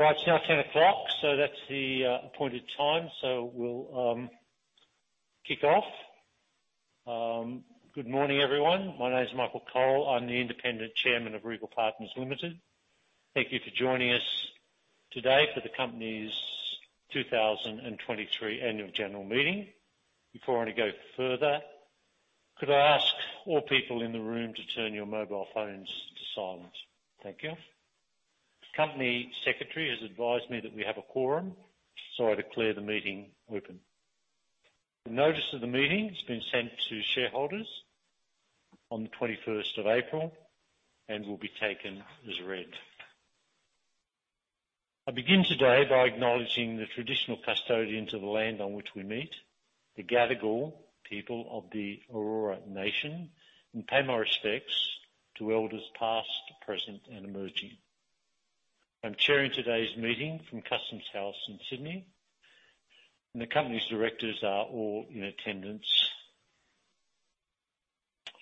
It's now 10:00 A.M., so that's the appointed time. We'll kick off. Good morning, everyone. My name is Michael Cole. I'm the independent chairman of Regal Partners Limited. Thank you for joining us today for the company's 2023 annual general meeting. Before I go further, could I ask all people in the room to turn your mobile phones to silent? Thank you. The company secretary has advised me that we have a quorum, so I declare the meeting open. The notice of the meeting has been sent to shareholders on the 21st of April and will be taken as read. I begin today by acknowledging the traditional custodians of the land on which we meet, the Gadigal people of the Eora nation, and pay my respects to elders past, present, and emerging. I'm chairing today's meeting from Customs House in Sydney, and the company's directors are all in attendance.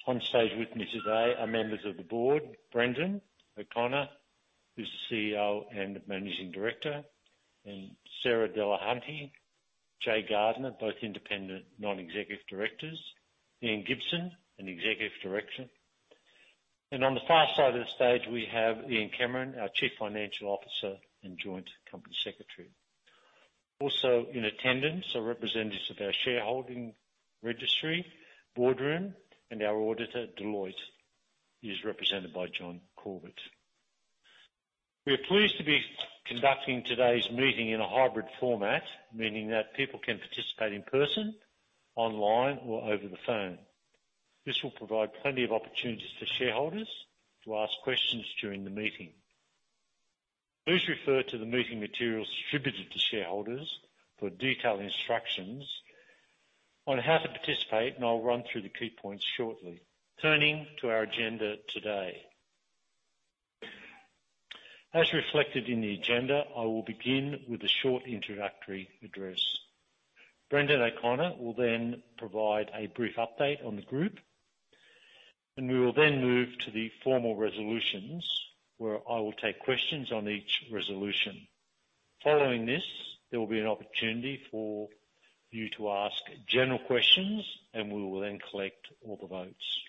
On stage with me today are members of the board, Brendan O'Connor, who's the CEO and Managing Director, Sarah Dulhunty, Jaye Gardner, both Independent Non-Executive Directors. Ian Gibson, an Executive Director. On the far side of the stage, we have Ian Cameron, our Chief Financial Officer and Company Secretary. Also in attendance are representatives of our shareholding registry, Boardroom, and our auditor, Deloitte, is represented by John Corbett. We are pleased to be conducting today's meeting in a hybrid format, meaning that people can participate in person, online or over the phone. This will provide plenty of opportunities for shareholders to ask questions during the meeting. Please refer to the meeting materials distributed to shareholders for detailed instructions on how to participate, and I'll run through the key points shortly. Turning to our agenda today. As reflected in the agenda, I will begin with a short introductory address. Brendan O'Connor will then provide a brief update on the group. We will then move to the formal resolutions, where I will take questions on each resolution. Following this, there will be an opportunity for you to ask general questions. We will then collect all the votes.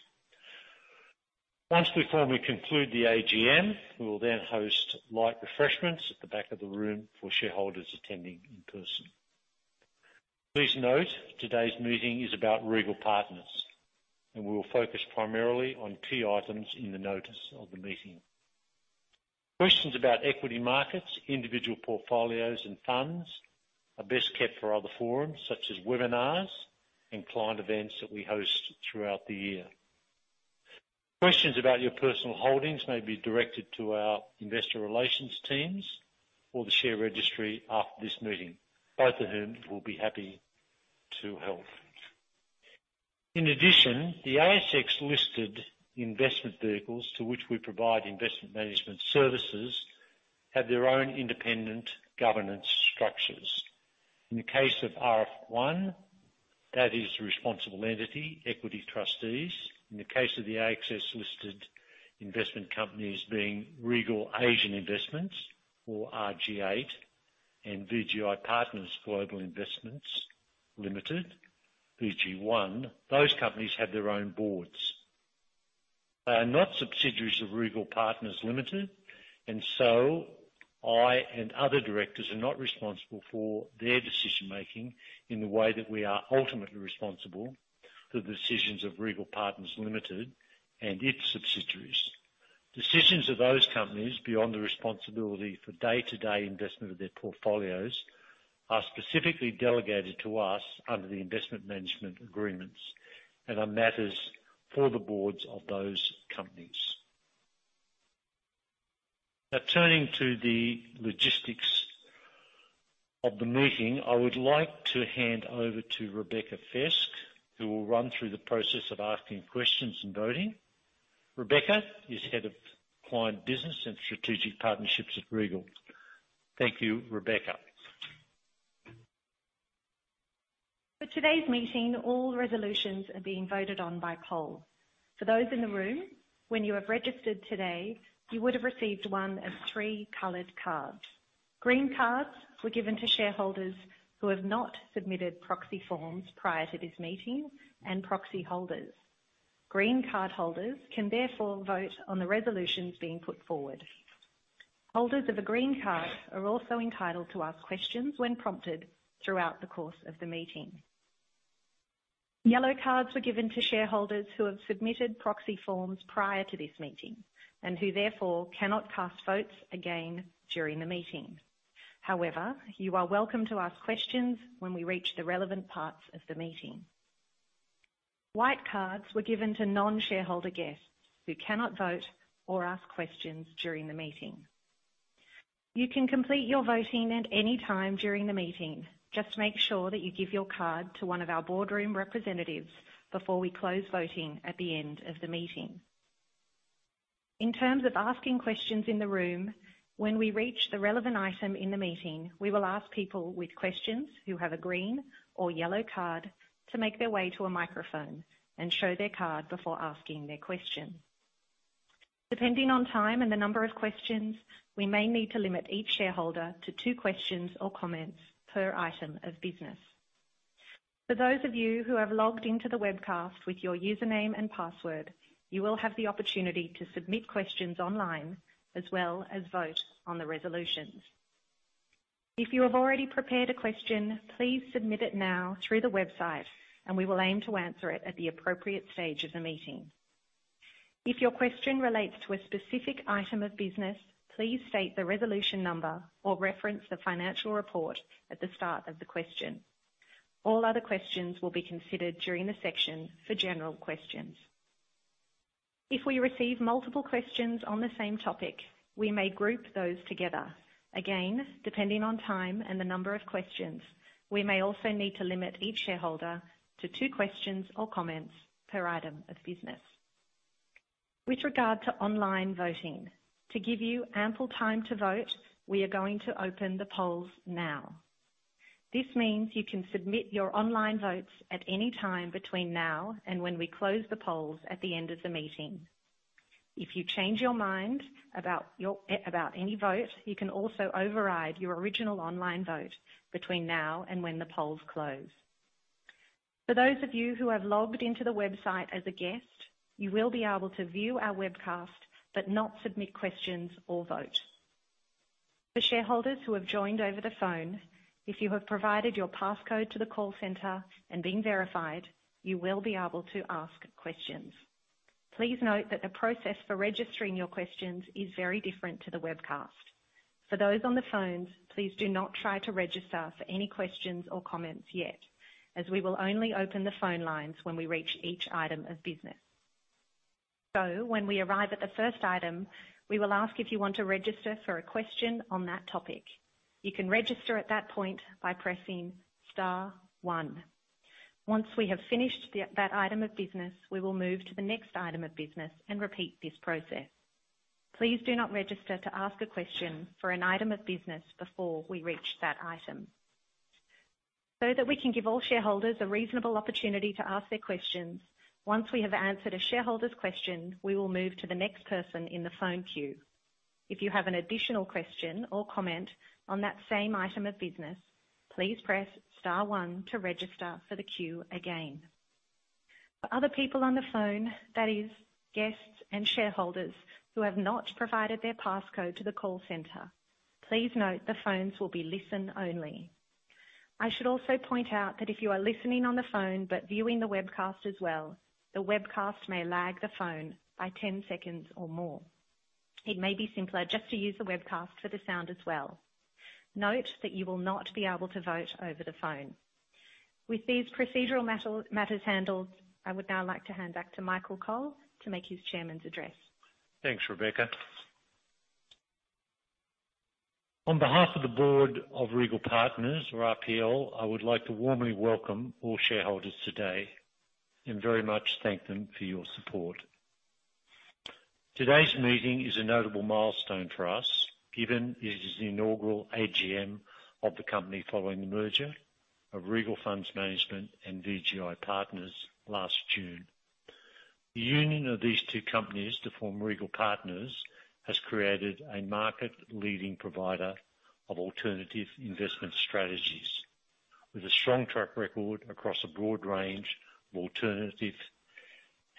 Once we formally conclude the AGM, we will then host light refreshments at the back of the room for shareholders attending in person. Please note today's meeting is about Regal Partners. We will focus primarily on key items in the notice of the meeting. Questions about equity markets, individual portfolios and funds are best kept for other forums such as webinars and client events that we host throughout the year. Questions about your personal holdings may be directed to our investor relations teams or the share registry after this meeting, both of whom will be happy to help. In addition, the ASX-listed investment vehicles to which we provide investment management services have their own independent governance structures. In the case of RF1, that is the responsible entity, Equity Trustees. In the case of the ASX-listed investment companies being Regal Asian Investments, or RGA, and VGI Partners Global Investments Limited, VGI, those companies have their own boards. They are not subsidiaries of Regal Partners Limited, and so I and other directors are not responsible for their decision-making in the way that we are ultimately responsible for the decisions of Regal Partners Limited and its subsidiaries. Decisions of those companies beyond the responsibility for day-to-day investment of their portfolios are specifically delegated to us under the investment management agreements and are matters for the boards of those companies. Now, turning to the logistics of the meeting, I would like to hand over to Rebecca Fesq, who will run through the process of asking questions and voting. Rebecca is head of client business and strategic partnerships at Regal. Thank you, Rebecca. For today's meeting, all resolutions are being voted on by poll. For those in the room, when you have registered today, you would have received one of three colored cards. Green cards were given to shareholders who have not submitted proxy forms prior to this meeting and proxy holders. Green card holders can therefore vote on the resolutions being put forward. Holders of a green card are also entitled to ask questions when prompted throughout the course of the meeting. Yellow cards were given to shareholders who have submitted proxy forms prior to this meeting and who therefore cannot cast votes again during the meeting. However, you are welcome to ask questions when we reach the relevant parts of the meeting. White cards were given to non-shareholder guests who cannot vote or ask questions during the meeting. You can complete your voting at any time during the meeting. Just make sure that you give your card to one of our Boardroom representatives before we close voting at the end of the meeting. Asking questions in the room, when we reach the relevant item in the meeting, we will ask people with questions who have a green or yellow card to make their way to a microphone and show their card before asking their question. Depending on time and the number of questions, we may need to limit each shareholder to 2 questions or comments per item of business. For those of you who have logged into the webcast with your username and password, you will have the opportunity to submit questions online as well as vote on the resolutions. If you have already prepared a question, please submit it now through the website, and we will aim to answer it at the appropriate stage of the meeting. If your question relates to a specific item of business, please state the resolution number or reference the financial report at the start of the question. All other questions will be considered during the section for general questions. If we receive multiple questions on the same topic, we may group those together. Again, depending on time and the number of questions, we may also need to limit each shareholder to 2 questions or comments per item of business. With regard to online voting, to give you ample time to vote, we are going to open the polls now. This means you can submit your online votes at any time between now and when we close the polls at the end of the meeting. If you change your mind about your about any vote, you can also override your original online vote between now and when the polls close. For those of you who have logged into the website as a guest, you will be able to view our webcast but not submit questions or vote. For shareholders who have joined over the phone, if you have provided your passcode to the call center and been verified, you will be able to ask questions. Please note that the process for registering your questions is very different to the webcast. For those on the phones, please do not try to register for any questions or comments yet, as we will only open the phone lines when we reach each item of business. When we arrive at the first item, we will ask if you want to register for a question on that topic. You can register at that point by pressing star one. Once we have finished that item of business, we will move to the next item of business and repeat this process. Please do not register to ask a question for an item of business before we reach that item. That we can give all shareholders a reasonable opportunity to ask their questions, once we have answered a shareholder's question, we will move to the next person in the phone queue. If you have an additional question or comment on that same item of business, please press star one to register for the queue again. For other people on the phone, that is guests and shareholders who have not provided their passcode to the call center, please note the phones will be listen only. I should also point out that if you are listening on the phone but viewing the webcast as well, the webcast may lag the phone by 10 seconds or more. It may be simpler just to use the webcast for the sound as well. Note that you will not be able to vote over the phone. With these procedural matters handled, I would now like to hand back to Michael Cole to make his chairman's address. Thanks, Rebecca. On behalf of the Board of Regal Partners or RPL, I would like to warmly welcome all shareholders today and very much thank them for your support. Today's meeting is a notable milestone for us, given it is the inaugural AGM of the company following the merger of Regal Funds Management and VGI Partners last June. The union of these two companies to form Regal Partners has created a market-leading provider of alternative investment strategies with a strong track record across a broad range of alternative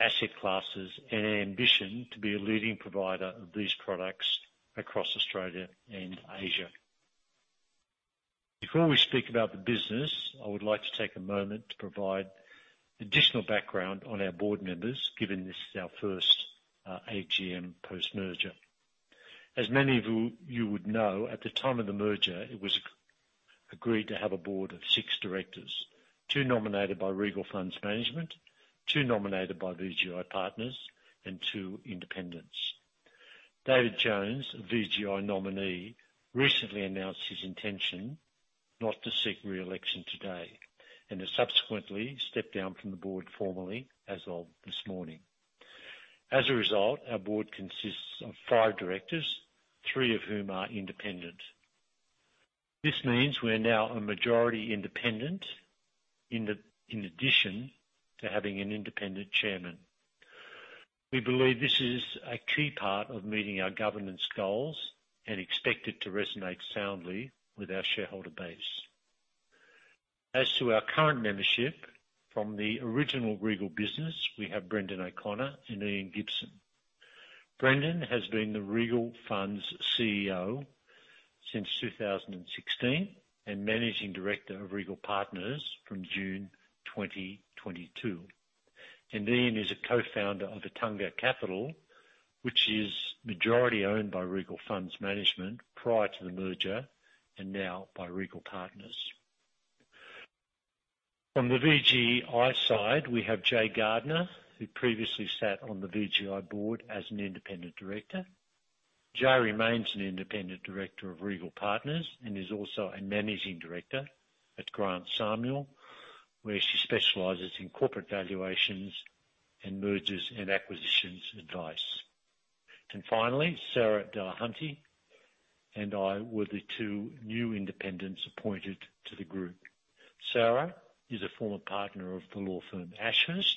asset classes and an ambition to be a leading provider of these products across Australia and Asia. Before we speak about the business, I would like to take a moment to provide additional background on our board members, given this is our first AGM post-merger. As many of you would know, at the time of the merger, it was agreed to have a board of 6 directors, 2 nominated by Regal Funds Management, 2 nominated by VGI Partners, and 2 independents. David Jones, a VGI nominee, recently announced his intention not to seek re-election today and has subsequently stepped down from the board formally as of this morning. A result, our board consists of 5 directors, 3 of whom are independent. This means we're now a majority independent in addition to having an independent chairman. We believe this is a key part of meeting our governance goals and expect it to resonate soundly with our shareholder base. To our current membership from the original Regal business, we have Brendan O'Connor and Ian Gibson. Brendan has been the Regal Funds CEO since 2016 and managing director of Regal Partners from June 2022. Ian is a co-founder of Attunga Capital, which is majority-owned by Regal Funds Management prior to the merger and now by Regal Partners. On the VGI side, we have Jaye Gardner, who previously sat on the VGI board as an independent director. Jaye remains an independent director of Regal Partners and is also a managing director at Grant Samuel, where she specializes in corporate valuations and mergers and acquisitions advice. Finally, Sarah Dulhunty and I were the two new independents appointed to the group. Sarah is a former partner of the law firm Ashurst,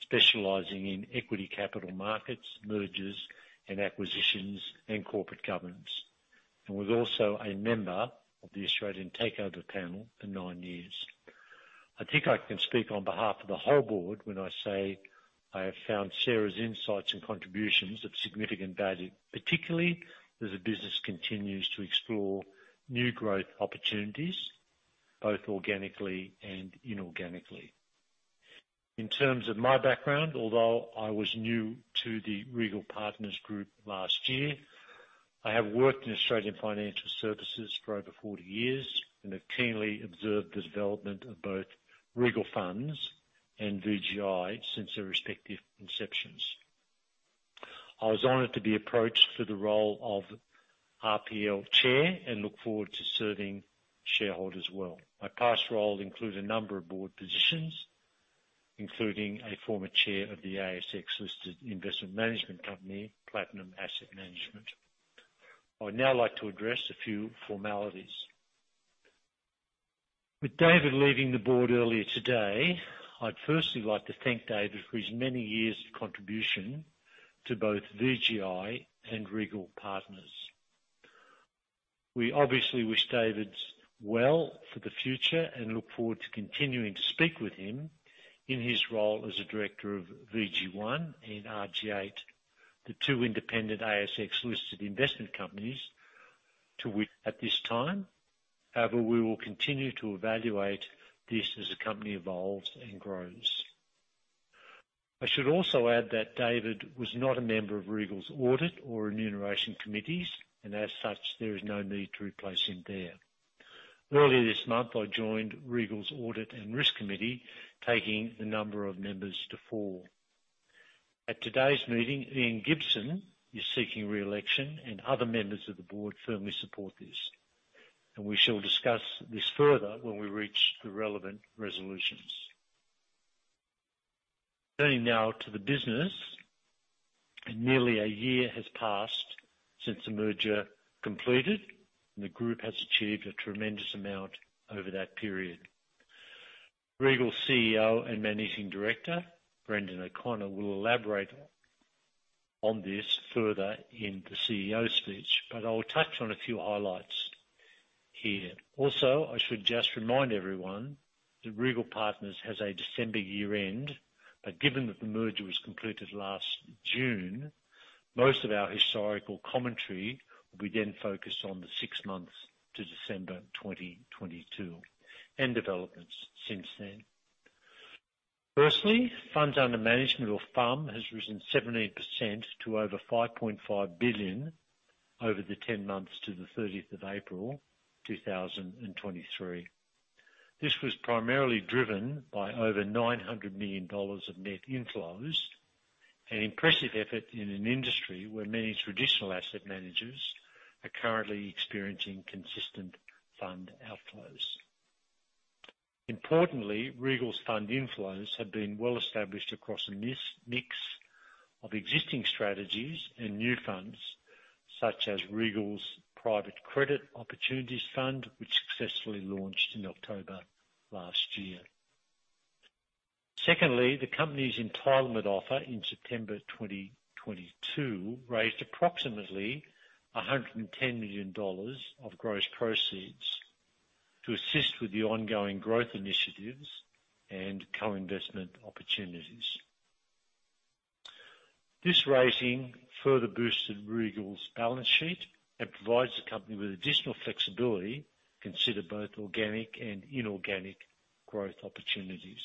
specializing in equity capital markets, mergers and acquisitions, and corporate governance, and was also a member of the Australian Takeovers Panel for nine years. I think I can speak on behalf of the whole board when I say I have found Sarah's insights and contributions of significant value, particularly as the business continues to explore new growth opportunities both organically and inorganically. In terms of my background, although I was new to the Regal Partners group last year, I have worked in Australian financial services for over 40 years and have keenly observed the development of both Regal Funds and VGI since their respective inceptions. I was honored to be approached for the role of RPL Chair and look forward to serving shareholders well. My past roles include a number of board positions, including a former Chair of the ASX-listed investment management company, Platinum Asset Management. I would now like to address a few formalities. With David leaving the board earlier today, I'd firstly like to thank David for his many years of contribution to both VGI and Regal Partners. We obviously wish David well for the future and look forward to continuing to speak with him in his role as a director of VG1 and RG8, the two independent ASX-listed investment companies to which at this time, however, we will continue to evaluate this as the company evolves and grows. I should also add that David was not a member of Regal's Audit or Remuneration Committees, and as such, there is no need to replace him there. Earlier this month, I joined Regal's Audit and Risk Committee, taking the number of members to four. At today's meeting, Ian Gibson is seeking re-election and other members of the board firmly support this, and we shall discuss this further when we reach the relevant resolutions. Turning now to the business. Nearly a year has passed since the merger completed. The group has achieved a tremendous amount over that period. Regal CEO and Managing Director Brendan O'Connor will elaborate on this further in the CEO speech, but I will touch on a few highlights here. I should just remind everyone that Regal Partners has a December year-end, but given that the merger was completed last June, most of our historical commentary will be then focused on the 6 months to December 2022 and developments since then. Funds under management or FUM has risen 17% - over 5.5 billion over the 10 months to the 30th of April 2023. This was primarily driven by over $900 million of net inflows, an impressive effort in an industry where many traditional asset managers are currently experiencing consistent fund outflows. Importantly, Regal's fund inflows have been well-established across a mix of existing strategies and new funds, such as Regal's Private Credit Opportunities Fund, which successfully launched in October last year. Secondly, the company's entitlement offer in September 2022 raised approximately $110 million of gross proceeds to assist with the ongoing growth initiatives and co-investment opportunities. This raising further boosted Regal's balance sheet and provides the company with additional flexibility to consider both organic and inorganic growth opportunities.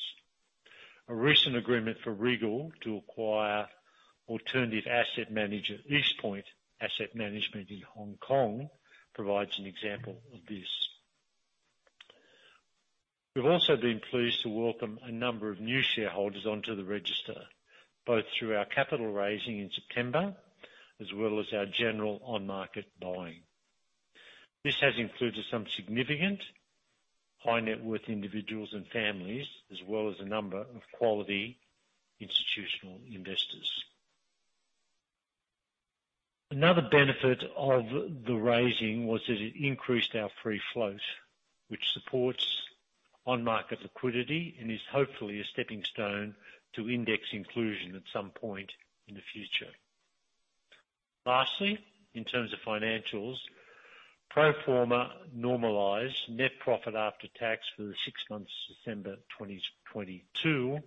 A recent agreement for Regal to acquire alternative asset manager East Point Asset Management in Hong Kong provides an example of this. We've also been pleased to welcome a number of new shareholders onto the register, both through our capital raising in September as well as our general on-market buying. This has included some significant high-net-worth individuals and families, as well as a number of quality institutional investors. Another benefit of the raising was that it increased our free float, which supports on-market liquidity and is hopefully a stepping stone to index inclusion at some point in the future. Lastly, in terms of financials, pro forma normalized net profit after tax for the six months to December 2022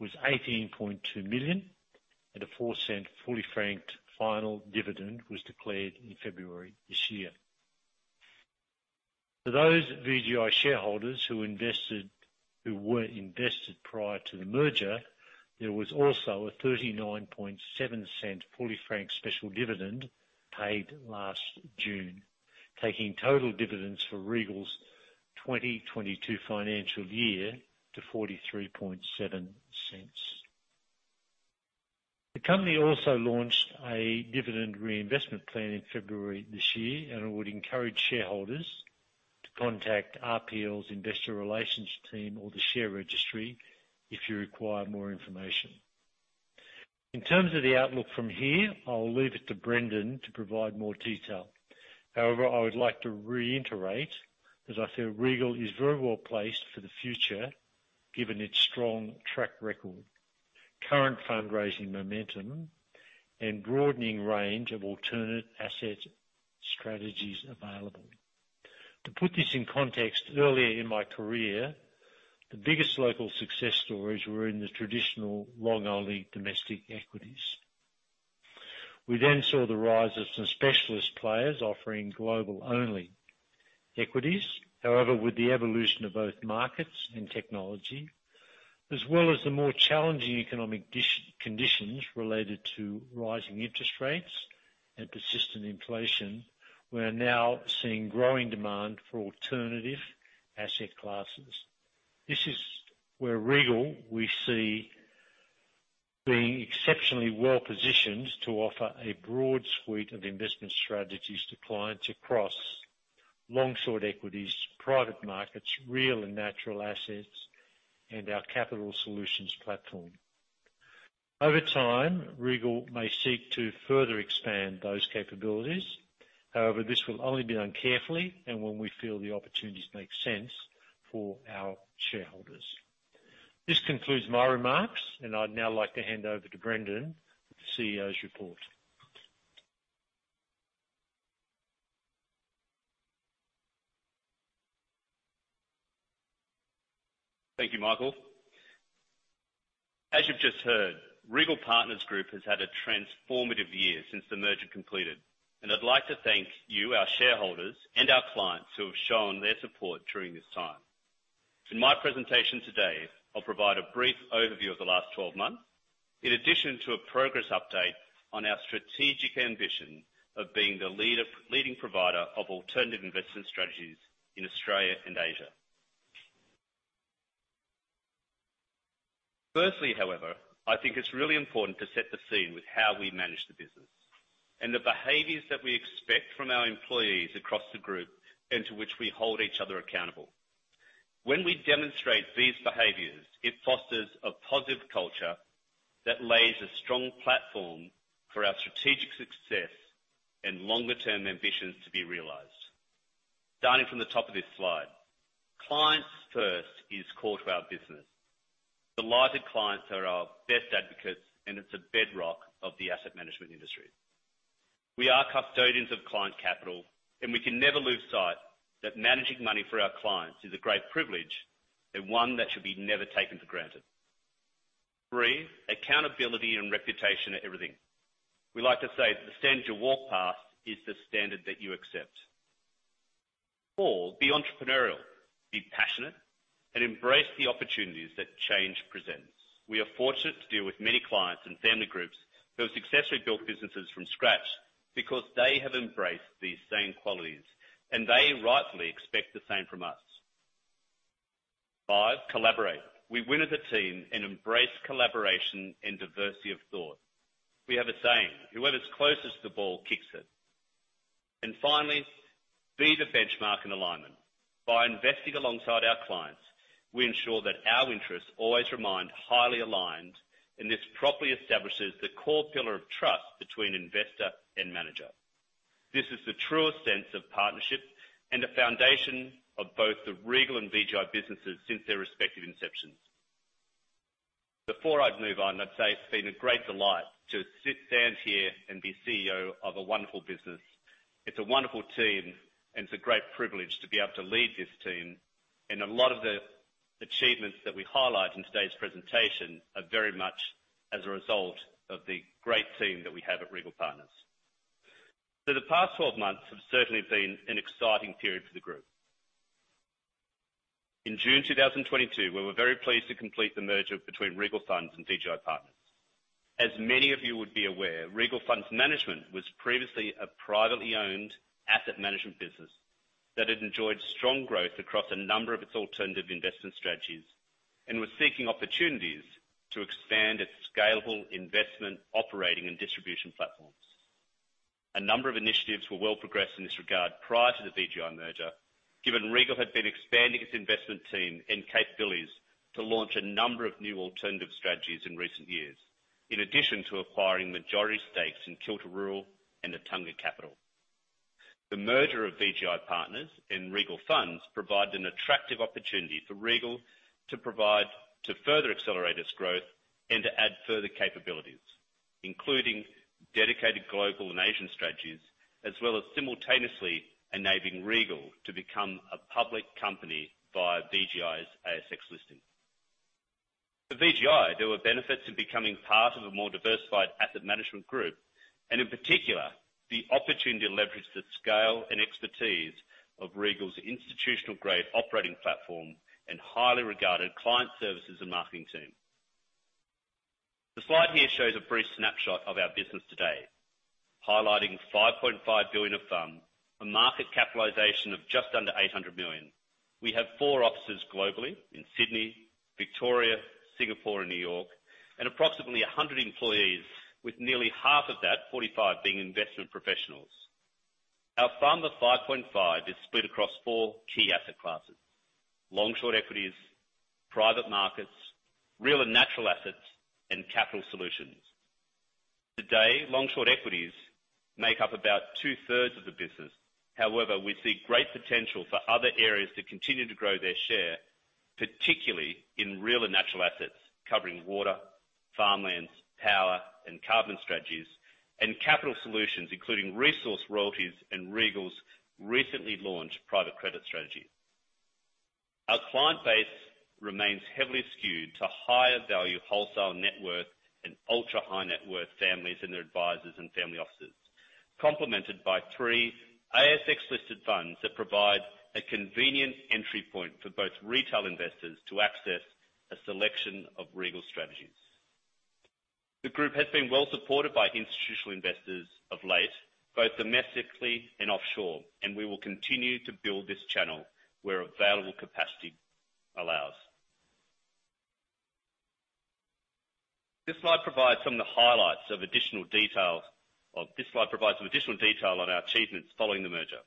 was 18.2 million and an 0.04 fully franked final dividend was declared in February this year. For those VGI shareholders who were invested prior to the merger, there was also a 0.397 fully franked special dividend paid last June, taking total dividends for Regal's 2022 financial year to 0.437. The company also launched a dividend reinvestment plan in February this year, and I would encourage shareholders to contact RPL's investor relations team or the share registry if you require more information. In terms of the outlook from here, I'll leave it to Brendan to provide more detail. However, I would like to reiterate that I feel Regal is very well-placed for the future, given its strong track record, current fundraising momentum, and broadening range of alternate asset strategies available. To put this in context, earlier in my career, the biggest local success stories were in the traditional long-only domestic equities. We saw the rise of some specialist players offering global-only equities. However, with the evolution of both markets and technology, as well as the more challenging economic conditions related to rising interest rates and persistent inflation, we're now seeing growing demand for alternative asset classes. This is where Regal, we see being exceptionally well-positioned to offer a broad suite of investment strategies to clients across long/short equities, private markets, real and natural assets, and our capital solutions platform. Over time, Regal may seek to further expand those capabilities. However, this will only be done carefully and when we feel the opportunities make sense for our shareholders. This concludes my remarks, and I'd now like to hand over to Brendan with the CEO's report. Thank you, Michael. As you've just heard, Regal Partners Group has had a transformative year since the merger completed, and I'd like to thank you, our shareholders, and our clients who have shown their support during this time. In my presentation today, I'll provide a brief overview of the last 12 months, in addition to a progress update on our strategic ambition of being the leading provider of alternative investment strategies in Australia and Asia. Firstly, however, I think it's really important to set the scene with how we manage the business and the behaviors that we expect from our employees across the group, and to which we hold each other accountable. When we demonstrate these behaviors, it fosters a positive culture that lays a strong platform for our strategic success and longer-term ambitions to be realized. Starting from the top of this slide, clients first is core to our business. Delighted clients are our best advocates, and it's a bedrock of the asset management industry. We are custodians of client capital, and we can never lose sight that managing money for our clients is a great privilege and one that should be never taken for granted. Three, accountability and reputation are everything. We like to say the standard you walk past is the standard that you accept. Four, be entrepreneurial, be passionate, and embrace the opportunities that change presents. We are fortunate to deal with many clients and family groups who have successfully built businesses from scratch because they have embraced these same qualities, and they rightfully expect the same from us. Five, collaborate. We win as a team and embrace collaboration and diversity of thought. We have a saying, "Whoever's closest to the ball kicks it." Finally, be the benchmark in alignment. By investing alongside our clients, we ensure that our interests always remain highly aligned, and this properly establishes the core pillar of trust between investor and manager. This is the truest sense of partnership and the foundation of both the Regal and VGI businesses since their respective inceptions. Before I move on, I'd say it's been a great delight to sit, stand here and be CEO of a wonderful business. It's a wonderful team, and it's a great privilege to be able to lead this team. A lot of the achievements that we highlight in today's presentation are very much as a result of the great team that we have at Regal Partners. The past 12 months have certainly been an exciting period for the group. In June 2022, we were very pleased to complete the merger between Regal Funds and VGI Partners. As many of you would be aware, Regal Funds Management was previously a privately owned asset management business that had enjoyed strong growth across a number of its alternative investment strategies and was seeking opportunities to expand its scalable investment, operating, and distribution platforms. A number of initiatives were well progressed in this regard prior to the VGI merger, given Regal had been expanding its investment team and capabilities to launch a number of new alternative strategies in recent years, in addition to acquiring majority stakes in Kilter Rural and Attunga Capital. The merger of VGI Partners and Regal Funds provided an attractive opportunity for Regal to further accelerate its growth and to add further capabilities, including dedicated global and Asian strategies, as well as simultaneously enabling Regal to become a public company via VGI's ASX listing. For VGI, there were benefits in becoming part of a more diversified asset management group, and in particular, the opportunity to leverage the scale and expertise of Regal's institutional-grade operating platform and highly regarded client services and marketing team. The slide here shows a brief snapshot of our business today, highlighting 5.5 billion of funds, a market capitalization of just under 800 million. We have four offices globally, in Sydney, Victoria, Singapore, and New York, approximately 100 employees, with nearly half of that, 45, being investment professionals. Our FUM of 5.5 is split across four key asset classes: long-short equities, private markets, real and natural assets, and capital solutions. Today, long-short equities make up about two-thirds of the business. We see great potential for other areas to continue to grow their share, particularly in real and natural assets covering water, farmlands, power, and carbon strategies, and capital solutions, including resource royalties and Regal's recently launched private credit strategy. Our client base remains heavily skewed to higher value wholesale net worth and ultra-high net worth families and their advisors and family officers, complemented by 3 ASX-listed funds that provide a convenient entry point for both retail investors to access a selection of Regal strategies. The group has been well supported by institutional investors of late, both domestically and offshore. We will continue to build this channel where available capacity allows. This slide provides some additional detail on our achievements following the merger.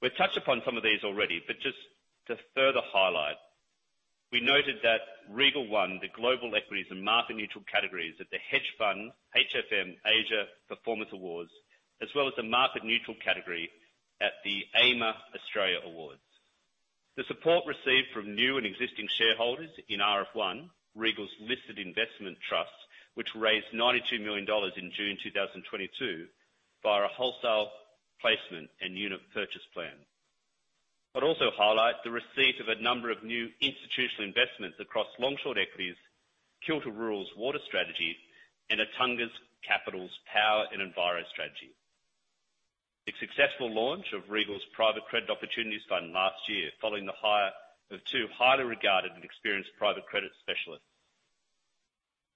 We've touched upon some of these already. Just to further highlight, we noted that Regal won the Global Equities and Market Neutral categories at the Hedge Fund HFM Asia Performance Awards, as well as the Market Neutral category at the AIMA Australia Awards. The support received from new and existing shareholders in RF1, Regal's listed investment trust, which raised 92 million dollars in June 2022 via a wholesale placement and unit purchase plan. I'd also highlight the receipt of a number of new institutional investments across long-short equities, Kilter Rural's water strategy, and Attunga Capital's power and environ strategy. The successful launch of Regal's Private Credit Opportunities Fund last year, following the hire of two highly regarded and experienced private credit specialists.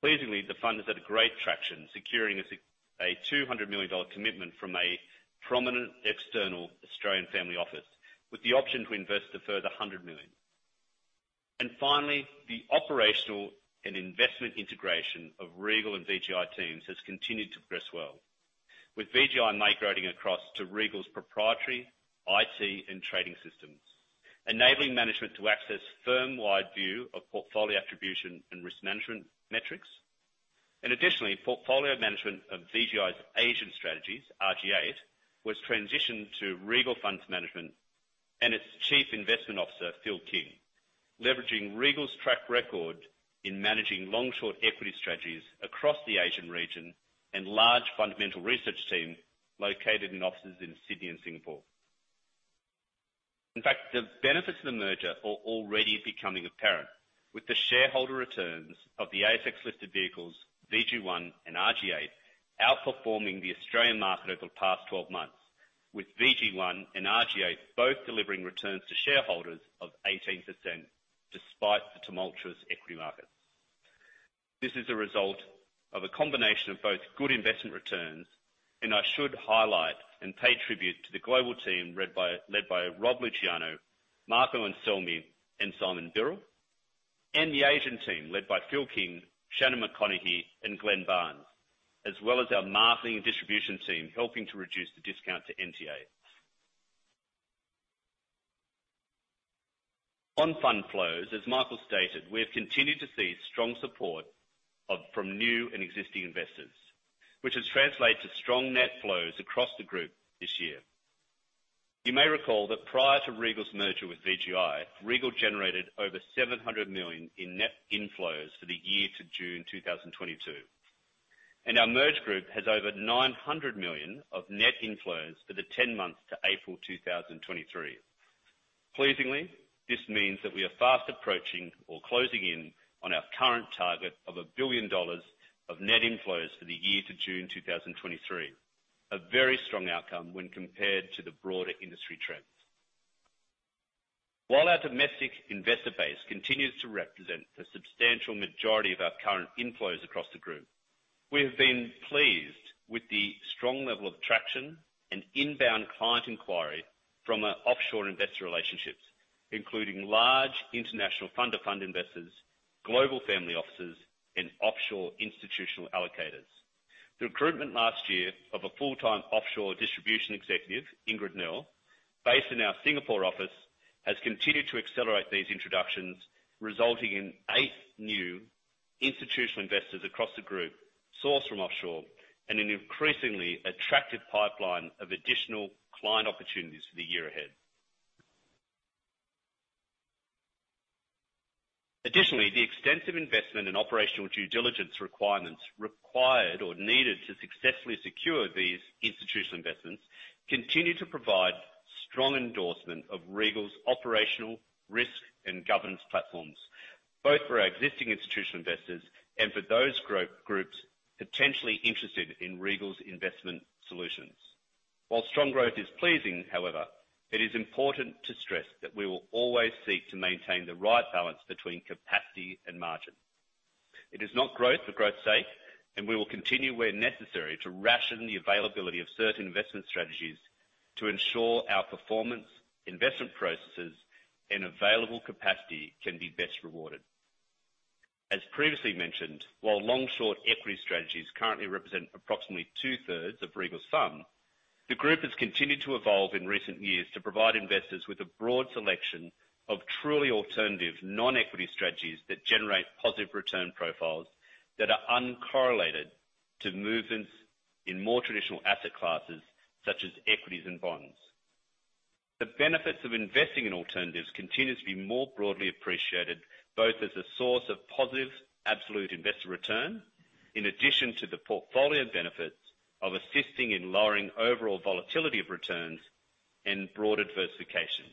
Pleasingly, the fund has had a great traction, securing us a $200 million commitment from a prominent external Australian family office, with the option to invest a further $100 million. Finally, the operational and investment integration of Regal and VGI teams has continued to progress well, with VGI migrating across to Regal's proprietary IT and trading systems, enabling management to access firm-wide view of portfolio attribution and risk management metrics. Additionally, portfolio management of VGI's Asian strategies, RG8, was transitioned to Regal Funds Management and its Chief Investment Officer, Phil King, leveraging Regal's track record in managing long-short equity strategies across the Asian region and large fundamental research team located in offices in Sydney and Singapore. In fact, the benefits of the merger are already becoming apparent with the shareholder returns of the ASX-listed vehicles, VG1 and RG8, outperforming the Australian market over the past 12 months, with VG1 and RG8 both delivering returns to shareholders of 18% despite the tumultuous equity market. This is a result of a combination of both good investment returns, I should highlight and pay tribute to the global team led by Rob Luciano, Marco Anselmi, and Simon Birrell, and the Asian team led by Phil King, Shannon McConaghy, and Glen Barnes, as well as our marketing and distribution team, helping to reduce the discount to NTA. On fund flows, as Michael stated, we have continued to see strong support from new and existing investors, which has translated to strong net flows across the group this year. You may recall that prior to Regal's merger with VGI, Regal generated over 700 million in net inflows for the year to June 2022. Our merged group has over 900 million of net inflows for the 10 months to April 2023. Pleasingly, this means that we are fast approaching or closing in on our current target of 1 billion dollars of net inflows for the year to June 2023. A very strong outcome when compared to the broader industry trends. While our domestic investor base continues to represent the substantial majority of our current inflows across the group, we have been pleased with the strong level of traction and inbound client inquiry from our offshore investor relationships, including large international funder fund investors, global family offices, and offshore institutional allocators. The recruitment last year of a full-time offshore distribution executive, Ingrid Groer, based in our Singapore office, has continued to accelerate these introductions, resulting in eight new institutional investors across the group sourced from offshore and an increasingly attractive pipeline of additional client opportunities for the year ahead. Additionally, the extensive investment in operational due diligence requirements required or needed to successfully secure these institutional investments continue to provide strong endorsement of Regal's operational risk and governance platforms, both for our existing institutional investors and for those groups potentially interested in Regal's investment solutions. While strong growth is pleasing, however, it is important to stress that we will always seek to maintain the right balance between capacity and margin. It is not growth for growth's sake, and we will continue, where necessary, to ration the availability of certain investment strategies to ensure our performance, investment processes, and available capacity can be best rewarded. As previously mentioned, while long-short equity strategies currently represent approximately two-thirds of Regal's fund, the group has continued to evolve in recent years to provide investors with a broad selection of truly alternative non-equity strategies that generate positive return profiles that are uncorrelated to movements in more traditional asset classes such as equities and bonds. The benefits of investing in alternatives continue to be more broadly appreciated, both as a source of positive absolute investor return, in addition to the portfolio benefits of assisting in lowering overall volatility of returns and broad diversification.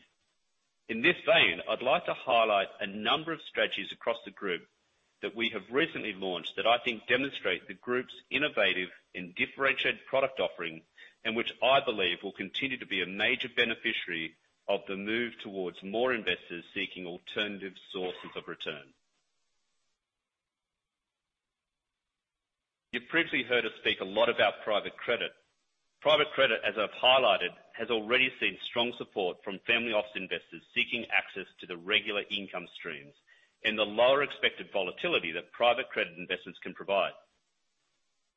In this vein, I'd like to highlight a number of strategies across the group that we have recently launched that I think demonstrate the group's innovative and differentiated product offering, and which I believe will continue to be a major beneficiary of the move towards more investors seeking alternative sources of return. You've previously heard us speak a lot about private credit. Private credit, as I've highlighted, has already seen strong support from family office investors seeking access to the regular income streams and the lower expected volatility that private credit investments can provide.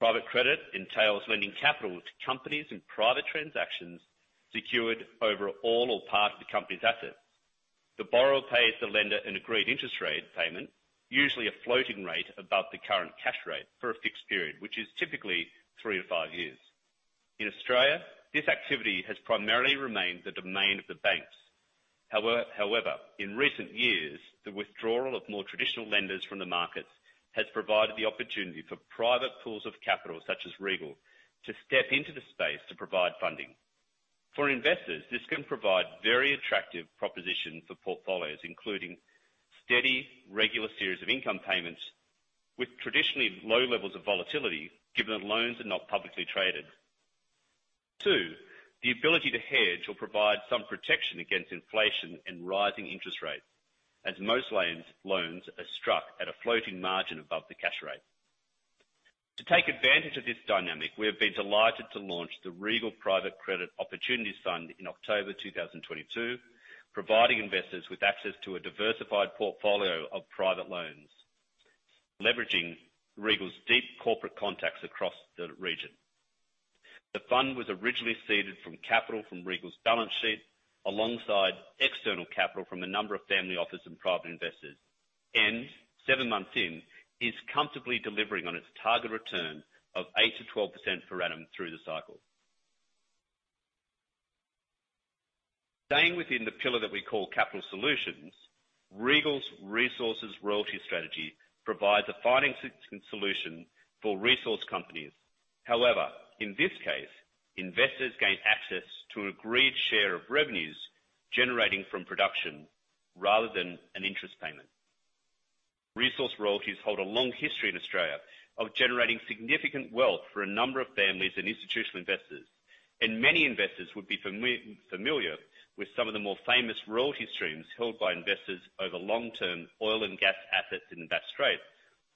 Private credit entails lending capital to companies in private transactions secured over all or part of the company's assets. The borrower pays the lender an agreed interest rate payment, usually a floating rate above the current cash rate for a fixed period, which is typically three to five years. In Australia, this activity has primarily remained the domain of the banks. However, in recent years, the withdrawal of more traditional lenders from the markets has provided the opportunity for private pools of capital, such as Regal, to step into the space to provide funding. For investors, this can provide very attractive proposition for portfolios, including steady, regular series of income payments with traditionally low levels of volatility given that loans are not publicly traded. Two, the ability to hedge or provide some protection against inflation and rising interest rates, as most loans are struck at a floating margin above the cash rate. To take advantage of this dynamic, we have been delighted to launch the Regal Private Credit Opportunities Fund in October 2022, providing investors with access to a diversified portfolio of private loans, leveraging Regal's deep corporate contacts across the region. The fund was originally seeded from capital from Regal's balance sheet, alongside external capital from a number of family offices and private investors. Seven months in, is comfortably delivering on its target return of 8%-12% per annum through the cycle. Staying within the pillar that we call capital solutions, Regal's Resources Royalty strategy provides a financing solution for resource companies. However, in this case, investors gain access to an agreed share of revenues generating from production rather than an interest payment. Resource royalties hold a long history in Australia of generating significant wealth for a number of families and institutional investors, and many investors would be familiar with some of the more famous royalty streams held by investors over long-term oil and gas assets in the Bass Strait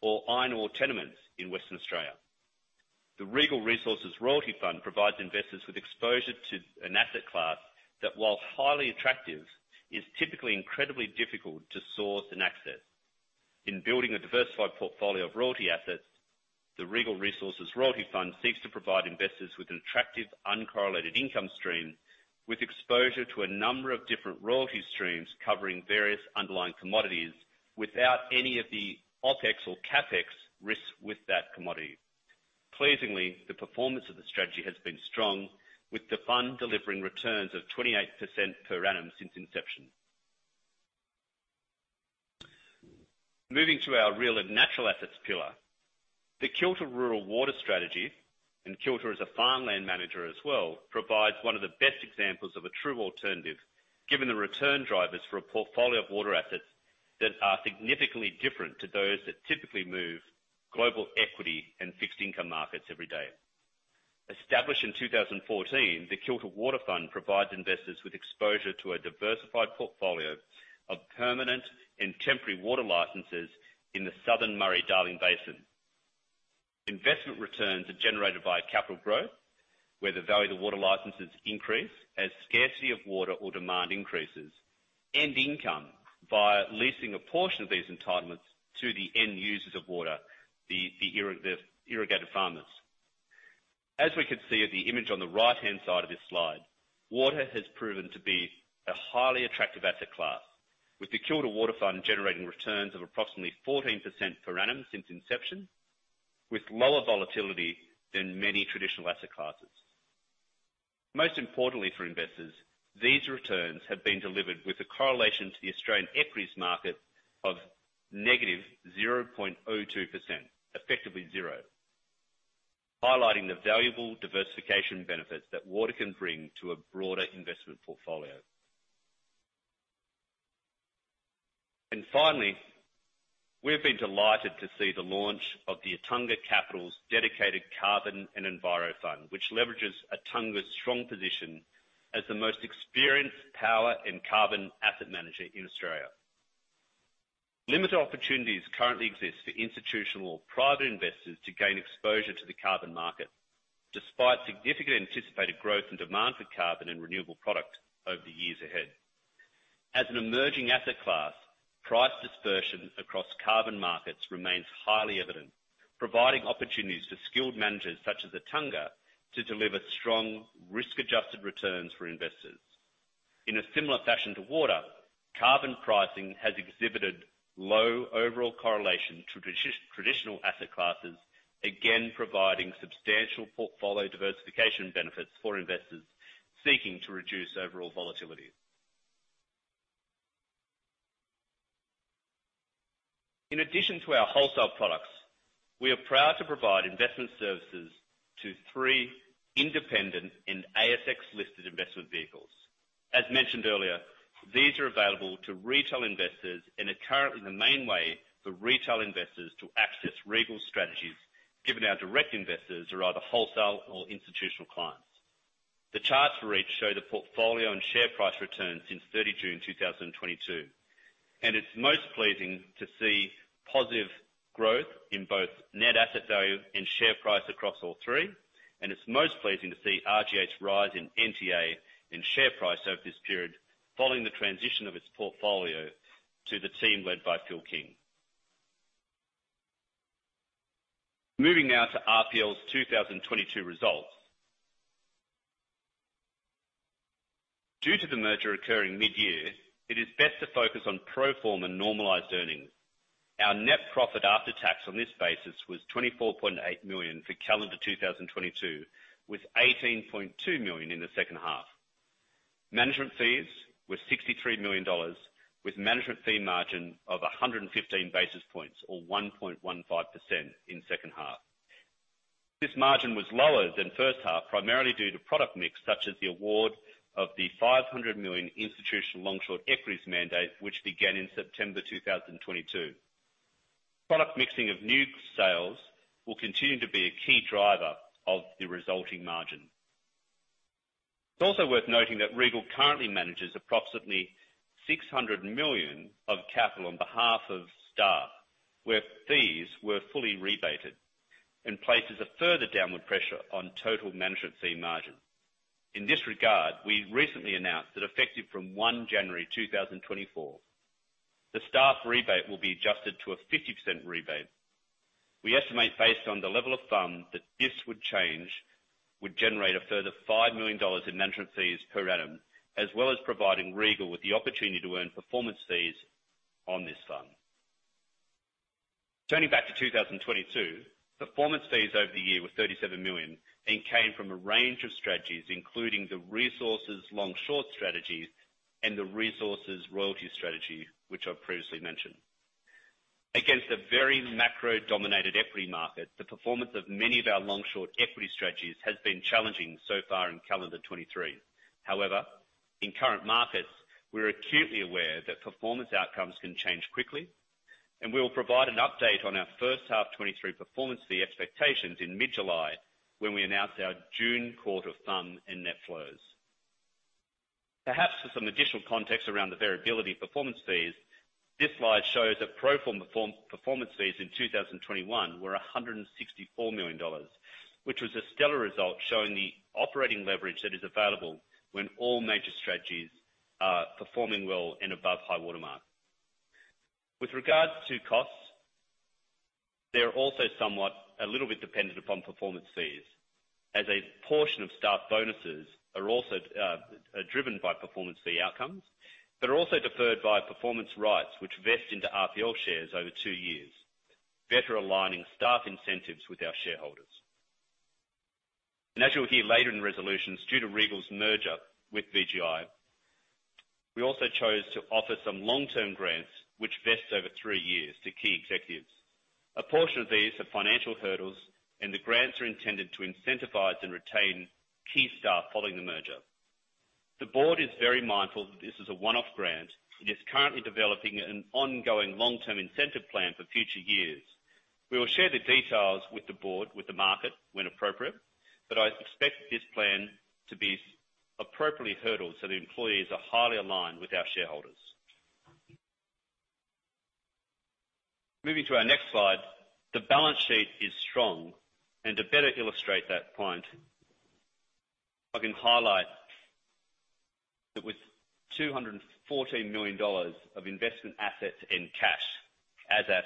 or iron ore tenements in Western Australia. The Regal Resources Royalty Fund provides investors with exposure to an asset class that, while highly attractive, is typically incredibly difficult to source and access. In building a diversified portfolio of royalty assets, the Regal Resources Royalty Fund seeks to provide investors with an attractive, uncorrelated income stream with exposure to a number of different royalty streams covering various underlying commodities without any of the OpEx or CapEx risks with that commodity. Pleasingly, the performance of the strategy has been strong, with the fund delivering returns of 28% per annum since inception. Moving to our real and natural assets pillar, the Kilter Rural Water strategy, and Kilter is a farmland manager as well, provides one of the best examples of a true alternative, given the return drivers for a portfolio of water assets that are significantly different to those that typically move global equity and fixed income markets every day. Established in 2014, the Kilter Water Fund provides investors with exposure to a diversified portfolio of permanent and temporary water licenses in the southern Murray-Darling Basin. Investment returns are generated via capital growth, where the value of the water licenses increase as scarcity of water or demand increases, and income via leasing a portion of these entitlements to the end users of water, the irrigated farmers. As we can see at the image on the right-hand side of this slide, water has proven to be a highly attractive asset class, with the Kilter Water Fund generating returns of approximately 14% per annum since inception, with lower volatility than many traditional asset classes. Most importantly for investors, these returns have been delivered with a correlation to the Australian equities market of -0.02%, effectively zero. Highlighting the valuable diversification benefits that water can bring to a broader investment portfolio. Finally, we've been delighted to see the launch of the Attunga Capital's dedicated Carbon and Enviro Fund, which leverages Attunga's strong position as the most experienced power and carbon asset manager in Australia. Limited opportunities currently exist for institutional or private investors to gain exposure to the carbon market, despite significant anticipated growth and demand for carbon and renewable products over the years ahead. As an emerging asset class, price dispersion across carbon markets remains highly evident, providing opportunities for skilled managers such as Attunga to deliver strong risk-adjusted returns for investors. In a similar fashion to water, carbon pricing has exhibited low overall correlation to traditional asset classes, again, providing substantial portfolio diversification benefits for investors seeking to reduce overall volatility. In addition to our wholesale products, we are proud to provide investment services to three independent and ASX-listed investment vehicles. As mentioned earlier, these are available to retail investors and are currently the main way for retail investors to access Regal strategies, given our direct investors are either wholesale or institutional clients. The charts for each show the portfolio and share price returns since 30 June 2022, and it's most pleasing to see positive growth in both net asset value and share price across all three, and it's most pleasing to see RG8 rise in NTA and share price over this period following the transition of its portfolio to the team led by Phil King. Moving now to RPL's 2022 results. Due to the merger occurring mid-year, it is best to focus on pro forma normalized earnings. Our net profit after tax on this basis was AUD 24.8 million for calendar 2022, with AUD 18.2 million in the second half. Management fees were AUD 63 million, with management fee margin of 115 basis points or 1.15% in second half. This margin was lower than first half, primarily due to product mix, such as the award of the 500 million institutional long-short equities mandate, which began in September 2022. Product mixing of new sales will continue to be a key driver of the resulting margin. It's also worth noting that Regal currently manages approximately 600 million of capital on behalf of staff, where fees were fully rebated and places a further downward pressure on total management fee margin. In this regard, we recently announced that effective from one January 2024, the staff rebate will be adjusted to a 50% rebate. We estimate, based on the level of fund, that this would change, would generate a further 5 million dollars in management fees per annum, as well as providing Regal with the opportunity to earn performance fees on this fund. Turning back to 2022, performance fees over the year were 37 million and came from a range of strategies, including the resources long-short strategies and the resources royalty strategy, which I've previously mentioned. Against a very macro-dominated equity market, the performance of many of our long-short equity strategies has been challenging so far in calendar 23. However, in current markets, we're acutely aware that performance outcomes can change quickly, and we will provide an update on our first half 23 performance fee expectations in mid-July when we announce our June quarter fund and net flows. Perhaps for some additional context around the variability of performance fees, this slide shows that pro forma performance fees in 2021 were $164 million, which was a stellar result showing the operating leverage that is available when all major strategies are performing well and above high-water mark. With regards to costs, they're also somewhat a little bit dependent upon performance fees, as a portion of staff bonuses are also driven by performance fee outcomes, but are also deferred by performance rights which vest into RPL shares over 2 years, better aligning staff incentives with our shareholders. As you'll hear later in resolutions, due to Regal's merger with VGI, we also chose to offer some long-term grants which vests over 3 years to key executives. A portion of these are financial hurdles. The grants are intended to incentivize and retain key staff following the merger. The board is very mindful that this is a one-off grant and is currently developing an ongoing long-term incentive plan for future years. We will share the details with the board, with the market when appropriate. I expect this plan to be appropriately hurdled so the employees are highly aligned with our shareholders. Moving to our next slide, the balance sheet is strong. To better illustrate that point, I can highlight that with 214 million dollars of investment assets in cash as at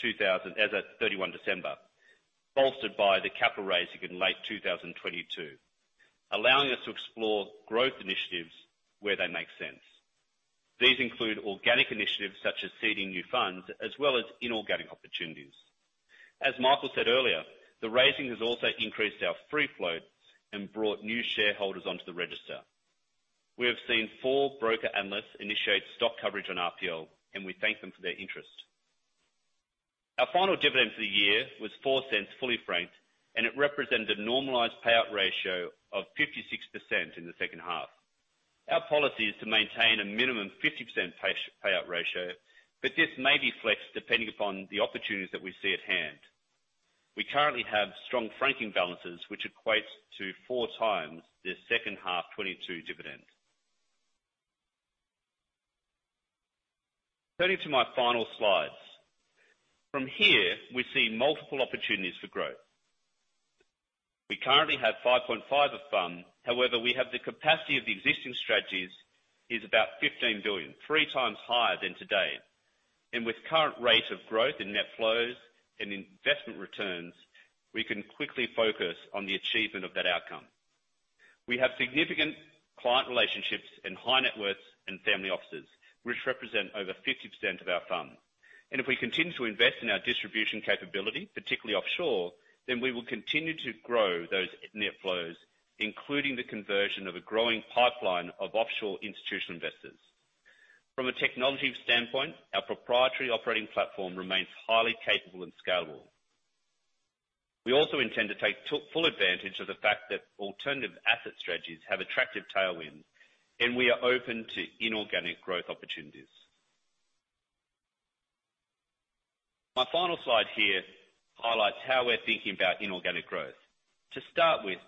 December 31, bolstered by the capital raising in late 2022, allowing us to explore growth initiatives where they make sense. These include organic initiatives such as seeding new funds as well as inorganic opportunities. As Michael said earlier, the raising has also increased our free float and brought new shareholders onto the register. We have seen four broker analysts initiate stock coverage on RPL, and we thank them for their interest. Our final dividend for the year was 0.04 fully franked, and it represented a normalized payout ratio of 56% in the second half. Our policy is to maintain a minimum 50% payout ratio, but this may be flexed depending upon the opportunities that we see at hand. We currently have strong franking balances which equates to four times the second half 2022 dividend. Turning to my final slides. From here, we see multiple opportunities for growth. We currently have 5.5 billion of fund. However, we have the capacity of the existing strategies is about 15 billion, three times higher than today. With current rate of growth in net flows and investment returns, we can quickly focus on the achievement of that outcome. We have significant client relationships and high net worth and family offices, which represent over 50% of our fund. If we continue to invest in our distribution capability, particularly offshore, then we will continue to grow those net flows, including the conversion of a growing pipeline of offshore institutional investors. From a technology standpoint, our proprietary operating platform remains highly capable and scalable. We also intend to take full advantage of the fact that alternative asset strategies have attractive tailwinds. We are open to inorganic growth opportunities. My final slide here highlights how we're thinking about inorganic growth. To start with,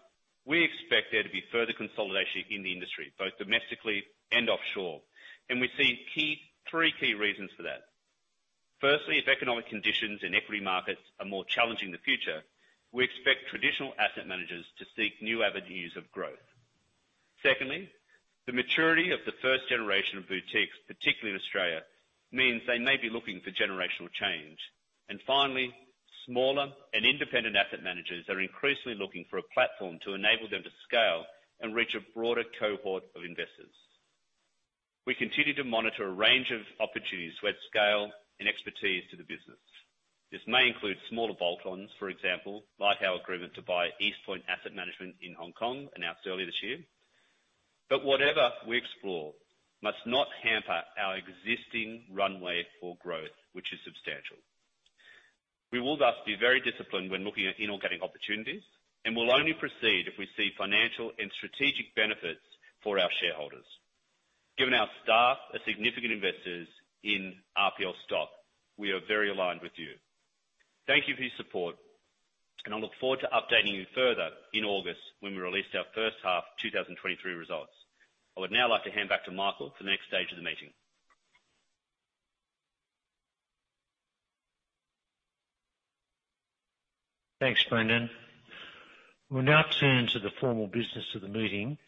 we expect there to be further consolidation in the industry, both domestically and offshore. We see three key reasons for that. Firstly, if economic conditions in equity markets are more challenging in the future, we expect traditional asset managers to seek new avenues of growth. Secondly, the maturity of the first generation of boutiques, particularly in Australia, means they may be looking for generational change. Finally, smaller and independent asset managers are increasingly looking for a platform to enable them to scale and reach a broader cohort of investors. We continue to monitor a range of opportunities to add scale and expertise to the business. This may include smaller bolt-ons, for example, like our agreement to buy East Point Asset Management in Hong Kong, announced earlier this year. Whatever we explore must not hamper our existing runway for growth, which is substantial. We will thus be very disciplined when looking at inorganic opportunities, and we'll only proceed if we see financial and strategic benefits for our shareholders. Given our staff are significant investors in RPL stock, we are very aligned with you. Thank you for your support. I look forward to updating you further in August when we release our first half 2023 results. I would now like to hand back to Michael for the next stage of the meeting. Thanks, Brendan. We'll now turn to the formal business of the meeting.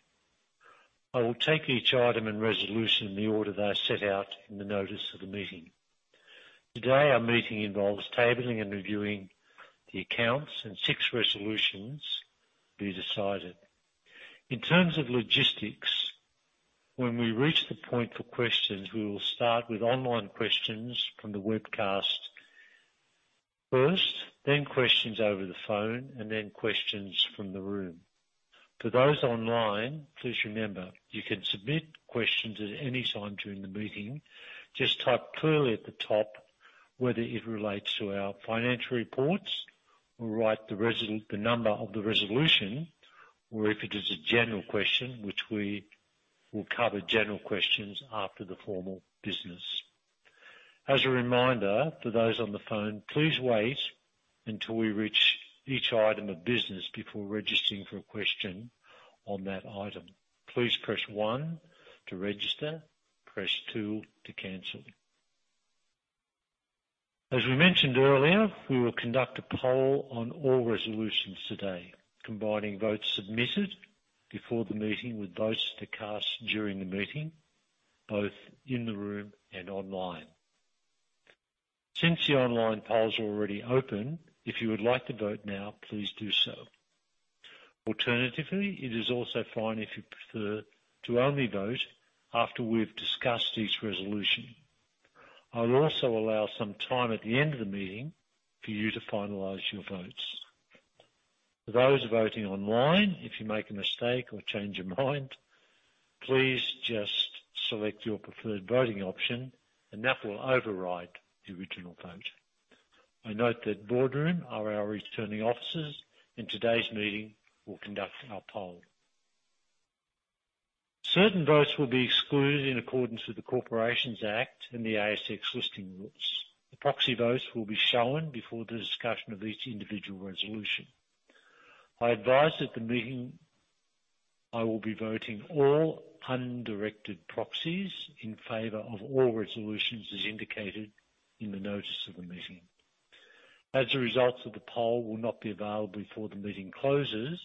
I will take each item and resolution in the order they are set out in the notice of the meeting. Today, our meeting involves tabling and reviewing the accounts and six resolutions to be decided. In terms of logistics, when we reach the point for questions, we will start with online questions from the webcast first, then questions over the phone, and then questions from the room. For those online, please remember, you can submit questions at any time during the meeting. Just type clearly at the top, whether it relates to our financial reports or write the number of the resolution, or if it is a general question, which we will cover general questions after the formal business. As a reminder to those on the phone, please wait until we reach each item of business before registering for a question on that item. Please press 1 to register, press 2 to cancel. As we mentioned earlier, we will conduct a poll on all resolutions today, combining votes submitted before the meeting with votes to cast during the meeting, both in the room and online. Since the online poll is already open, if you would like to vote now, please do so. Alternatively, it is also fine if you prefer to only vote after we've discussed each resolution. I'll also allow some time at the end of the meeting for you to finalize your votes. For those voting online, if you make a mistake or change your mind, please just select your preferred voting option and that will override the original vote. I note that Boardroom are our returning officers in today's meeting will conduct our poll. Certain votes will be excluded in accordance with the Corporations Act and the ASX Listing Rules. The proxy votes will be shown before the discussion of each individual resolution. I advise that the meeting, I will be voting all undirected proxies in favor of all resolutions as indicated in the notice of the meeting. As a result of the poll will not be available before the meeting closes,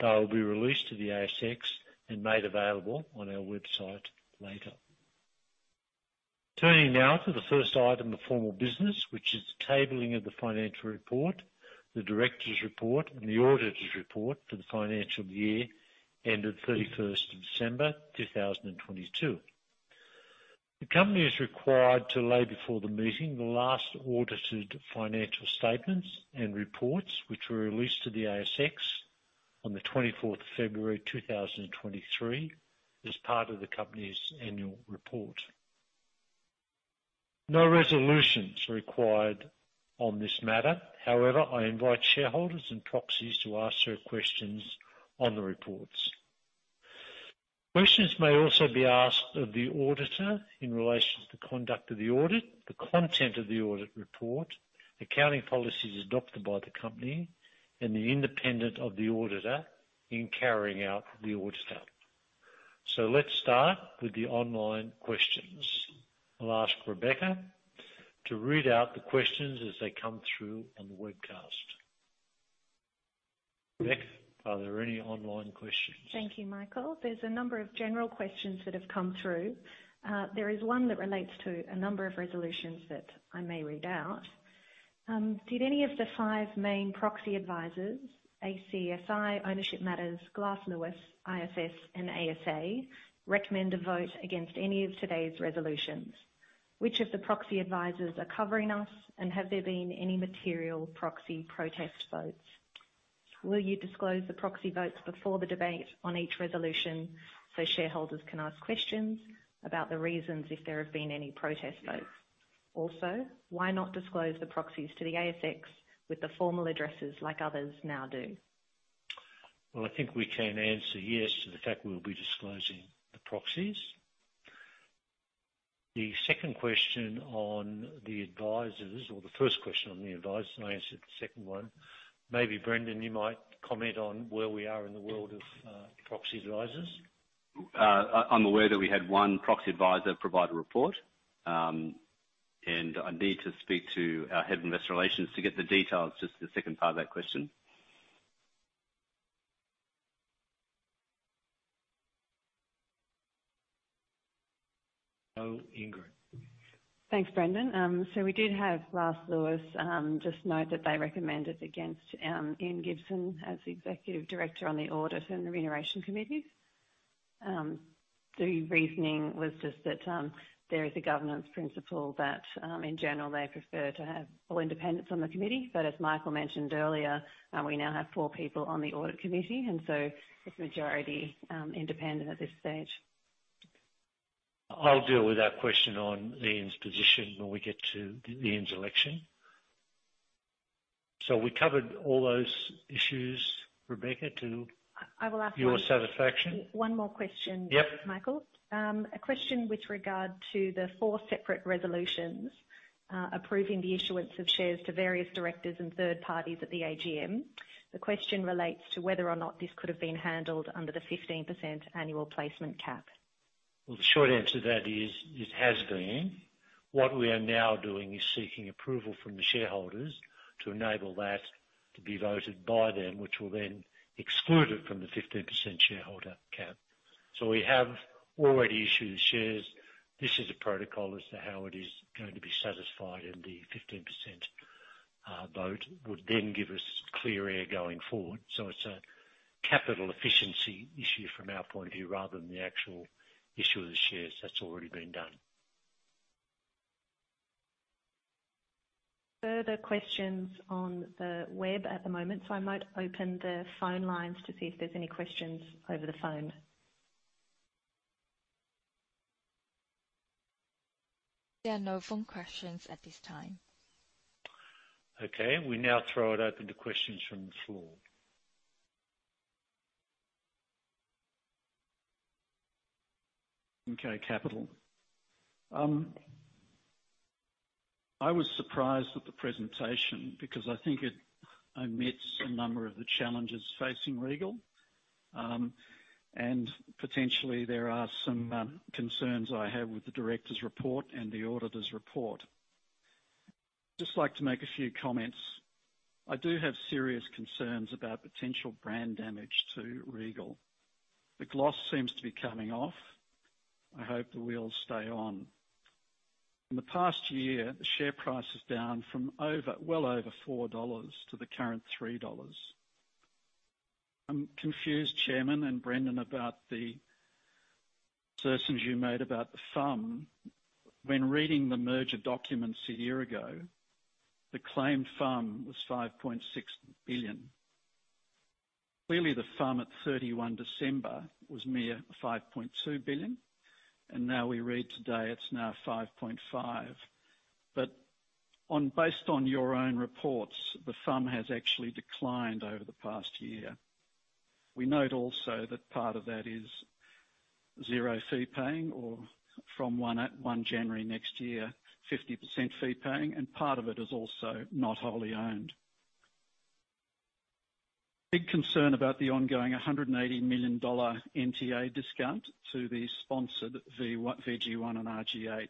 they'll be released to the ASX and made available on our website later. Turning now to the first item of formal business, which is the tabling of the financial report, the directors' report, and the auditors' report for the financial year ended 31st of December 2022. The company is required to lay before the meeting the last audited financial statements and reports, which were released to the ASX on the 24th of February 2023 as part of the company's annual report. No resolution is required on this matter. However, I invite shareholders and proxies to ask their questions on the reports. Questions may also be asked of the auditor in relation to the conduct of the audit, the content of the audit report, accounting policies adopted by the company, and the independence of the auditor in carrying out the audit. Let's start with the online questions. I'll ask Rebecca to read out the questions as they come through on the webcast. Beck, are there any online questions? Thank you, Michael. There's a number of general questions that have come through. There is one that relates to a number of resolutions that I may read out. Did any of the 5 main proxy advisors, ACSI, Ownership Matters, Glass Lewis, ISS, and ASA, recommend a vote against any of today's resolutions? Which of the proxy advisors are covering us, and have there been any material proxy protest votes? Will you disclose the proxy votes before the debate on each resolution so shareholders can ask questions about the reasons if there have been any protest votes? Why not disclose the proxies to the ASX with the formal addresses like others now do? Well, I think we can answer yes to the fact we will be disclosing the proxies. The second question on the advisors, or the first question on the advisors, and I answered the second one. Maybe Brendan, you might comment on where we are in the world of proxy advisors. I'm aware that we had one proxy advisor provide a report. I need to speak to our head of investor relations to get the details. Just the second part of that question. Ingrid. Thanks, Brendan. We did have Glass Lewis just note that they recommended against Ian Gibson as the executive director on the audit and remuneration committee. The reasoning was just that there is a governance principle that in general, they prefer to have full independence on the committee. As Michael mentioned earlier, we now have 4 people on the audit committee, it's majority independent at this stage. I'll deal with that question on Ian's position when we get to Ian's election. We covered all those issues, Rebecca. I will ask one- Your satisfaction. One more question? Yep. Michael. A question with regard to the four separate resolutions, approving the issuance of shares to various directors and third parties at the AGM. The question relates to whether or not this could have been handled under the 15% annual placement cap. The short answer to that is, it has been. What we are now doing is seeking approval from the shareholders to enable that to be voted by them, which will then exclude it from the 15% shareholder cap. We have already issued the shares. This is a protocol as to how it is going to be satisfied, the 15% vote would then give us clear air going forward. It's a capital efficiency issue from our point of view rather than the actual issue of the shares. That's already been done. Further questions on the web at the moment, so I might open the phone lines to see if there's any questions over the phone. There are no phone questions at this time. Okay. We now throw it open to questions from the floor. McComas Capital. I was surprised at the presentation because I think it omits a number of the challenges facing Regal Partners. Potentially there are some concerns I have with the director's report and the auditor's report. Just like to make a few comments. I do have serious concerns about potential brand damage to Regal Partners. The gloss seems to be coming off. I hope the wheels stay on. In the past year, the share price is down from well over 4 dollars to the current 3 dollars. I'm confused, Chairman and Brendan O'Connor, about the assertions you made about the FUM. When reading the merger documents a year ago, the claimed FUM was 5.6 billion. Clearly, the FUM at 31 December was mere 5.2 billion, and now we read today it's now 5.5 billion. Based on your own reports, the FUM has actually declined over the past year. We note also that part of that is 0 fee paying or from 1 January next year, 50% fee paying, and part of it is also not wholly owned. Big concern about the ongoing 180 million dollar NTA discount to the sponsored VG1 and RG8.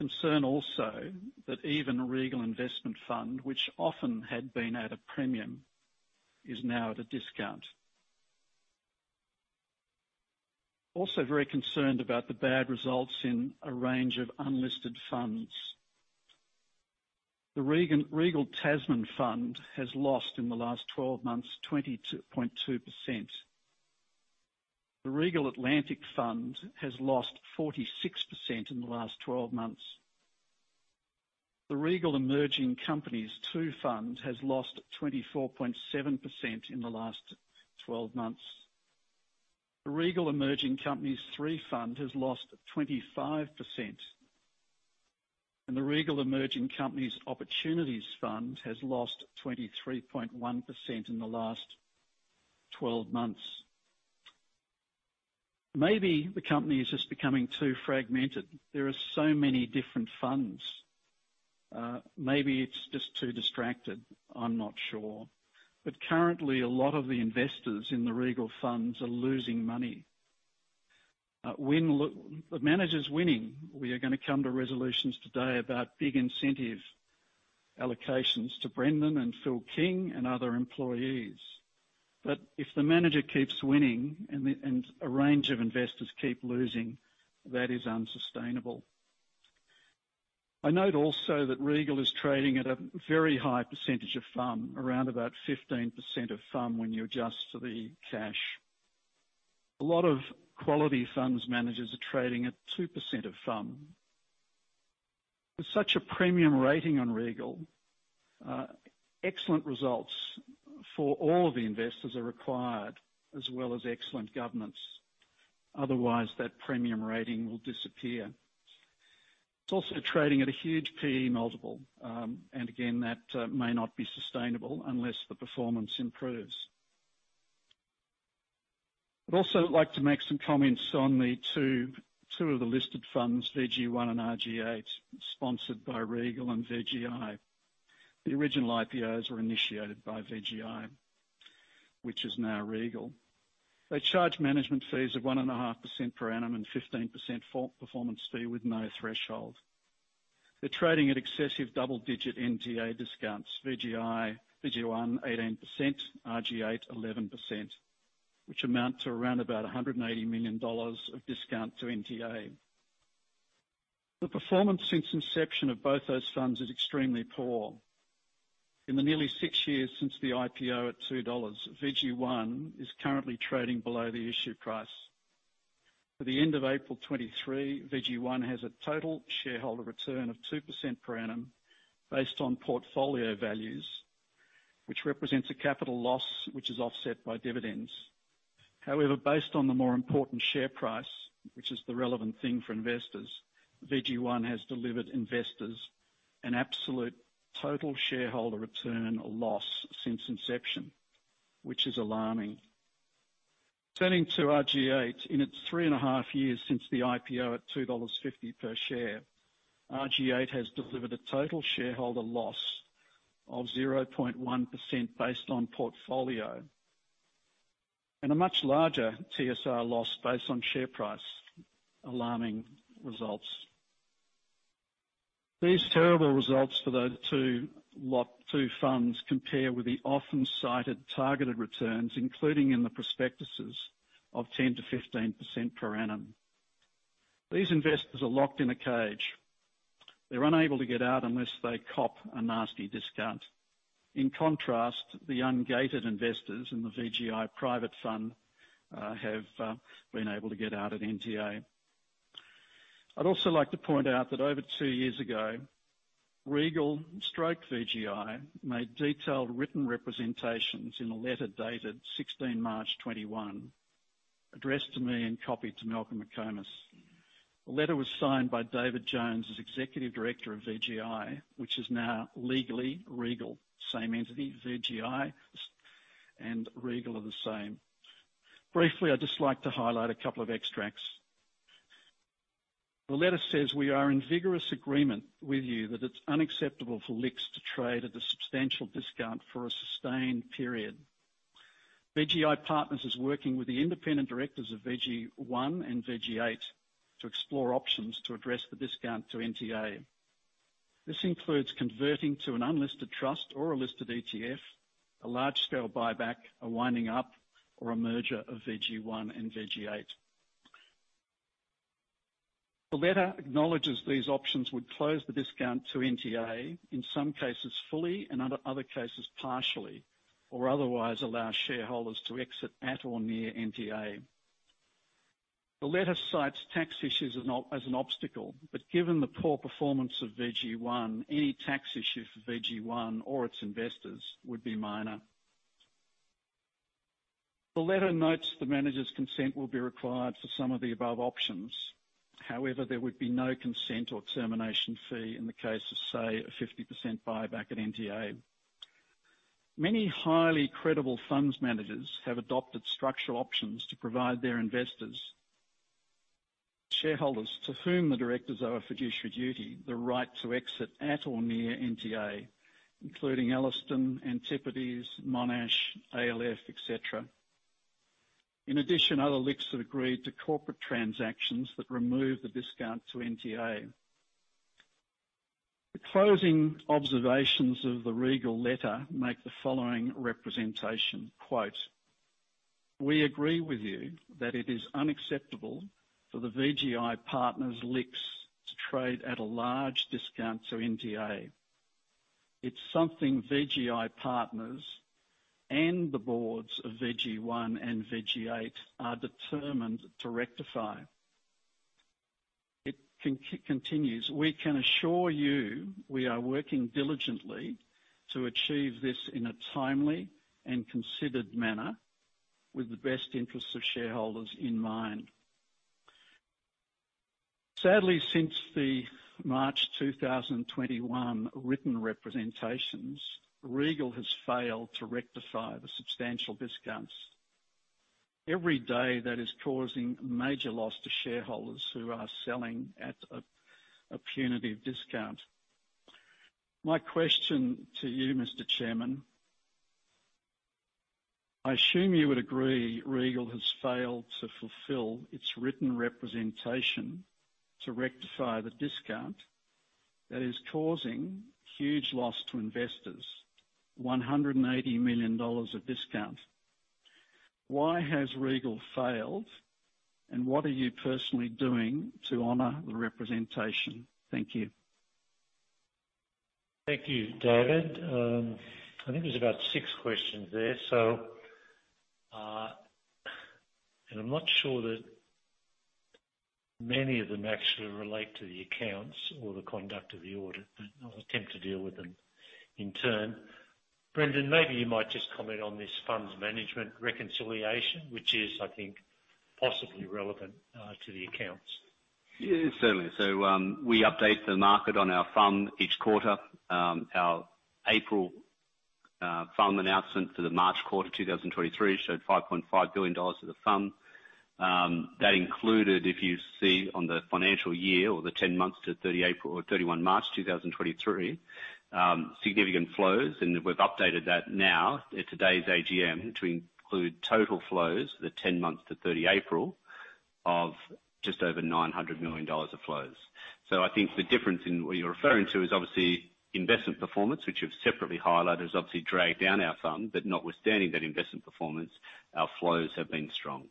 Concern also that even Regal Investment Fund, which often had been at a premium, is now at a discount. Also very concerned about the bad results in a range of unlisted funds. The Regal Tasman Fund has lost in the last 12 months 22.2%. The Regal Atlantic Fund has lost 46% in the last 12 months. The Regal Emerging Companies Fund II has lost 24.7% in the last 12 months. The Regal Emerging Companies Fund III has lost 25%. The Regal Emerging Companies Opportunities Fund has lost 23.1% in the last 12 months. Maybe the company is just becoming too fragmented. There are so many different funds, maybe it's just too distracted, I'm not sure. Currently, a lot of the investors in the Regal Funds are losing money. The manager's winning. We are gonna come to resolutions today about big incentive allocations to Brendan and Phil King and other employees. If the manager keeps winning and a range of investors keep losing, that is unsustainable. I note also that Regal is trading at a very high percentage of FUM, around about 15% of FUM when you adjust to the cash. A lot of quality funds managers are trading at 2% of FUM. With such a premium rating on Regal, excellent results for all of the investors are required, as well as excellent governance. Otherwise, that premium rating will disappear. It's also trading at a huge PE multiple, and again, that may not be sustainable unless the performance improves. I'd also like to make some comments on the 2 of the listed funds, VG1 and RG8, sponsored by Regal and VGI. The original IPOs were initiated by VGI, which is now Regal. They charge management fees of 1.5% per annum and 15% for performance fee with no threshold. They're trading at excessive double-digit NTA discounts, VGI, VG1 18%, RG8 11%, which amount to around about 180 million dollars of discount to NTA. The performance since inception of both those funds is extremely poor. In the nearly six years since the IPO at 2 dollars, VG1 is currently trading below the issue price. For the end of April 2023, VG1 has a total shareholder return of 2% per annum based on portfolio values, which represents a capital loss which is offset by dividends. However, based on the more important share price, which is the relevant thing for investors, VG1 has delivered investors an absolute total shareholder return or loss since inception, which is alarming. Turning to RG8, in its three and a half years since the IPO at 2.50 dollars per share, RG8 has delivered a total shareholder loss of 0.1% based on portfolio and a much larger TSR loss based on share price. Alarming results. These terrible results for the two funds compare with the often-cited targeted returns, including in the prospectuses of 10%-15% per annum. These investors are locked in a cage. They're unable to get out unless they cop a nasty discount. In contrast, the ungated investors in the VGI private fund have been able to get out at NTA. I'd also like to point out that over 2 years ago, Regal, stroke, VGI, made detailed written representations in a letter dated 16 March 2021, addressed to me and copied to Malcolm McComas. The letter was signed by David Jones as Executive Director of VGI, which is now legally Regal. Same entity. VGI and Regal are the same. Briefly, I'd just like to highlight a couple of extracts. The letter says, "We are in vigorous agreement with you that it's unacceptable for LICs to trade at a substantial discount for a sustained period. VGI Partners is working with the independent directors of VG1 and VG8 to explore options to address the discount to NTA. This includes converting to an unlisted trust or a listed ETF, a large-scale buyback, a winding-up, or a merger of VG1 and VG8." The letter acknowledges these options would close the discount to NTA, in some cases fully, and other cases partially, or otherwise allow shareholders to exit at or near NTA. The letter cites tax issues as an obstacle, but given the poor performance of VG1, any tax issue for VG1 or its investors would be minor. The letter notes the manager's consent will be required for some of the above options. However, there would be no consent or termination fee in the case of, say, a 50% buyback at NTA. Many highly credible funds managers have adopted structural options to provide their investors, shareholders to whom the directors owe a fiduciary duty, the right to exit at or near NTA, including Ellerston, Antipodes, Monash, ALF, et cetera. In addition, other LICs have agreed to corporate transactions that remove the discount to NTA. The closing observations of the Regal letter make the following representation. Quote, "We agree with you that it is unacceptable for the VGI Partners LICs to trade at a large discount to NTA. It's something VGI Partners and the boards of VG1 and VG8 are determined to rectify." It continues, "We can assure you we are working diligently to achieve this in a timely and considered manner with the best interests of shareholders in mind." Sadly, since the March 2021 written representations, Regal has failed to rectify the substantial discounts every day that is causing major loss to shareholders who are selling at a punitive discount. My question to you, Mr. Chairman, I assume you would agree Regal has failed to fulfill its written representation to rectify the discount that is causing huge loss to investors, 180 million dollars of discount. Why has Regal failed, and what are you personally doing to honor the representation? Thank you. Thank you, David. I think there's about six questions there. And I'm not sure that many of them actually relate to the accounts or the conduct of the audit, but I'll attempt to deal with them in turn. Brendan, maybe you might just comment on this funds management reconciliation, which is, I think, possibly relevant to the accounts. Certainly, we update the market on our fund each quarter. Our April fund announcement for the March quarter, 2023, showed 5.5 billion dollars to the fund. That included, if you see on the financial year or the 10 months to 30 April or 31 March 2023, significant flows, and we've updated that now at today's AGM to include total flows for the 10 months to 30 April of just over 900 million dollars of flows. I think the difference in what you're referring to is obviously investment performance, which you've separately highlighted, has obviously dragged down our fund, but notwithstanding that investment performance, our flows have been strong.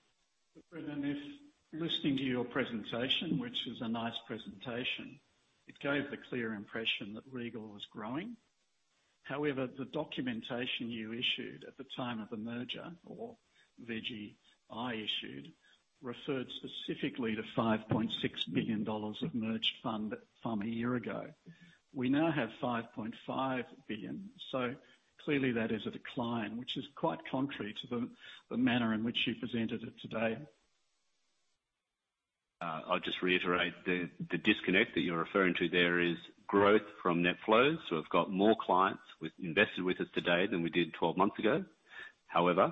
Brendan, if listening to your presentation, which is a nice presentation, it gave the clear impression that Regal Partners was growing. However, the documentation you issued at the time of the merger, or VGI issued, referred specifically to 5.6 billion dollars of merged fund from a year ago. We now have 5.5 billion. Clearly that is a decline, which is quite contrary to the manner in which you presented it today. I'll just reiterate the disconnect that you're referring to there is growth from net flows. We've got more clients invested with us today than we did 12 months ago. However,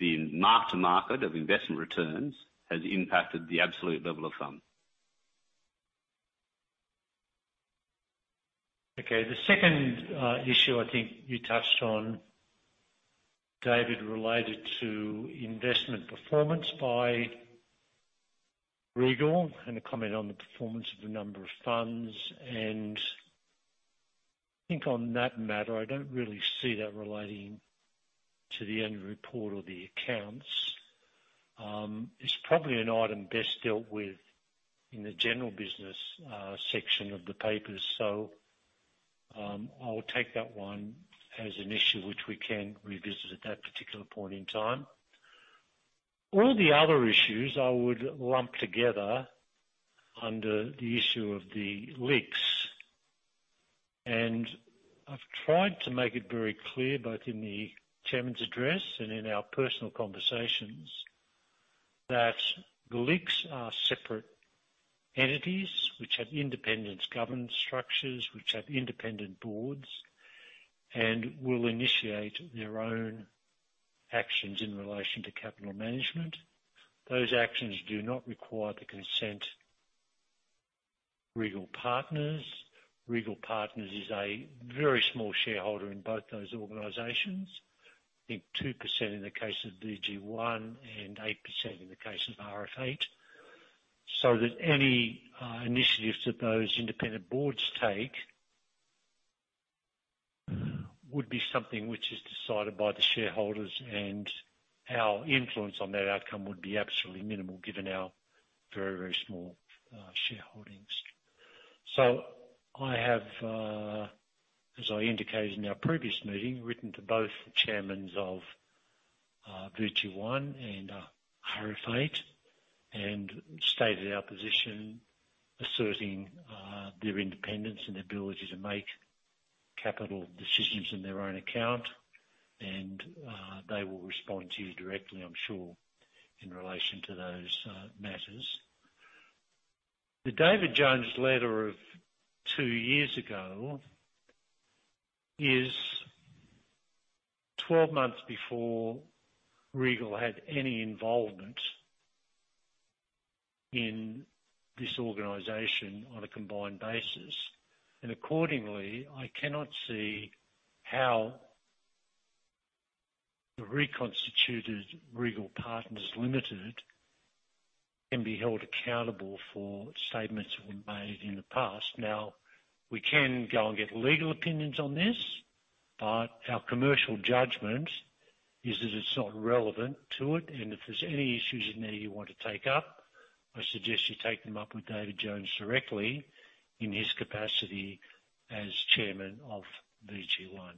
the mark to market of investment returns has impacted the absolute level of fund. Okay. The second issue I think you touched on, David, related to investment performance by Regal and a comment on the performance of the number of funds. I think on that matter, I don't really see that relating to the end report or the accounts. It's probably an item best dealt with in the general business section of the papers. I'll take that one as an issue which we can revisit at that particular point in time. All the other issues I would lump together under the issue of the LICs. I've tried to make it very clear, both in the chairman's address and in our personal conversations, that the LICs are separate entities which have independent governance structures, which have independent boards, and will initiate their own actions in relation to capital management. Those actions do not require the consent Regal Partners. Regal Partners is a very small shareholder in both those organizations. I think 2% in the case of VG1 and 8% in the case of RG8. Any initiatives that those independent boards take would be something which is decided by the shareholders, and our influence on that outcome would be absolutely minimal, given our very, very small shareholdings. I have, as I indicated in our previous meeting, written to both chairmen of VG1 and RG8 and stated our position asserting their independence and ability to make capital decisions in their own account. They will respond to you directly, I'm sure, in relation to those matters. The David Jones letter of two years ago is 12 months before Regal had any involvement in this organization on a combined basis. Accordingly, I cannot see how the reconstituted Regal Partners Limited can be held accountable for statements that were made in the past. Now, we can go and get legal opinions on this, but our commercial judgment is that it's not relevant to it. If there's any issues in there you want to take up, I suggest you take them up with David Jones directly in his capacity as chairman of VG One.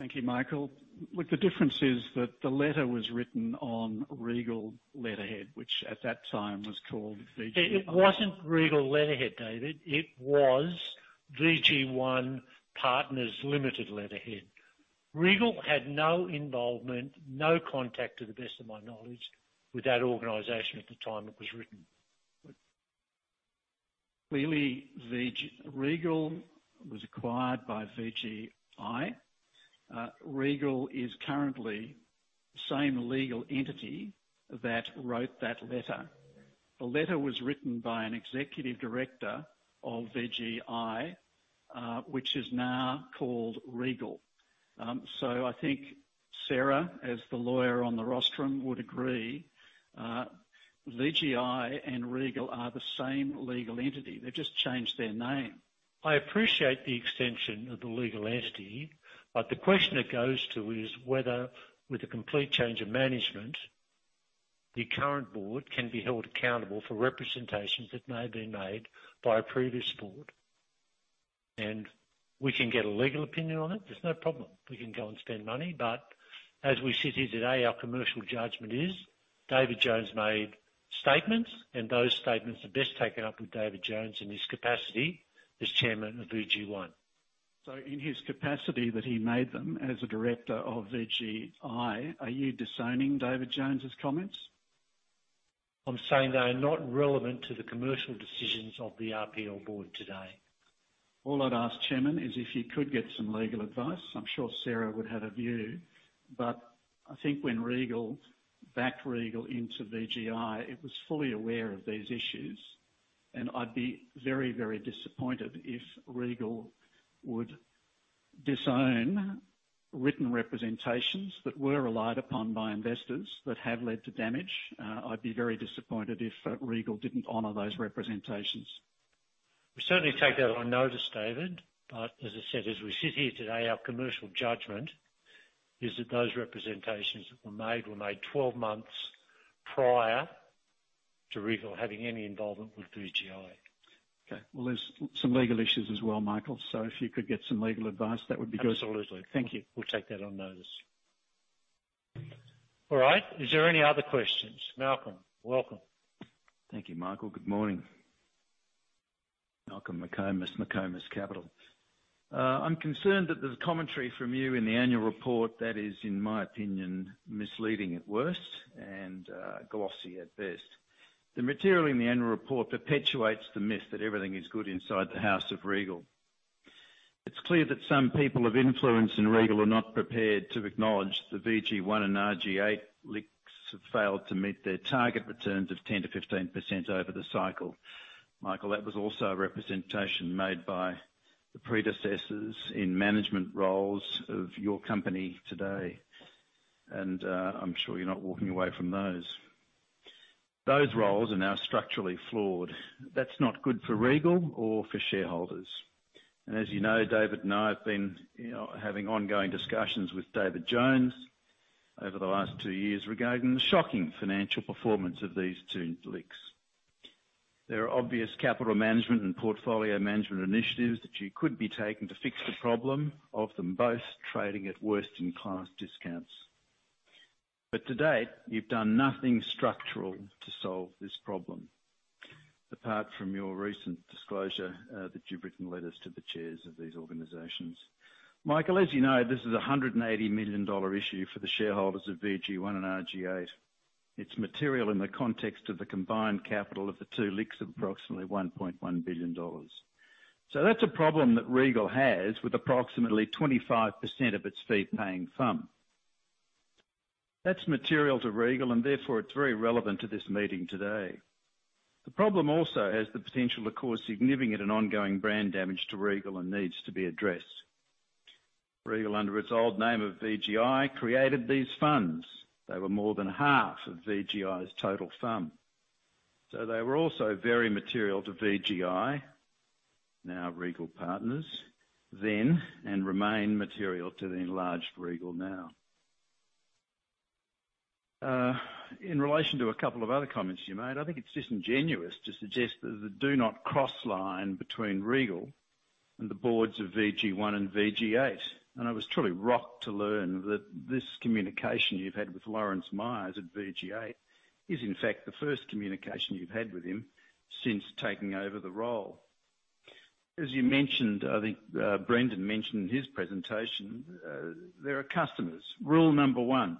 Thank you, Michael. Look, the difference is that the letter was written on Regal letterhead, which at that time was called VG-. It wasn't Regal letterhead, David. It was VGI Partners Limited letterhead. Regal had no involvement, no contact, to the best of my knowledge, with that organization at the time it was written. Clearly, Regal was acquired by VGI. Regal is currently the same legal entity that wrote that letter. The letter was written by an executive director of VGI, which is now called Regal. I think Sarah, as the lawyer on the rostrum, would agree, VGI and Regal are the same legal entity. They've just changed their name. I appreciate the extension of the legal entity, but the question it goes to is whether, with a complete change of management, the current board can be held accountable for representations that may have been made by a previous board. We can get a legal opinion on it. There's no problem. We can go and spend money. As we sit here today, our commercial judgment is David Jones made statements, and those statements are best taken up with David Jones in his capacity as chairman of VGI. In his capacity that he made them as a director of VGI, are you disowning David Jones's comments? I'm saying they are not relevant to the commercial decisions of the RPL board today. All I'd ask, Chairman, is if you could get some legal advice. I'm sure Sarah would have a view. I think when Regal backed Regal into VGI, it was fully aware of these issues. I'd be very, very disappointed if Regal would disown written representations that were relied upon by investors that have led to damage. I'd be very disappointed if Regal didn't honor those representations. We certainly take that on notice, David. As I said, as we sit here today, our commercial judgment is that those representations that were made were made 12 months prior to Regal having any involvement with VGI. Okay. Well, there's some legal issues as well, Michael. If you could get some legal advice, that would be good. Absolutely. Thank you. We'll take that on notice. All right. Is there any other questions? Malcolm, welcome. Thank you, Michael. Good morning. Malcolm McComas Capital. I'm concerned that there's commentary from you in the annual report that is, in my opinion, misleading at worst and glossy at best. The material in the annual report perpetuates the myth that everything is good inside the house of Regal. It's clear that some people of influence in Regal are not prepared to acknowledge the VG1 and RG8 LICs have failed to meet their target returns of 10%-15% over the cycle. Michael, that was also a representation made by the predecessors in management roles of your company today, I'm sure you're not walking away from those. Those roles are now structurally flawed. That's not good for Regal or for shareholders. As you know, David and I have been, you know, having ongoing discussions with David Jones over the last 2 years regarding the shocking financial performance of these two LICs. There are obvious capital management and portfolio management initiatives that you could be taking to fix the problem of them both trading at worst in class discounts. To date, you've done nothing structural to solve this problem, apart from your recent disclosure that you've written letters to the chairs of these organizations. Michael, as you know, this is a 180 million dollar issue for the shareholders of VG1 and RG8. It's material in the context of the combined capital of the two LICs of approximately 1.1 billion dollars. That's a problem that Regal has with approximately 25% of its fee paying FUM. That's material to Regal, therefore it's very relevant to this meeting today. The problem also has the potential to cause significant and ongoing brand damage to Regal and needs to be addressed. Regal, under its old name of VGI, created these funds. They were more than half of VGI's total FUM. They were also very material to VGI, now Regal Partners then, and remain material to the enlarged Regal now. In relation to a couple of other comments you made, I think it's disingenuous to suggest that there's a do not cross line between Regal and the boards of VG1 and VG8. I was truly rocked to learn that this communication you've had with Lawrence Myers at VG8 is, in fact, the first communication you've had with him since taking over the role. As you mentioned, I think Brendan mentioned in his presentation, they are customers. Rule number one,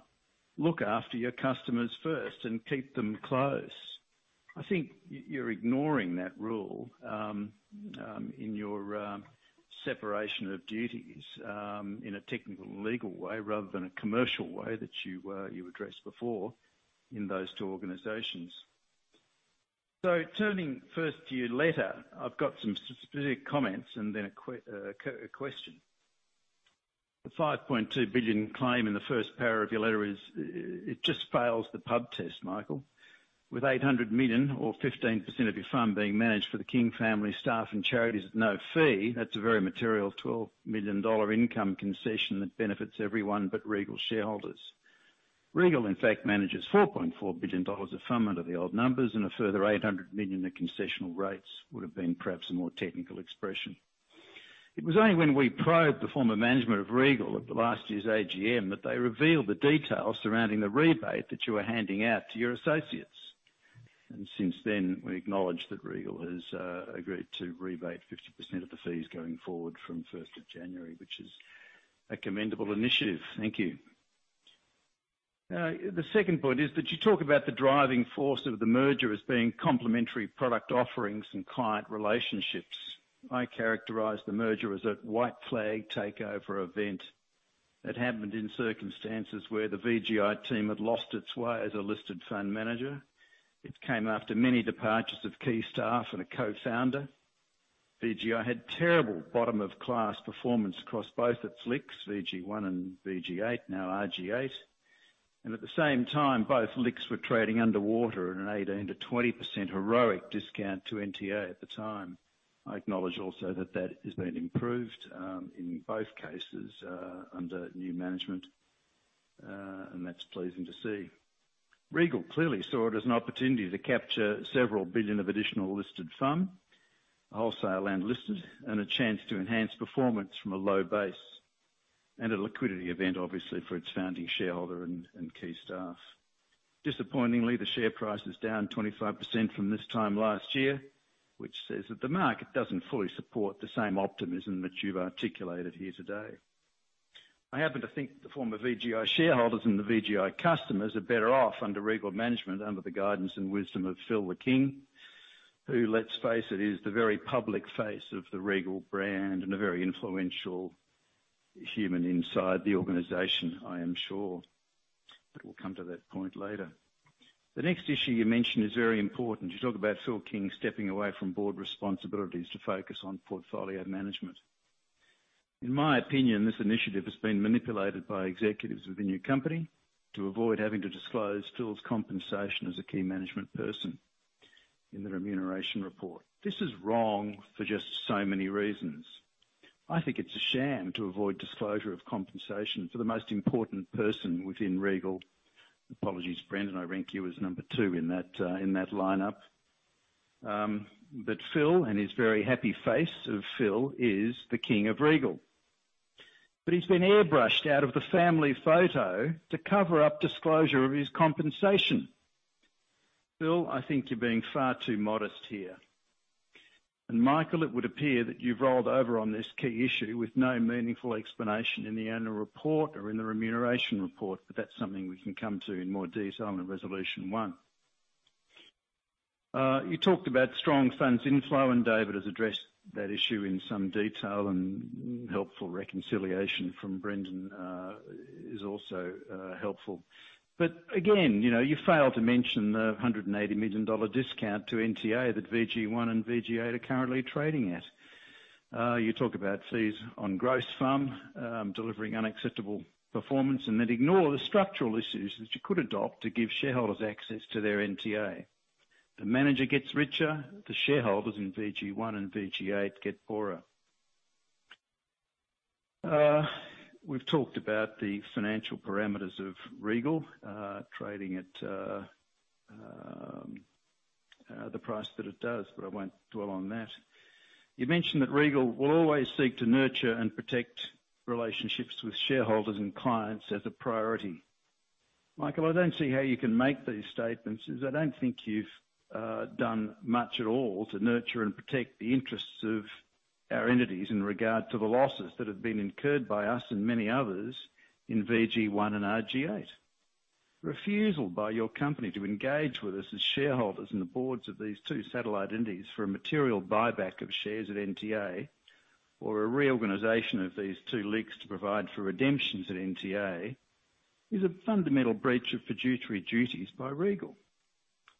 look after your customers first and keep them close. I think you're ignoring that rule in your separation of duties in a technical legal way rather than a commercial way that you addressed before in those two organizations. Turning first to your letter, I've got some specific comments and then a question. The 5.2 billion claim in the first paragraph of your letter is. It just fails the pub test, Michael. With 800 million or 15% of your FUM being managed for the King family staff and charities at no fee, that's a very material 12 million dollar income concession that benefits everyone but Regal shareholders. Regal, in fact, manages 4.4 billion dollars of FUM under the old numbers, and a further 800 million at concessional rates would have been perhaps a more technical expression. It was only when we probed the former management of Regal at the last year's AGM that they revealed the details surrounding the rebate that you were handing out to your associates. Since then, we acknowledged that Regal has agreed to rebate 50% of the fees going forward from 1st of January, which is a commendable initiative. Thank you. The second point is that you talk about the driving force of the merger as being complementary product offerings and client relationships. I characterize the merger as a white flag takeover event that happened in circumstances where the VGI team had lost its way as a listed fund manager. It came after many departures of key staff and a co-founder. VGI had terrible bottom of class performance across both its LICs, VG1 and VG8, now RG8. At the same time, both LICs were trading underwater at an 18%-20% heroic discount to NTA at the time. I acknowledge also that that has been improved in both cases under new management, and that's pleasing to see. Regal clearly saw it as an opportunity to capture several billion of additional listed fund, wholesale and listed, a chance to enhance performance from a low base, a liquidity event obviously for its founding shareholder and key staff. Disappointingly, the share price is down 25% from this time last year, which says that the market doesn't fully support the same optimism that you've articulated here today. I happen to think that the former VGI shareholders and the VGI customers are better off under Regal management, under the guidance and wisdom of Philip King, who, let's face it, is the very public face of the Regal brand and a very influential human inside the organization, I am sure. We'll come to that point later. The next issue you mentioned is very important. You talk about Philip King stepping away from board responsibilities to focus on portfolio management. In my opinion, this initiative has been manipulated by executives of the new company to avoid having to disclose Phil's compensation as a key management person in the remuneration report. This is wrong for just so many reasons. I think it's a sham to avoid disclosure of compensation for the most important person within Regal. Apologies, Brendan, I rank you as number two in that in that lineup. Phil and his very happy face of Phil is the king of Regal. He's been airbrushed out of the family photo to cover up disclosure of his compensation. Phil, I think you're being far too modest here. Michael, it would appear that you've rolled over on this key issue with no meaningful explanation in the annual report or in the remuneration report, that's something we can come to in more detail in Resolution 1. You talked about strong funds inflow, David has addressed that issue in some detail and helpful reconciliation from Brendan is also helpful. Again, you know, you failed to mention the $180 million discount to NTA that VG1 and VG8 are currently trading at. You talk about fees on gross fund, delivering unacceptable performance and then ignore the structural issues that you could adopt to give shareholders access to their NTA. The manager gets richer, the shareholders in VG1 and VG8 get poorer. We've talked about the financial parameters of Regal, trading at the price that it does, but I won't dwell on that. You mentioned that Regal will always seek to nurture and protect relationships with shareholders and clients as a priority. Michael, I don't see how you can make these statements, since I don't think you've done much at all to nurture and protect the interests of our entities in regard to the losses that have been incurred by us and many others in VG1 and RG8. Refusal by your company to engage with us as shareholders in the boards of these two satellite entities for a material buyback of shares at NTA or a reorganization of these two LICs to provide for redemptions at NTA is a fundamental breach of fiduciary duties by Regal.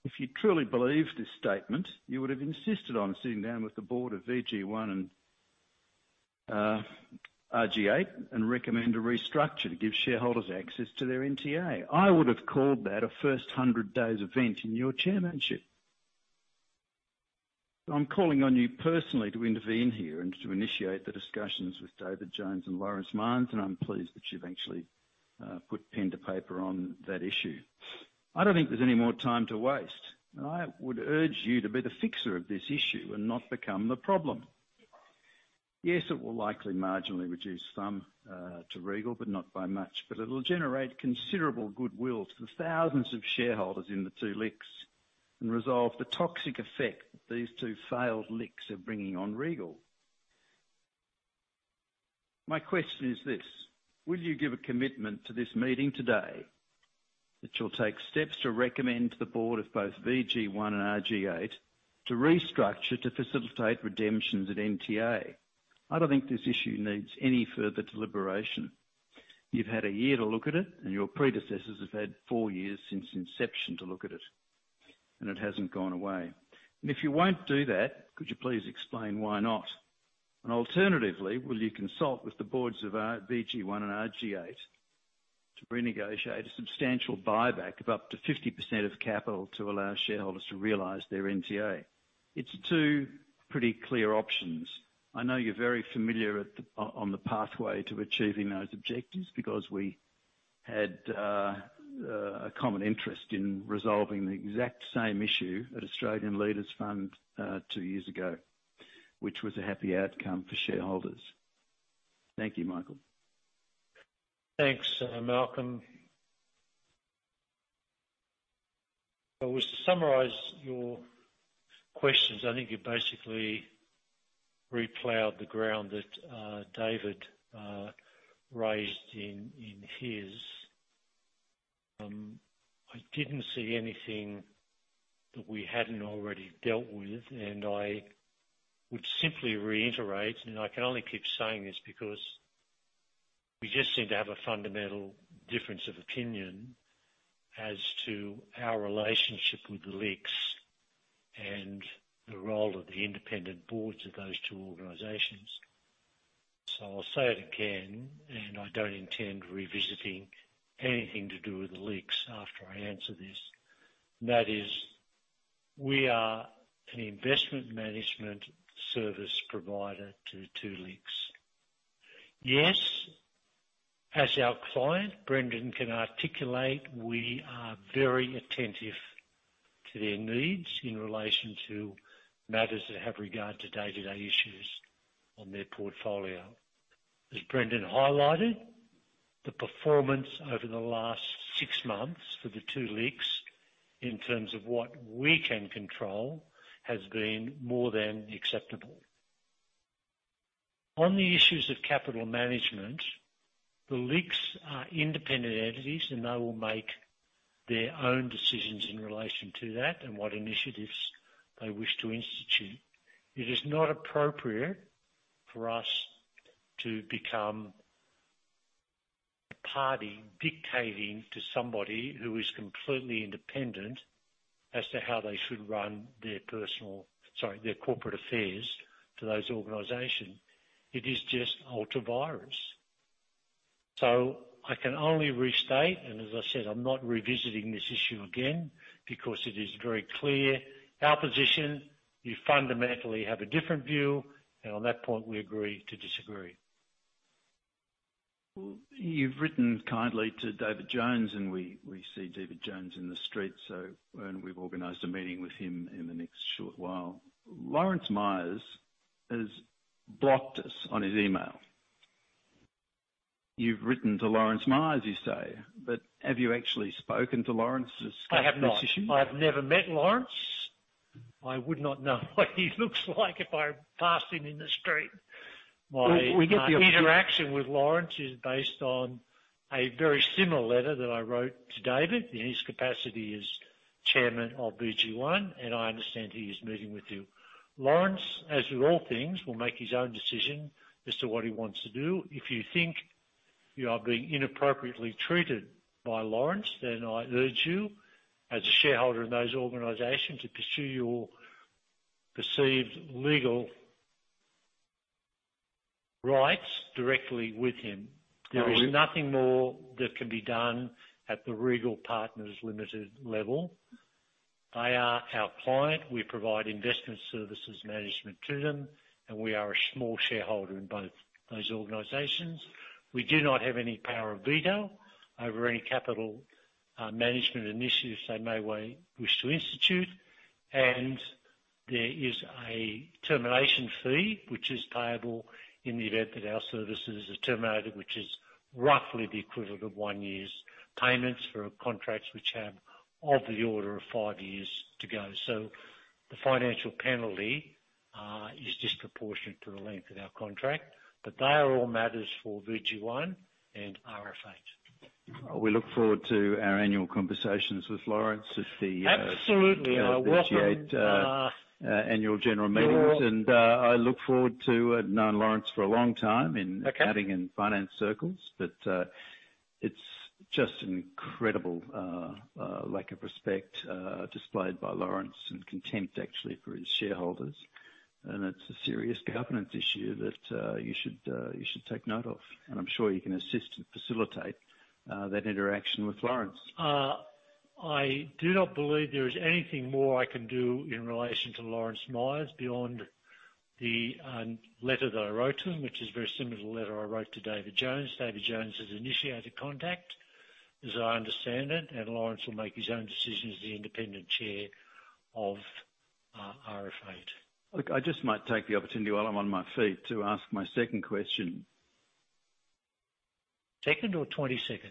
If you truly believe this statement, you would have insisted on sitting down with the board of VG1 and RG8 and recommend a restructure to give shareholders access to their NTA. I would have called that a first 100 days event in your chairmanship. I'm calling on you personally to intervene here and to initiate the discussions with David Jones and Lawrence Myers, and I'm pleased that you've actually put pen to paper on that issue. I don't think there's any more time to waste, and I would urge you to be the fixer of this issue and not become the problem. Yes, it will likely marginally reduce some to Regal, but not by much. It'll generate considerable goodwill to the thousands of shareholders in the two LICs and resolve the toxic effect these two failed LICs are bringing on Regal. My question is this: Will you give a commitment to this meeting today that you'll take steps to recommend to the board of both VG1 and RG8 to restructure to facilitate redemptions at NTA? I don't think this issue needs any further deliberation. You've had a year to look at it, and your predecessors have had four years since inception to look at it, and it hasn't gone away. If you won't do that, could you please explain why not? Alternatively, will you consult with the boards of VG1 and RG8 to renegotiate a substantial buyback of up to 50% of capital to allow shareholders to realize their NTA? It's 2 pretty clear options. I know you're very familiar on the pathway to achieving those objectives because we had a common interest in resolving the exact same issue at Australian Leaders Fund 2 years ago, which was a happy outcome for shareholders. Thank you, Michael. Thanks, Malcolm. Well, to summarize your questions, I think you basically replowed the ground that David raised in his. I didn't see anything that we hadn't already dealt with, and I would simply reiterate, and I can only keep saying this because we just seem to have a fundamental difference of opinion as to our relationship with the LICs and the role of the independent boards of those two organizations. I'll say it again, and I don't intend revisiting anything to do with the LICs after I answer this. That is, we are an investment management service provider to the two LICs. Yes, as our client, Brendan can articulate, we are very attentive to their needs in relation to matters that have regard to day-to-day issues on their portfolio. As Brendan highlighted, the performance over the last six months for the two LICS, in terms of what we can control, has been more than acceptable. On the issues of capital management, the LICS are independent entities, and they will make their own decisions in relation to that and what initiatives they wish to institute. It is not appropriate for us to become a party dictating to somebody who is completely independent as to how they should run their Sorry, their corporate affairs to those organizations. It is just ultra vires. I can only restate, and as I said, I'm not revisiting this issue again because it is very clear, our position, you fundamentally have a different view, and on that point, we agree to disagree. You've written kindly to David Jones, and we see David Jones in the street, and we've organized a meeting with him in the next short while. Lawrence Myers has blocked us on his email. You've written to Lawrence Myers, you say, but have you actually spoken to Lawrence to discuss this issue? I have not. I have never met Lawrence. I would not know what he looks like if I passed him in the street. We get the. My interaction with Lawrence Myers is based on a very similar letter that I wrote to David Jones in his capacity as chairman of VGI. I understand he is meeting with you. Lawrence Myers, as with all things, will make his own decision as to what he wants to do. If you think you are being inappropriately treated by Lawrence Myers, I urge you, as a shareholder in those organizations, to pursue your perceived legal rights directly with him. I re- There is nothing more that can be done at the Regal Partners Limited level. They are our client. We provide investment services management to them, and we are a small shareholder in both those organizations. We do not have any power of veto over any capital management initiatives they may wish to institute. There is a termination fee which is payable in the event that our services are terminated, which is roughly the equivalent of one year's payments for contracts which have of the order of five years to go. The financial penalty is disproportionate to the length of our contract, but they are all matters for VG1 and RF1. We look forward to our annual conversations with Lawrence at the. Absolutely, I welcome. At the RG8 annual general meetings. I look forward to. I've known Lawrence Myers for a long time. Okay. Accounting and finance circles, it's just an incredible lack of respect displayed by Lawrence Myers and contempt actually for his shareholders. It's a serious governance issue that you should take note of. I'm sure you can assist and facilitate that interaction with Lawrence Myers. I do not believe there is anything more I can do in relation to Lawrence Myers beyond the letter that I wrote to him, which is very similar to the letter I wrote to David Jones. David Jones has initiated contact, as I understand it, and Lawrence will make his own decision as the independent chair of RF1. I just might take the opportunity while I'm on my feet to ask my second question. Second or 22nd?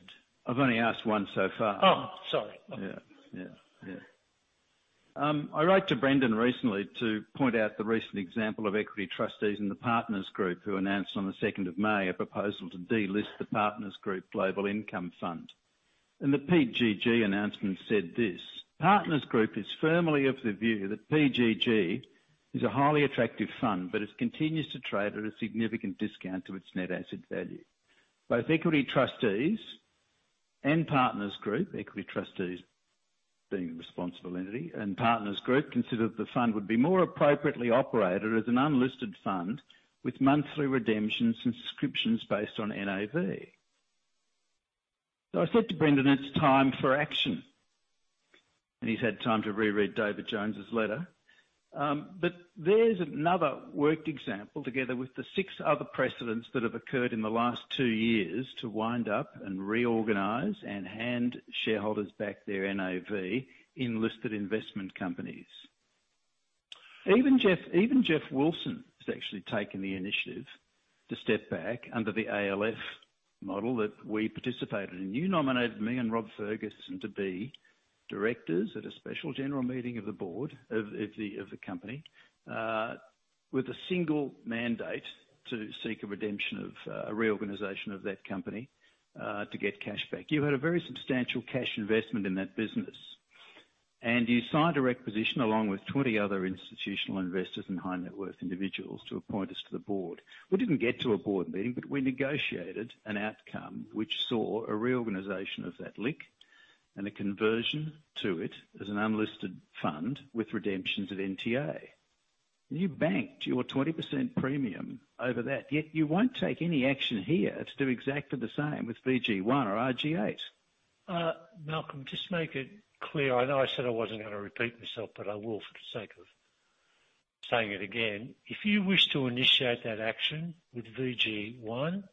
I've only asked one so far. Oh, sorry. Okay. I wrote to Brendan recently to point out the recent example of Equity Trustees and the Partners Group, who announced on the 2nd of May a proposal to delist the Partners Group Global Income Fund. The PGG announcement said this: "Partners Group is firmly of the view that PGG is a highly attractive fund, but it continues to trade at a significant discount to its net asset value. Both Equity Trustees and Partners Group," Equity Trustees being the responsible entity, "and Partners Group consider the fund would be more appropriately operated as an unlisted fund with monthly redemptions and subscriptions based on NAV." I said to Brendan, "It's time for action." He's had time to reread David Jones's letter. There's another worked example together with the six other precedents that have occurred in the last 2 years to wind up and reorganize and hand shareholders back their NAV in listed investment companies. Even Geoff Wilson has actually taken the initiative to step back under the ALF model that we participated in. You nominated me and Rob Ferguson to be directors at a special general meeting of the board of the company with a single mandate to seek a redemption of a reorganization of that company to get cash back. You had a very substantial cash investment in that business, and you signed a requisition along with 20 other institutional investors and high-net-worth individuals to appoint us to the board. We didn't get to a board meeting, but we negotiated an outcome which saw a reorganization of that LIC and a conversion to it as an unlisted fund with redemptions at NTA. You banked your 20% premium over that, yet you won't take any action here to do exactly the same with VG1 or RG8. Malcolm, just to make it clear, I know I said I wasn't gonna repeat myself, but I will for the sake of saying it again. If you wish to initiate that action with VG1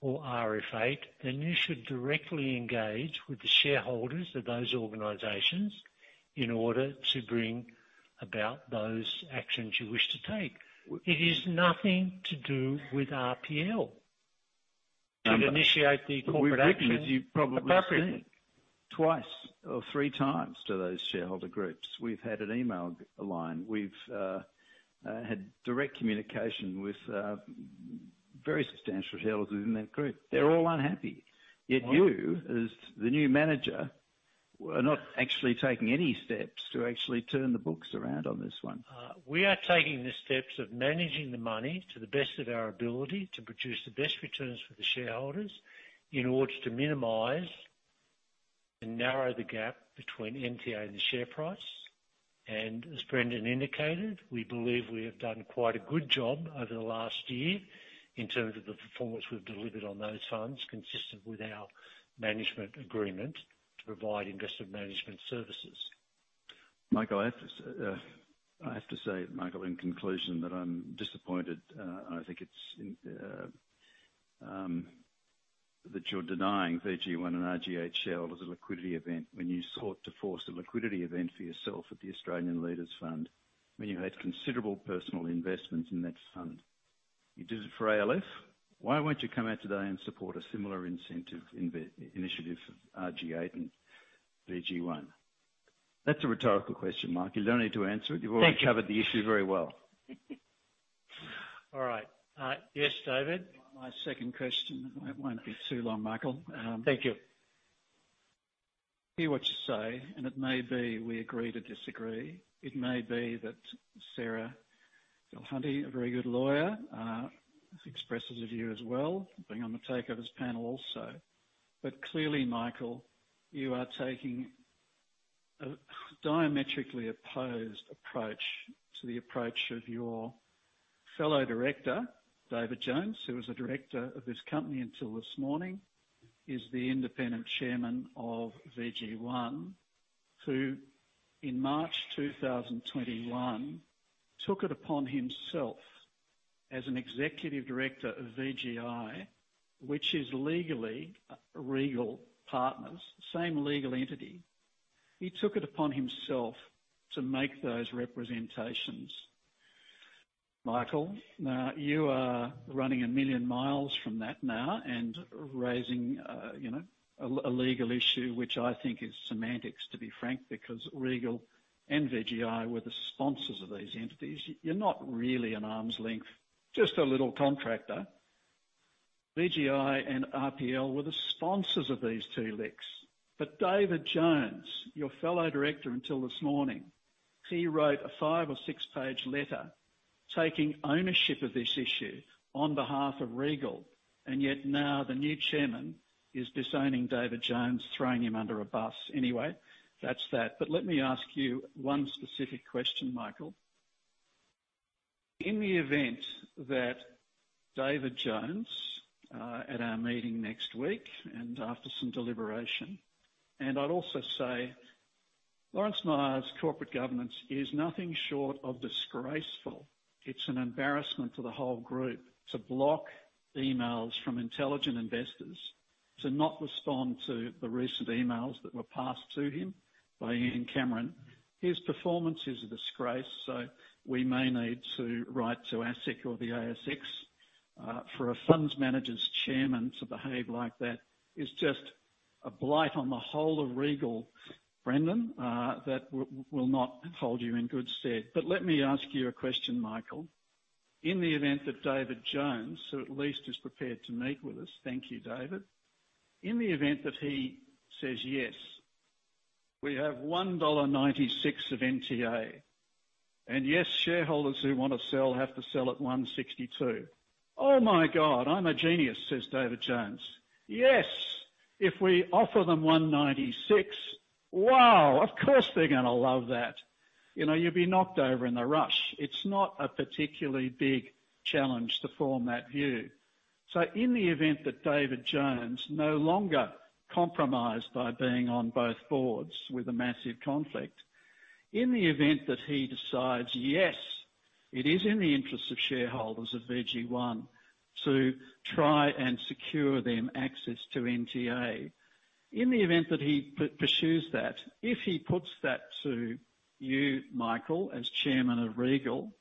or RF1, then you should directly engage with the shareholders of those organizations in order to bring about those actions you wish to take. It is nothing to do with RPL. To initiate the corporate action appropriately. Twice or three times to those shareholder groups. We've had an email line. We've had direct communication with very substantial shareholders within that group. They're all unhappy. You, as the new manager, are not actually taking any steps to actually turn the books around on this one. We are taking the steps of managing the money to the best of our ability to produce the best returns for the shareholders in order to minimize and narrow the gap between NTA and the share price. As Brendan indicated, we believe we have done quite a good job over the last year in terms of the performance we've delivered on those funds, consistent with our management agreement to provide invested management services. Michael, I have to say, Michael, in conclusion, that I'm disappointed, and I think it's that you're denying VG1 and RG8 shareholders a liquidity event when you sought to force a liquidity event for yourself at the Australian Leaders Fund, when you had considerable personal investments in that fund. You did it for ALF. Why won't you come out today and support a similar incentive initiative for RG8 and VG1? That's a rhetorical question, Michael. You don't need to answer it. Thank you. You've already covered the issue very well. All right. Yes, David? My second question. It won't be too long, Michael. Thank you. Hear what you say, it may be we agree to disagree. It may be that Sarah Dulhunty, a very good lawyer, expresses a view as well, being on the takeovers panel also. Clearly, Michael, you are taking a diametrically opposed approach to the approach of your fellow director, David Jones, who was a director of this company until this morning. He's the independent chairman of VG1, who in March 2021, took it upon himself as an executive director of VGI, which is legally Regal Partners, same legal entity. He took it upon himself to make those representations. Michael, now, you are running 1 million miles from that now and raising, you know, a legal issue, which I think is semantics, to be frank, because Regal and VGI were the sponsors of these entities. You're not really an arm's length, just a little contractor. VGI and RPL were the sponsors of these two LICs. David Jones, your fellow director until this morning, he wrote a five or six-page letter taking ownership of this issue on behalf of Regal. Yet now, the new chairman is disowning David Jones, throwing him under a bus. Anyway, that's that. Let me ask you one specific question, Michael. In the event that David Jones, at our meeting next week and after some deliberation, I'd also say Lawrence Myers' corporate governance is nothing short of disgraceful. It's an embarrassment to the whole group to block emails from intelligent investors, to not respond to the recent emails that were passed to him by Ian Cameron. His performance is a disgrace. We may need to write to ASIC or the ASX. For a funds manager's chairman to behave like that is just a blight on the whole of Regal, Brendan O'Connor, that will not hold you in good stead. Let me ask you a question, Michael Cole. In the event that David Jones, who at least is prepared to meet with us. Thank you, David Jones. In the event that he says, "Yes, we have 1.96 dollar of NTA, and yes, shareholders who want to sell have to sell at 1.62. Oh my God, I'm a genius," says David Jones. "Yes, if we offer them 1.96, wow, of course, they're gonna love that." You know, you'd be knocked over in a rush. It's not a particularly big challenge to form that view. In the event that David Jones, no longer compromised by being on both boards with a massive conflict, in the event that he decides, "Yes, it is in the interest of shareholders of VG1 to try and secure them access to NTA." In the event that he pursues that, if he puts that to you, Michael, as chairman of Regal,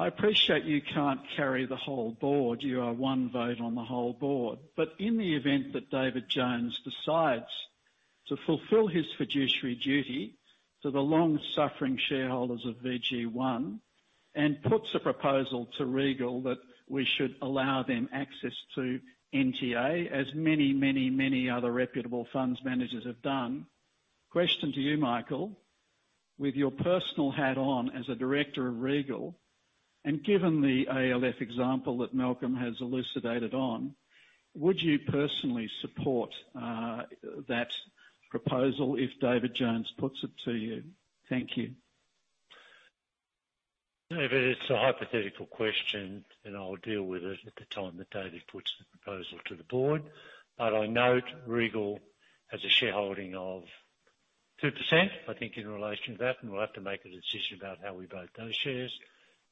I appreciate you can't carry the whole board. You are one vote on the whole board. In the event that David Jones decides to fulfill his fiduciary duty to the long-suffering shareholders of VG1 and puts a proposal to Regal that we should allow them access to NTA as many other reputable fund managers have done. Question to you, Michael, with your personal hat on as a director of Regal, and given the ALF example that Malcolm has elucidated on, would you personally support that proposal if David Jones puts it to you? Thank you. David, it's a hypothetical question, and I'll deal with it at the time that David puts the proposal to the board. I note Regal has a shareholding of 2%, I think, in relation to that, and we'll have to make a decision about how we vote those shares,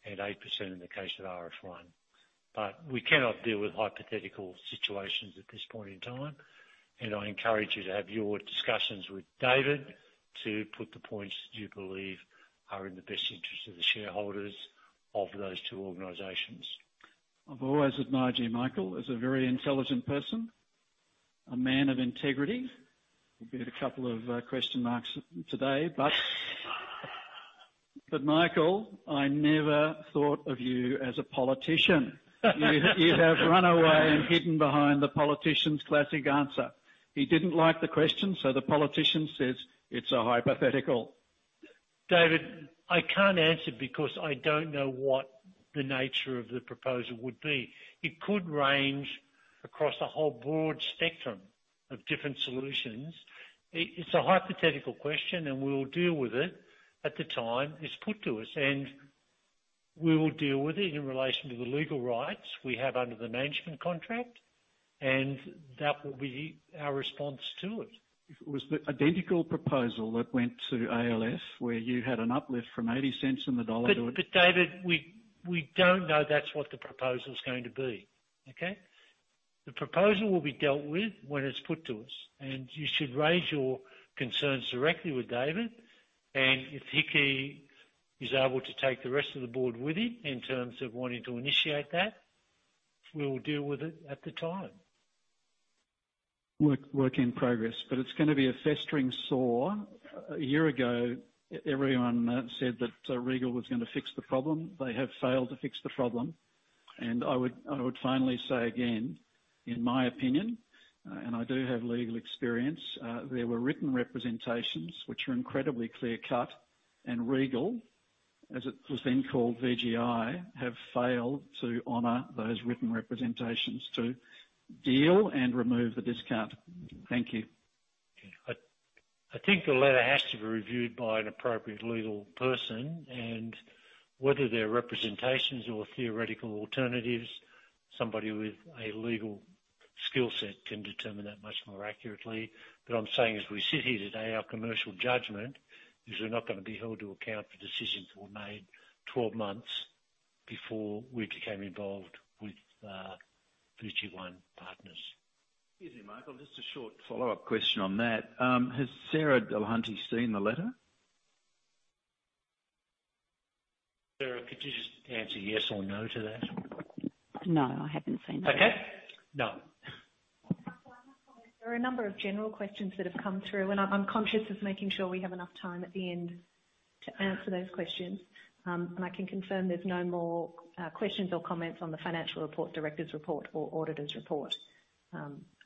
and 8% in the case of RF1. We cannot deal with hypothetical situations at this point in time, and I encourage you to have your discussions with David to put the points you believe are in the best interest of the shareholders of those two organizations. I've always admired you, Michael, as a very intelligent person, a man of integrity, with a couple of question marks today. Michael, I never thought of you as a politician. You have run away and hidden behind the politician's classic answer. He didn't like the question, the politician says, "It's a hypothetical. David, I can't answer because I don't know what the nature of the proposal would be. It could range across a whole broad spectrum of different solutions. It's a hypothetical question, we'll deal with it at the time it's put to us, we will deal with it in relation to the legal rights we have under the management contract, that will be our response to it. If it was the identical proposal that went to ALF, where you had an uplift from 0.80 on the dollar. David, we don't know that's what the proposal is going to be. Okay? The proposal will be dealt with when it's put to us, you should raise your concerns directly with David. If he's able to take the rest of the board with him in terms of wanting to initiate that, we'll deal with it at the time. Work in progress, but it's gonna be a festering sore. A year ago, everyone said that Regal was gonna fix the problem. They have failed to fix the problem. I would finally say again, in my opinion, and I do have legal experience, there were written representations which are incredibly clear-cut. Regal, as it was then called, VGI, have failed to honor those written representations to deal and remove the discount. Thank you. I think the letter has to be reviewed by an appropriate legal person. Whether they're representations or theoretical alternatives, somebody with a legal skill set can determine that much more accurately. I'm saying as we sit here today, our commercial judgment is we're not gonna be held to account for decisions that were made 12 months before we became involved with VGI Partners. Excuse me, Michael, just a short follow-up question on that. Has Sarah Dulhunty seen the letter? Sarah, could you just answer yes or no to that? No, I haven't seen the letter. Okay. No. There are a number of general questions that have come through, I'm conscious of making sure we have enough time at the end to answer those questions. I can confirm there's no more questions or comments on the financial report, directors report or auditors report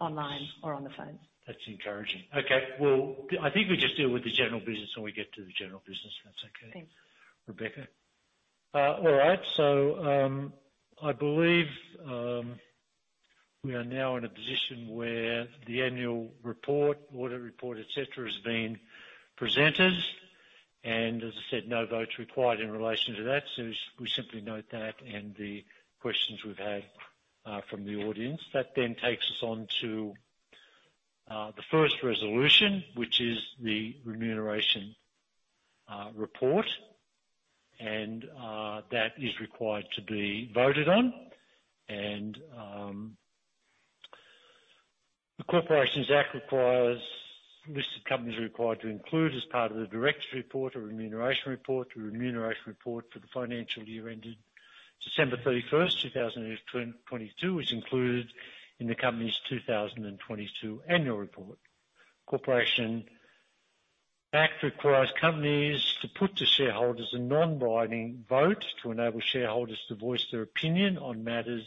online or on the phone. That's encouraging. Okay. Well, I think we just deal with the general business when we get to the general business, if that's okay. Thanks. All right. I believe we are now in a position where the annual report, audit report, et cetera, has been presented. As I said, no vote required in relation to that. We simply note that and the questions we've had from the audience. That takes us on to the first resolution, which is the remuneration report. That is required to be voted on. The Corporations Act requires... Listed companies are required to include as part of the directors' report a remuneration report. The remuneration report for the financial year ended December 31, 2022, is included in the company's 2022 annual report. Corporations Act requires companies to put to shareholders a non-binding vote to enable shareholders to voice their opinion on matters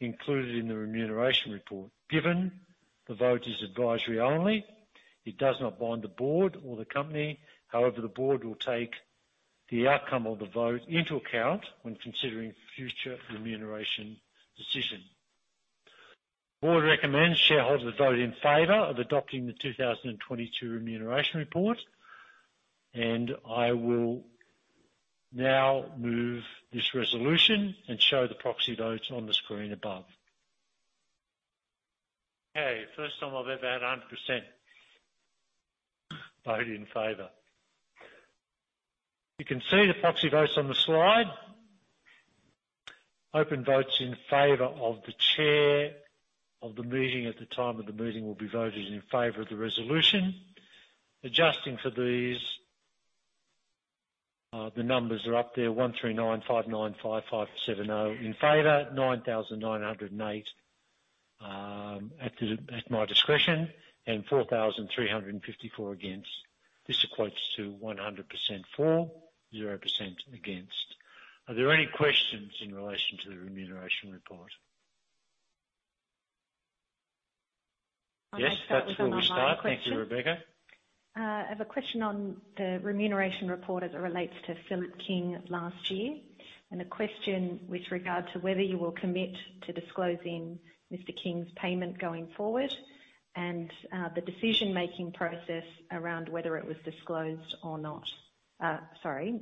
included in the remuneration report. Given the vote is advisory only, it does not bind the board or the company. However, the board will take the outcome of the vote into account when considering future remuneration decision. Board recommends shareholders vote in favor of adopting the 2022 remuneration report. I will now move this resolution and show the proxy votes on the screen above. First time I've ever had a 100% vote in favor. You can see the proxy votes on the slide. Open votes in favor of the chair of the meeting, at the time of the meeting, will be voted in favor of the resolution. Adjusting for these, the numbers are up there 139,595,570 in favor. 9,908 at my discretion, and 4,354 against. This equates to 100% for, 0% against. Are there any questions in relation to the remuneration report? I'll start with an online question. Yes, that's where we start. Thank you, Rebecca. I have a question on the remuneration report as it relates to Philip King last year. A question with regard to whether you will commit to disclosing Mr. King's payment going forward and the decision-making process around whether it was disclosed or not. Sorry,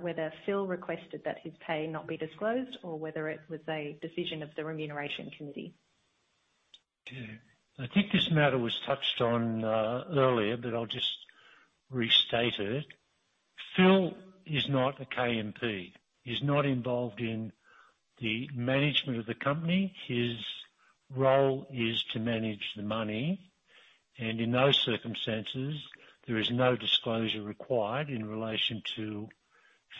whether Phil requested that his pay not be disclosed or whether it was a decision of the remuneration committee. Yeah. I think this matter was touched on earlier, but I'll just restate it. Phil is not a KMP. He's not involved in the management of the company. His role is to manage the money. In those circumstances, there is no disclosure required in relation to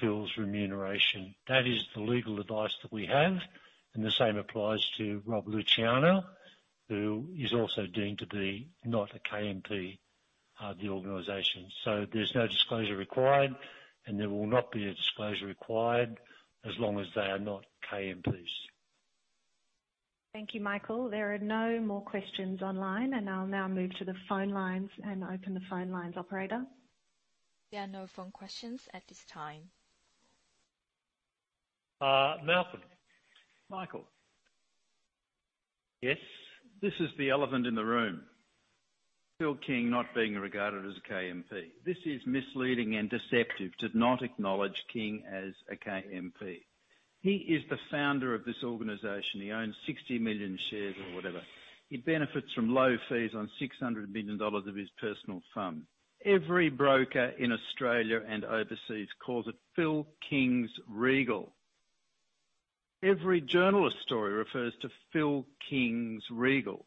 Phil's remuneration. That is the legal advice that we have, and the same applies to Robert Luciano, who is also deemed to be not a KMP of the organization. There's no disclosure required, and there will not be a disclosure required as long as they are not KMPs. Thank you, Michael. There are no more questions online, and I'll now move to the phone lines and open the phone lines. Operator? There are no phone questions at this time. Malcolm? Michael? Yes. This is the elephant in the room. Philip King not being regarded as a KMP. This is misleading and deceptive to not acknowledge King as a KMP. He is the founder of this organization. He owns 60 million shares or whatever. He benefits from low fees on 600 billion dollars of his personal fund. Every broker in Australia and overseas calls it Philip King's Regal. Every journalist story refers to Philip King's Regal.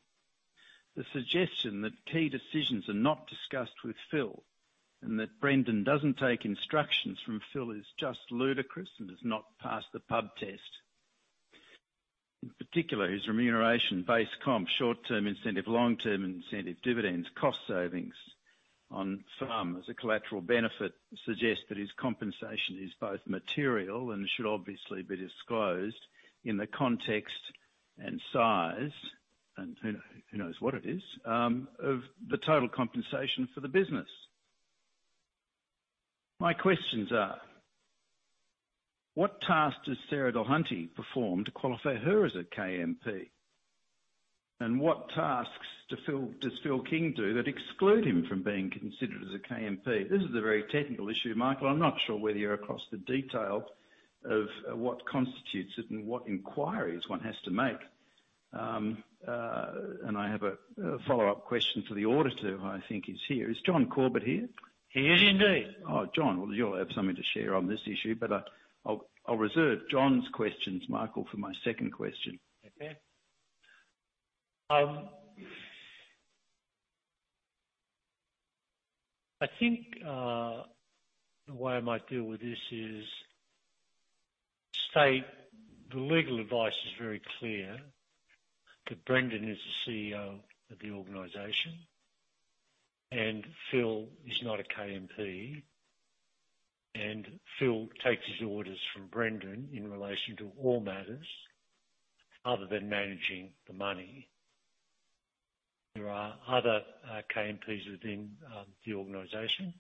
The suggestion that key decisions are not discussed with Phil and that Brendan doesn't take instructions from Phil is just ludicrous and does not pass the pub test. In particular, his remuneration, base comp, short-term incentive, long-term incentive, dividends, cost savings on farm as a collateral benefit suggests that his compensation is both material and should obviously be disclosed in the context and size, who knows what it is, of the total compensation for the business. My questions are, what task does Sarah Dulhunty perform to qualify her as a KMP? What tasks does Philip King do that exclude him from being considered as a KMP? This is a very technical issue, Michael. I'm not sure whether you're across the detail of what constitutes it and what inquiries one has to make. I have a follow-up question for the auditor, who I think is here. Is John Corbett here? He is indeed. Oh, John, well, you'll have something to share on this issue, but I'll reserve John's questions, Michael, for my second question. Okay. I think the way I might deal with this is state the legal advice is very clear that Brendan is the CEO of the organization, and Phil is not a KMP. Phil takes his orders from Brendan in relation to all matters other than managing the money. There are other KMPs within the organization,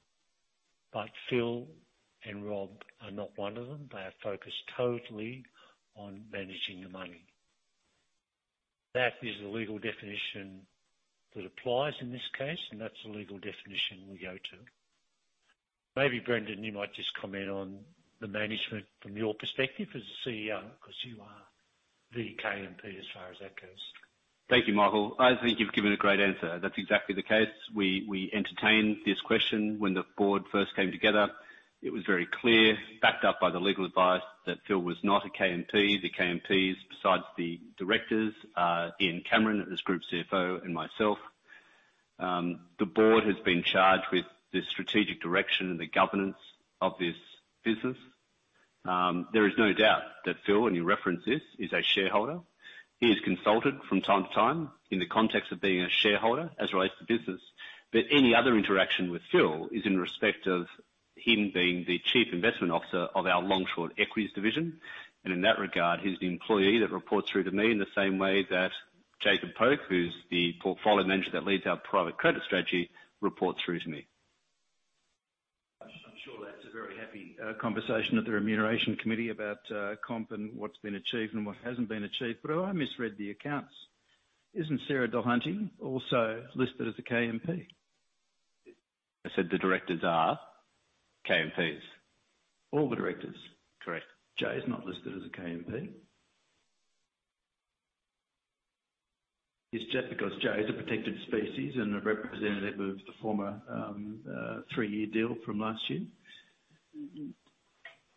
but Phil and Rob are not one of them. They are focused totally on managing the money. That is the legal definition that applies in this case, and that's the legal definition we go to. Maybe, Brendan, you might just comment on the management from your perspective as the CEO because you are the KMP as far as that goes. Thank you, Michael. I think you've given a great answer. That is exactly the case. We entertained this question when the board first came together. It was very clear, backed up by the legal advice that Phil was not a KMP. The KMPs, besides the directors, Ian Cameron as Group CFO and myself, the board has been charged with the strategic direction and the governance of this business. There is no doubt that Phil, and you referenced this, is a shareholder. He is consulted from time to time in the context of being a shareholder as it relates to business. Any other interaction with Phil is in respect of him being the Chief Investment Officer of our long-short equities division. In that regard, he's the employee that reports through to me in the same way that Jason Pöke, who's the Portfolio Manager that leads our private credit strategy, reports through to me. I'm sure that's a very happy conversation at the remuneration committee about comp and what's been achieved and what hasn't been achieved. Have I misread the accounts? Isn't Sarah Dulhunty also listed as a KMP? I said the directors are KMPs. All the directors? Correct. Jay is not listed as a KMP. Is it just because Jay is a protected species and a representative of the former, three-year deal from last year?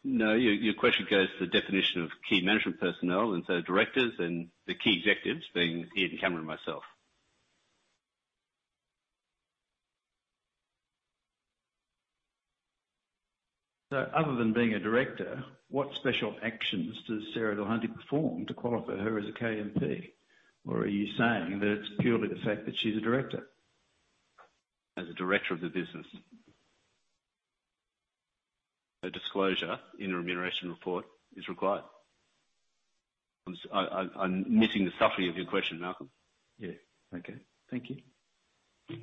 No. Your question goes to the definition of key management personnel and so directors and the key executives being Ian Cameron and myself. Other than being a director, what special actions does Sarah Dulhunty perform to qualify her as a KMP? Are you saying that it's purely the fact that she's a director? As a director of the business, her disclosure in a remuneration report is required. I'm missing the subtlety of your question, Malcolm. Yeah. Okay. Thank you.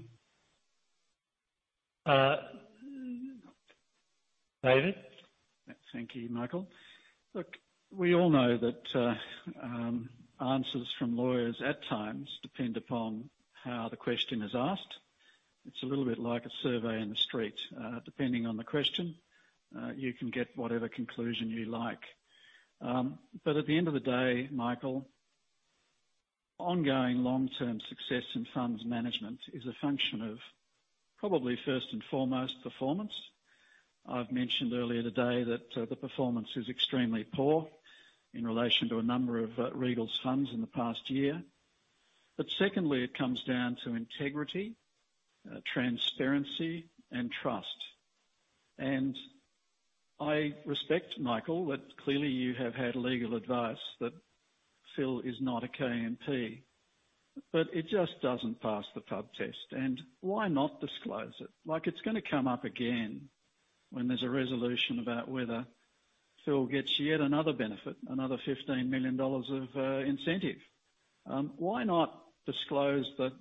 David? Thank you, Michael. Look, we all know that answers from lawyers at times depend upon how the question is asked. It's a little bit like a survey in the street. Depending on the question, you can get whatever conclusion you like. At the end of the day, Michael, ongoing long-term success in funds management is a function of probably first and foremost performance. I've mentioned earlier today that the performance is extremely poor in relation to a number of Regal's funds in the past year. Secondly, it comes down to integrity, transparency, and trust. I respect, Michael, that clearly you have had legal advice that Phil is not a KMP, but it just doesn't pass the pub test. Why not disclose it? It's gonna come up again when there's a resolution about whether Phil gets yet another benefit, another 15 million dollars of incentive. Why not disclose the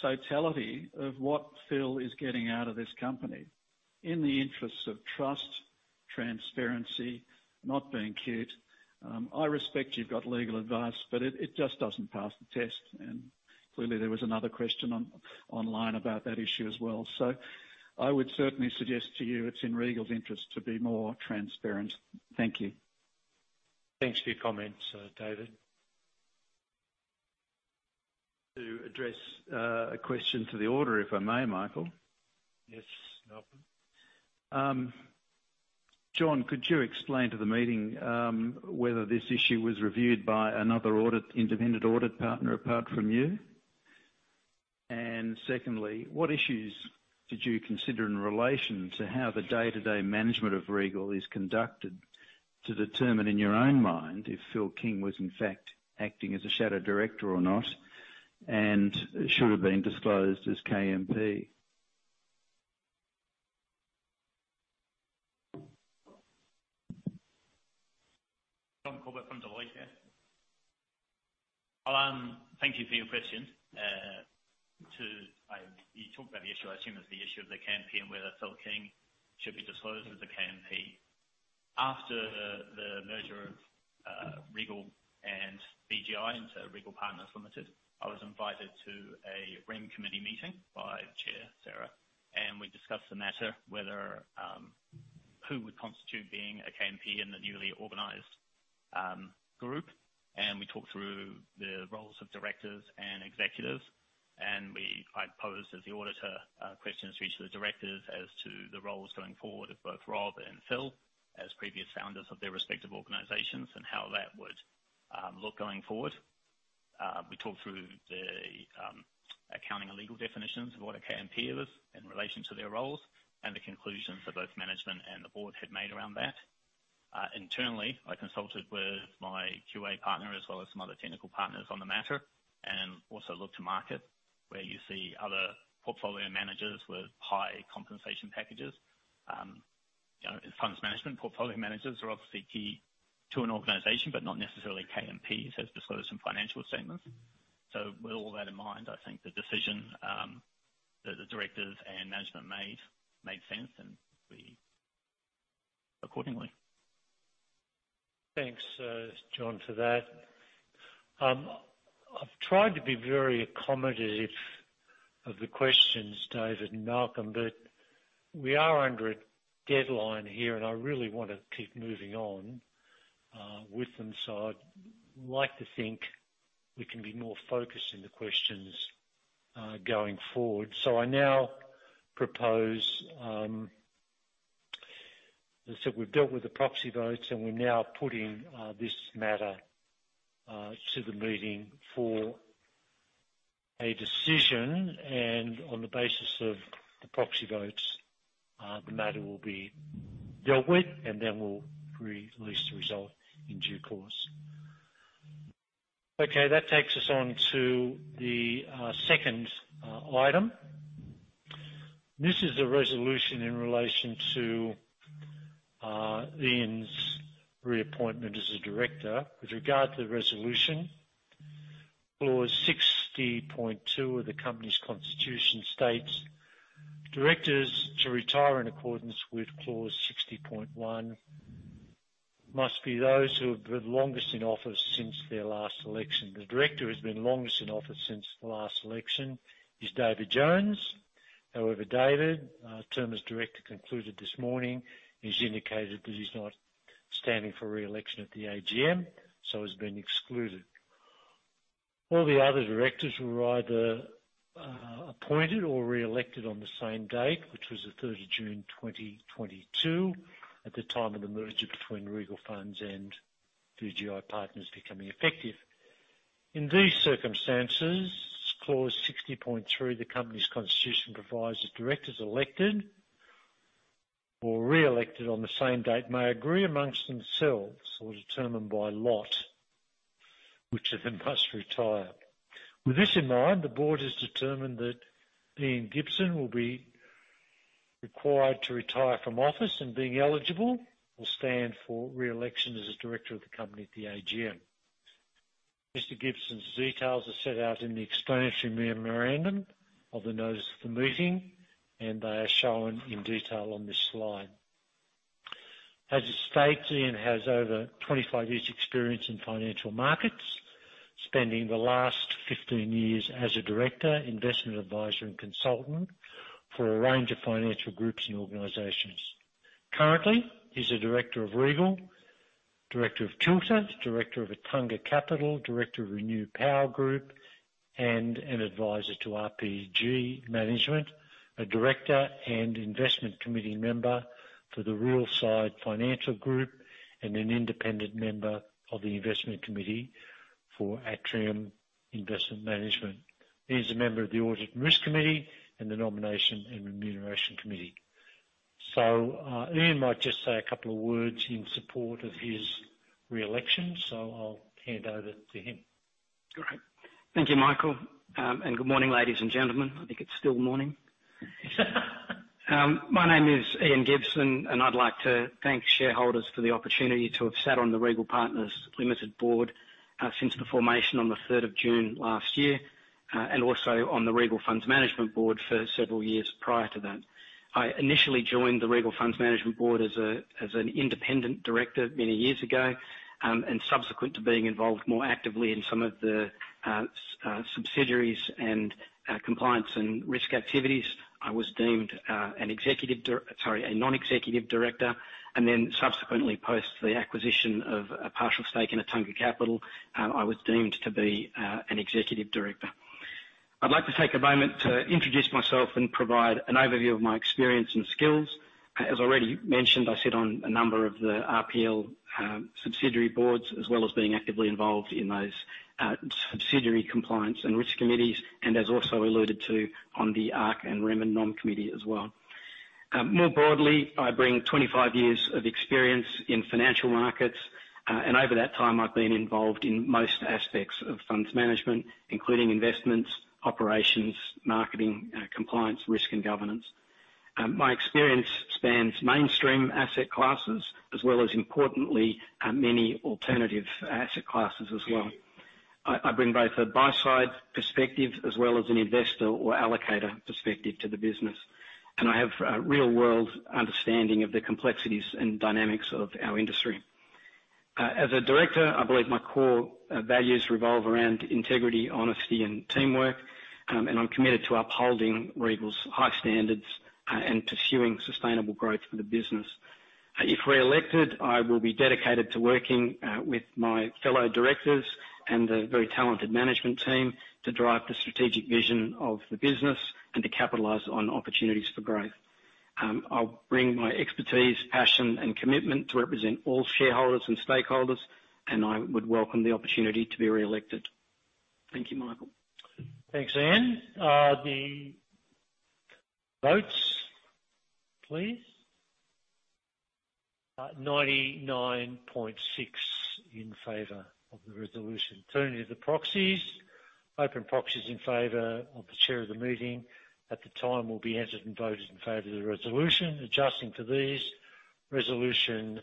totality of what Phil is getting out of this company in the interests of trust, transparency, not being cute? I respect you've got legal advice, but it just doesn't pass the test. Clearly, there was another question online about that issue as well. I would certainly suggest to you it's in Regal's interest to be more transparent. Thank you. Thanks for your comments, David. To address, a question to the order, if I may, Michael. Yes, Malcolm. John, could you explain to the meeting, whether this issue was reviewed by another audit, independent audit partner, apart from you? Secondly, what issues did you consider in relation to how the day-to-day management of Regal is conducted to determine, in your own mind, if Philip King was in fact acting as a shadow director or not and should have been disclosed as KMP? John Corbett from Deloitte here. Thank you for your question. You talked about the issue, I assume it's the issue of the KMP and whether Philip King should be disclosed as a KMP. After the merger of Regal and VGI into Regal Partners Limited, I was invited to a REM committee meeting by Chair Sarah. We discussed the matter whether who would constitute being a KMP in the newly organized group. We talked through the roles of directors and executives. I posed as the auditor questions to each of the directors as to the roles going forward of both Rob and Phil as previous founders of their respective organizations and how that would look going forward. We talked through the accounting and legal definitions of what a KMP was in relation to their roles and the conclusions that both management and the board had made around that. Internally, I consulted with my QA partner as well as some other technical partners on the matter and also looked to market where you see other portfolio managers with high compensation packages. You know, in funds management, portfolio managers are obviously key to an organization, but not necessarily KMPs, as disclosed in financial statements. With all that in mind, I think the decision that the directors and management made sense, and we accordingly. Thanks, John, for that. I've tried to be very accommodative of the questions, David and Malcolm, but we are under a deadline here, and I really wanna keep moving on with them. I'd like to think we can be more focused in the questions going forward. I now propose, as I said, we've dealt with the proxy votes, and we're now putting this matter to the meeting for a decision. On the basis of the proxy votes, the matter will be dealt with, and then we'll release the result in due course. Okay, that takes us on to the second item. This is a resolution in relation to Ian's reappointment as a director. With regard to the resolution, clause 60.2 of the company's constitution states, "Directors to retire in accordance with clause 60.1 must be those who have been longest in office since their last election. The director has been longest in office since the last election is David Jones. However, David, term as director concluded this morning, has indicated that he's not standing for re-election at the AGM, so has been excluded. All the other directors were either appointed or re-elected on the same date, which was the 3rd of June, 2022, at the time of the merger between Regal Funds and VGI Partners becoming effective. In these circumstances, clause 60.3 of the company's constitution provides that directors elected or re-elected on the same date may agree amongst themselves or determine by lot which of them must retire. With this in mind, the board has determined that Ian Gibson will be required to retire from office and, being eligible, will stand for re-election as a director of the company at the AGM. Mr. Gibson's details are set out in the explanatory memorandum of the notice of the meeting, and they are shown in detail on this slide. As stated, Ian has over 25 years' experience in financial markets, spending the last 15 years as a director, investment advisor and consultant for a range of financial groups and organizations. Currently, he's a director of Regal, director of Kilter Rural, director of Attunga Capital, director of ReNew Power Group, and an advisor to RPG Management, a director and investment committee member for the Riverside Financial Group, and an independent member of the investment committee for Atrium Investment Management. He's a member of the Audit and Risk Committee and the Nomination and Remuneration Committee. Ian might just say a couple of words in support of his re-election, so I'll hand over to him. Great. Thank you, Michael. Good morning, ladies and gentlemen. I think it's still morning. My name is Ian Gibson. I'd like to thank shareholders for the opportunity to have sat on the Regal Partners Limited board since the formation on the 3rd of June last year. Also on the Regal Funds Management board for several years prior to that. I initially joined the Regal Funds Management board as an independent director many years ago. Subsequent to being involved more actively in some of the subsidiaries and compliance and risk activities, I was deemed an executive director. Sorry, a non-executive director. Then subsequently, post the acquisition of a partial stake in Attunga Capital, I was deemed to be an executive director. I'd like to take a moment to introduce myself and provide an overview of my experience and skills. As already mentioned, I sit on a number of the RPL subsidiary boards, as well as being actively involved in those subsidiary compliance and risk committees, and as also alluded to on the ARC and REM and NOM committee as well. More broadly, I bring 25 years of experience in financial markets, and over that time, I've been involved in most aspects of funds management, including investments, operations, marketing, compliance, risk, and governance. My experience spans mainstream asset classes as well as, importantly, many alternative asset classes as well. I bring both a buy side perspective as well as an investor or allocator perspective to the business, and I have a real-world understanding of the complexities and dynamics of our industry. As a director, I believe my core values revolve around integrity, honesty, and teamwork, and I'm committed to upholding Regal's high standards and pursuing sustainable growth for the business. If re-elected, I will be dedicated to working with my fellow directors and the very talented management team to drive the strategic vision of the business and to capitalize on opportunities for growth. I'll bring my expertise, passion, and commitment to represent all shareholders and stakeholders, and I would welcome the opportunity to be re-elected. Thank you, Michael. Thanks, Ian. The votes, please. 99.6% in favor of the resolution. Turning to the proxies. Open proxies in favor of the chair of the meeting at the time will be entered and voted in favor of the resolution. Adjusting for these, resolution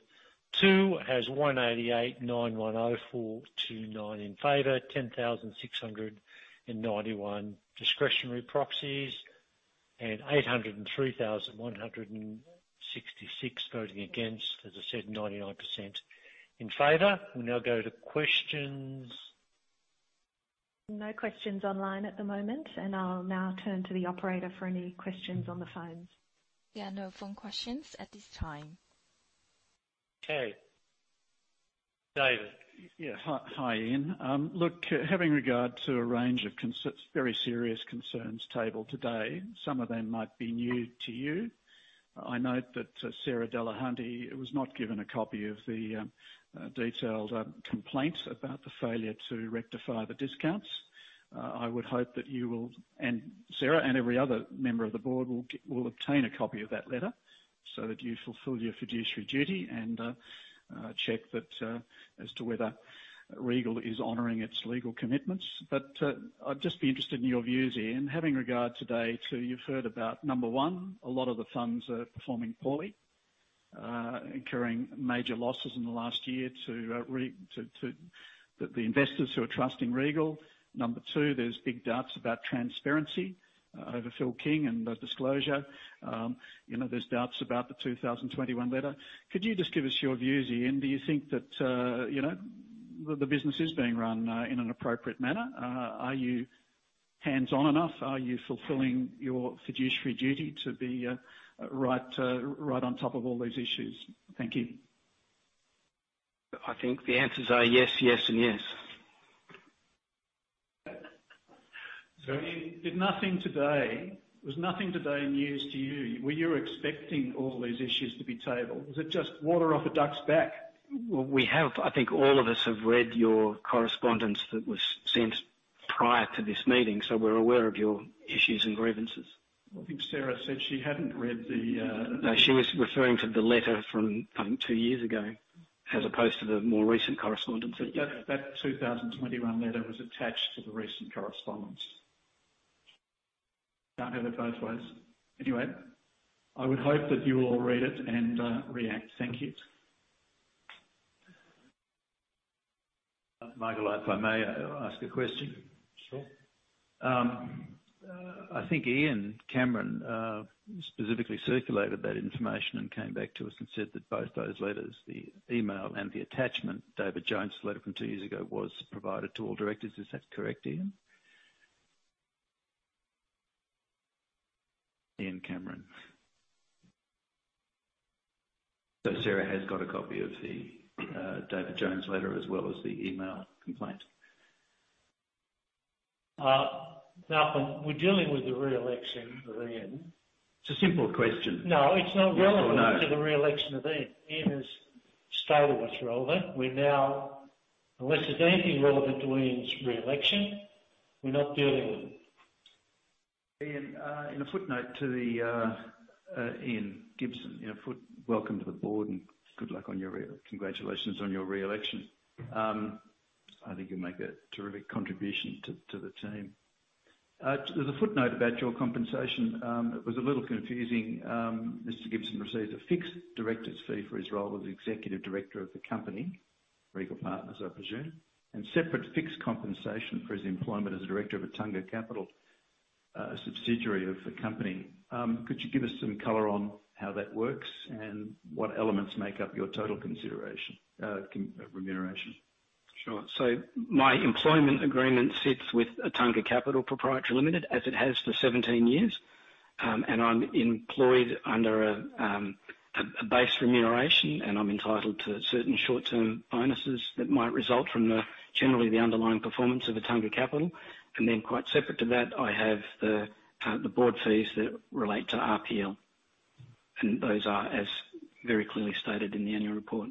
two has 188,904,209 in favor, 10,691 discretionary proxies, and 803,166 voting against. As I said, 99% in favor. We'll now go to questions. No questions online at the moment, and I'll now turn to the operator for any questions on the phones. There are no phone questions at this time. Okay. David. Hi, hi, Ian. look, having regard to a range of very serious concerns tabled today, some of them might be new to you. I note that Sarah Dulhunty was not given a copy of the detailed complaints about the failure to rectify the discounts. I would hope that you will, and Sarah and every other member of the board will obtain a copy of that letter so that you fulfill your fiduciary duty and check that as to whether Regal is honoring its legal commitments. I'd just be interested in your views, Ian, having regard today to, you've heard about, number 1, a lot of the funds are performing poorly, incurring major losses in the last year to The investors who are trusting Regal. Number two, there's big doubts about transparency, over Philip King and disclosure. You know, there's doubts about the 2021 letter. Could you just give us your views, Ian? Do you think that? The business is being run, in an appropriate manner. Are you hands-on enough? Are you fulfilling your fiduciary duty to be right on top of all these issues? Thank you. I think the answers are yes, and yes. You, did nothing today. There was nothing today news to you. Were you expecting all these issues to be tabled? Is it just water off a duck's back? I think all of us have read your correspondence that was sent prior to this meeting, so we're aware of your issues and grievances. I think Sarah said she hadn't read the. She was referring to the letter from, I think, two years ago, as opposed to the more recent correspondence. That 2021 letter was attached to the recent correspondence. Can't have it both ways. I would hope that you will read it and react. Thank you. Michael, if I may ask a question? Sure. I think Ian Cameron specifically circulated that information and came back to us and said that both those letters, the email and the attachment, David Jones' letter from two years ago, was provided to all directors. Is that correct, Ian? Ian Cameron. Sarah has got a copy of the David Jones letter as well as the email complaint. No. We're dealing with the reelection of Ian. It's a simple question. No, it's not relevant... Yes or no. to the reelection of Ian. Ian has stated what's relevant. Unless there's anything relevant to Ian's reelection, we're not dealing with it. Ian Gibson, Welcome to the board and good luck on your congratulations on your reelection. I think you'll make a terrific contribution to the team. There's a footnote about your compensation. It was a little confusing. Mr. Gibson receives a fixed director's fee for his role as Executive Director of the company, Regal Partners, I presume, and separate fixed compensation for his employment as a Director of Attunga Capital, a subsidiary of the company. Could you give us some color on how that works and what elements make up your total consideration remuneration? Sure. My employment agreement sits with Attunga Capital Proprietary Limited, as it has for 17 years. I'm employed under a base remuneration, and I'm entitled to certain short-term bonuses that might result from generally the underlying performance of Attunga Capital. Then quite separate to that, I have the board fees that relate to RPL, and those are as very clearly stated in the annual report.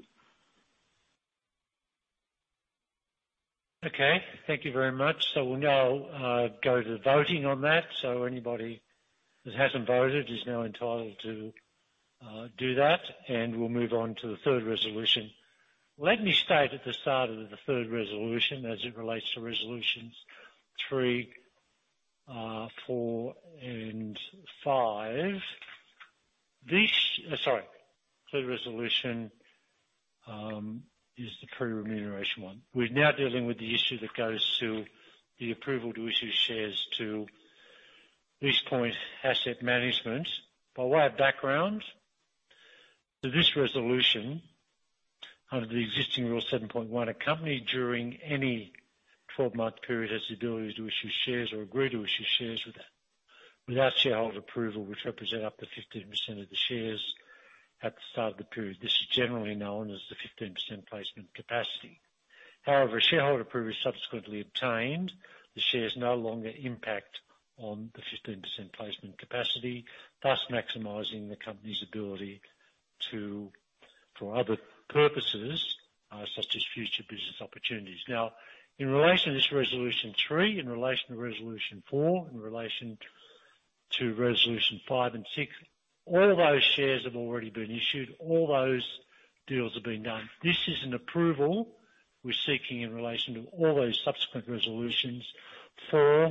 Okay. Thank you very much. We'll now go to voting on that. Anybody that hasn't voted is now entitled to do that, and we'll move on to the third resolution. Let me state at the start of the third resolution as it relates to Resolutions three, four, and five. This. Sorry. Third resolution is the pre-remuneration one. We're now dealing with the issue that goes to the approval to issue shares to East Point Asset Management. By way of background to this resolution, under the existing Rule 7.1, a company during any 12-month period has the ability to issue shares or agree to issue shares with a, without shareholder approval, which represent up to 15% of the shares at the start of the period. This is generally known as the 15% placement capacity. If shareholder approval is subsequently obtained, the shares no longer impact on the 15% placement capacity, thus maximizing the company's ability to, for other purposes, such as future business opportunities. In relation to this Resolution three, in relation to Resolution four, in relation to Resolution five and six, all those shares have already been issued. All those deals have been done. This is an approval we're seeking in relation to all those subsequent resolutions for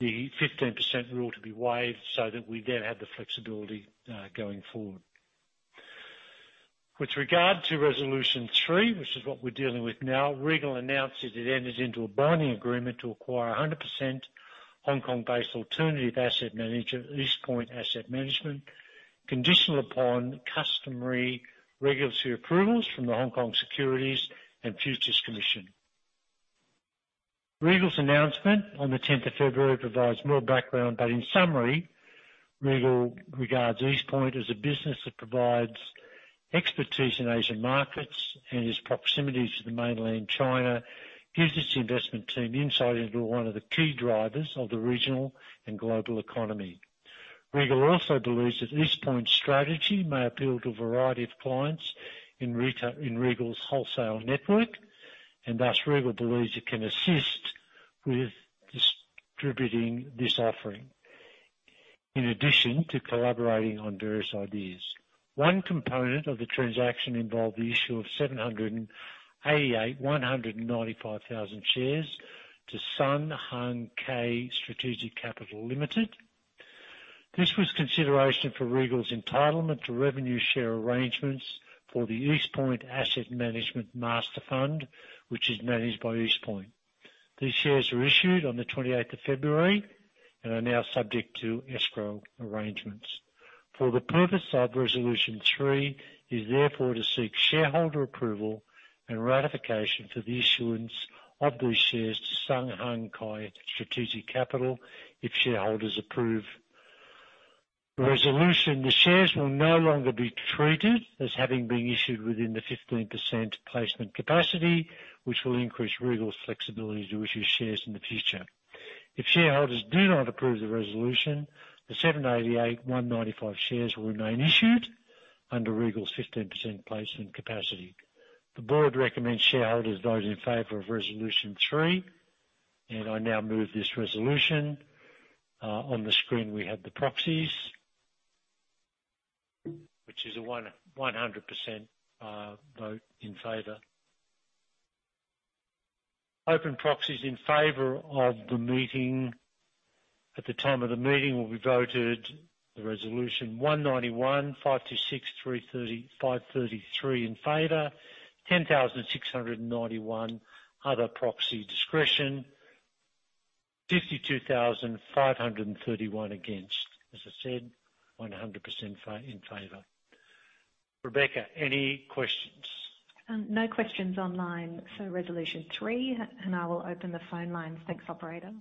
the 15% rule to be waived so that we then have the flexibility going forward. With regard to Resolution three, which is what we're dealing with now, Regal announced that it entered into a binding agreement to acquire 100% Hong Kong-based alternative asset manager, East Point Asset Management, conditional upon customary regulatory approvals from the Hong Kong Securities and Futures Commission. Regal’s announcement on the 10th of February provides more background. In summary, Regal regards East Point as a business that provides expertise in Asian markets and its proximity to mainland China gives its investment team insight into one of the key drivers of the regional and global economy. Regal also believes that East Point’s strategy may appeal to a variety of clients in Regal’s wholesale network, and thus Regal believes it can assist with distributing this offering in addition to collaborating on various ideas. One component of the transaction involved the issue of 788, 195,000 shares to Sun Hung Kai Strategic Capital Limited. This was consideration for Regal’s entitlement to revenue share arrangements for the East Point Asset Management Master Fund, which is managed by East Point. These shares were issued on the 28th of February and are now subject to escrow arrangements. For the purpose of Resolution 3 is therefore to seek shareholder approval and ratification for the issuance of these shares to Sun Hung Kai Strategic Capital. If shareholders approve the resolution, the shares will no longer be treated as having been issued within the 15% placement capacity, which will increase Regal's flexibility to issue shares in the future. If shareholders do not approve the resolution, the 788,195 shares will remain issued under Regal's 15% placement capacity. The board recommends shareholders vote in favor of Resolution 3, and I now move this resolution. On the screen, we have the proxies. Which is a 100% vote in favor. Open proxies in favor of the meeting. At the time of the meeting will be voted. The Resolution 191,526,533 in favor. 10,691 other proxy discretion. 52,531 against. As I said, 100% in favor. Rebecca, any questions? No questions online for Resolution three. I will open the phone lines. Thanks, operator.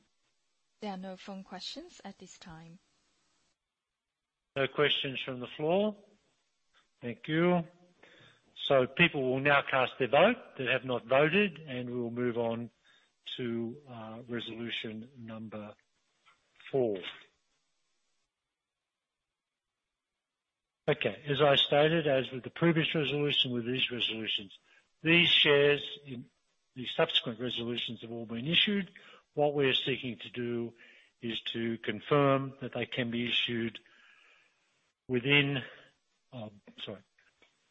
There are no phone questions at this time. No questions from the floor? Thank you. People will now cast their vote that have not voted, and we will move on to resolution number 4. Okay. As I stated, as with the previous resolution, with these resolutions, these shares in the subsequent resolutions have all been issued. What we're seeking to do is to confirm that they can be issued within, sorry.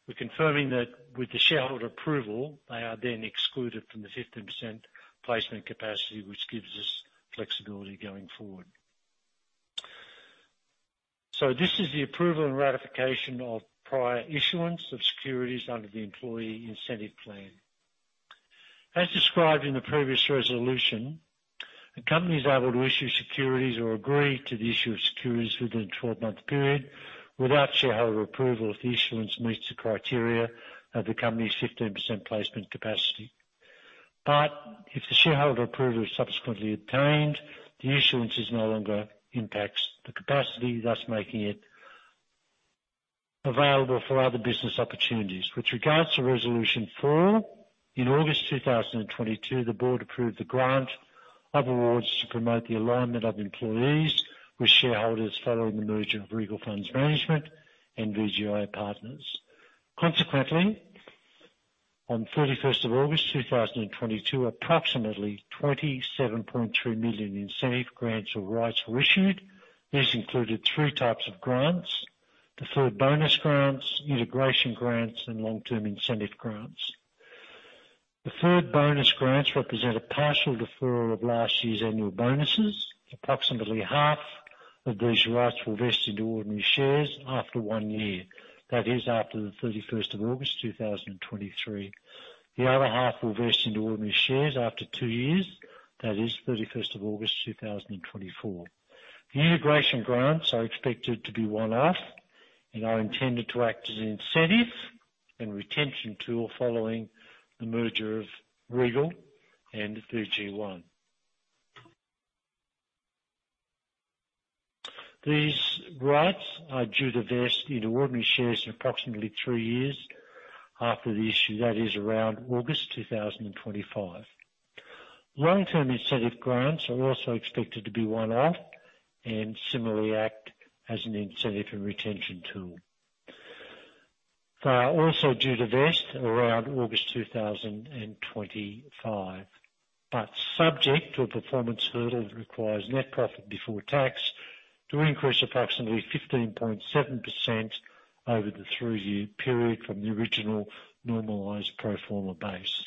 We're confirming that with the shareholder approval, they are then excluded from the 15% placement capacity, which gives us flexibility going forward. This is the approval and ratification of prior issuance of securities under the employee incentive plan. As described in the previous resolution, the company is able to issue securities or agree to the issue of securities within a 12-month period without shareholder approval if the issuance meets the criteria of the company's 15% placement capacity. If the shareholder approval is subsequently obtained, the issuance is no longer impacts the capacity, thus making it available for other business opportunities. With regards to Resolution four, in August 2022, the board approved the grant of awards to promote the alignment of employees with shareholders following the merger of Regal Funds Management and VGI Partners. Consequently, on 31st of August 2022, approximately 27.2 million incentive grants or rights were issued. These included three types of grants: deferred bonus grants, integration grants, and long-term incentive grants. Deferred bonus grants represent a partial deferral of last year's annual bonuses. Approximately half of these rights will vest into ordinary shares after 1 year, that is after the 31st of August 2023. The other half will vest into ordinary shares after two years, that is 31st of August 2024. The integration grants are expected to be one-off and are intended to act as an incentive and retention tool following the merger of Regal and VGI. These rights are due to vest into ordinary shares in approximately three years after the issue, that is around August 2025. Long-term incentive grants are also expected to be one-off and similarly act as an incentive and retention tool. They are also due to vest around August 2025, but subject to a performance hurdle that requires net profit before tax to increase approximately 15.7% over the 3-year period from the original normalized pro forma base.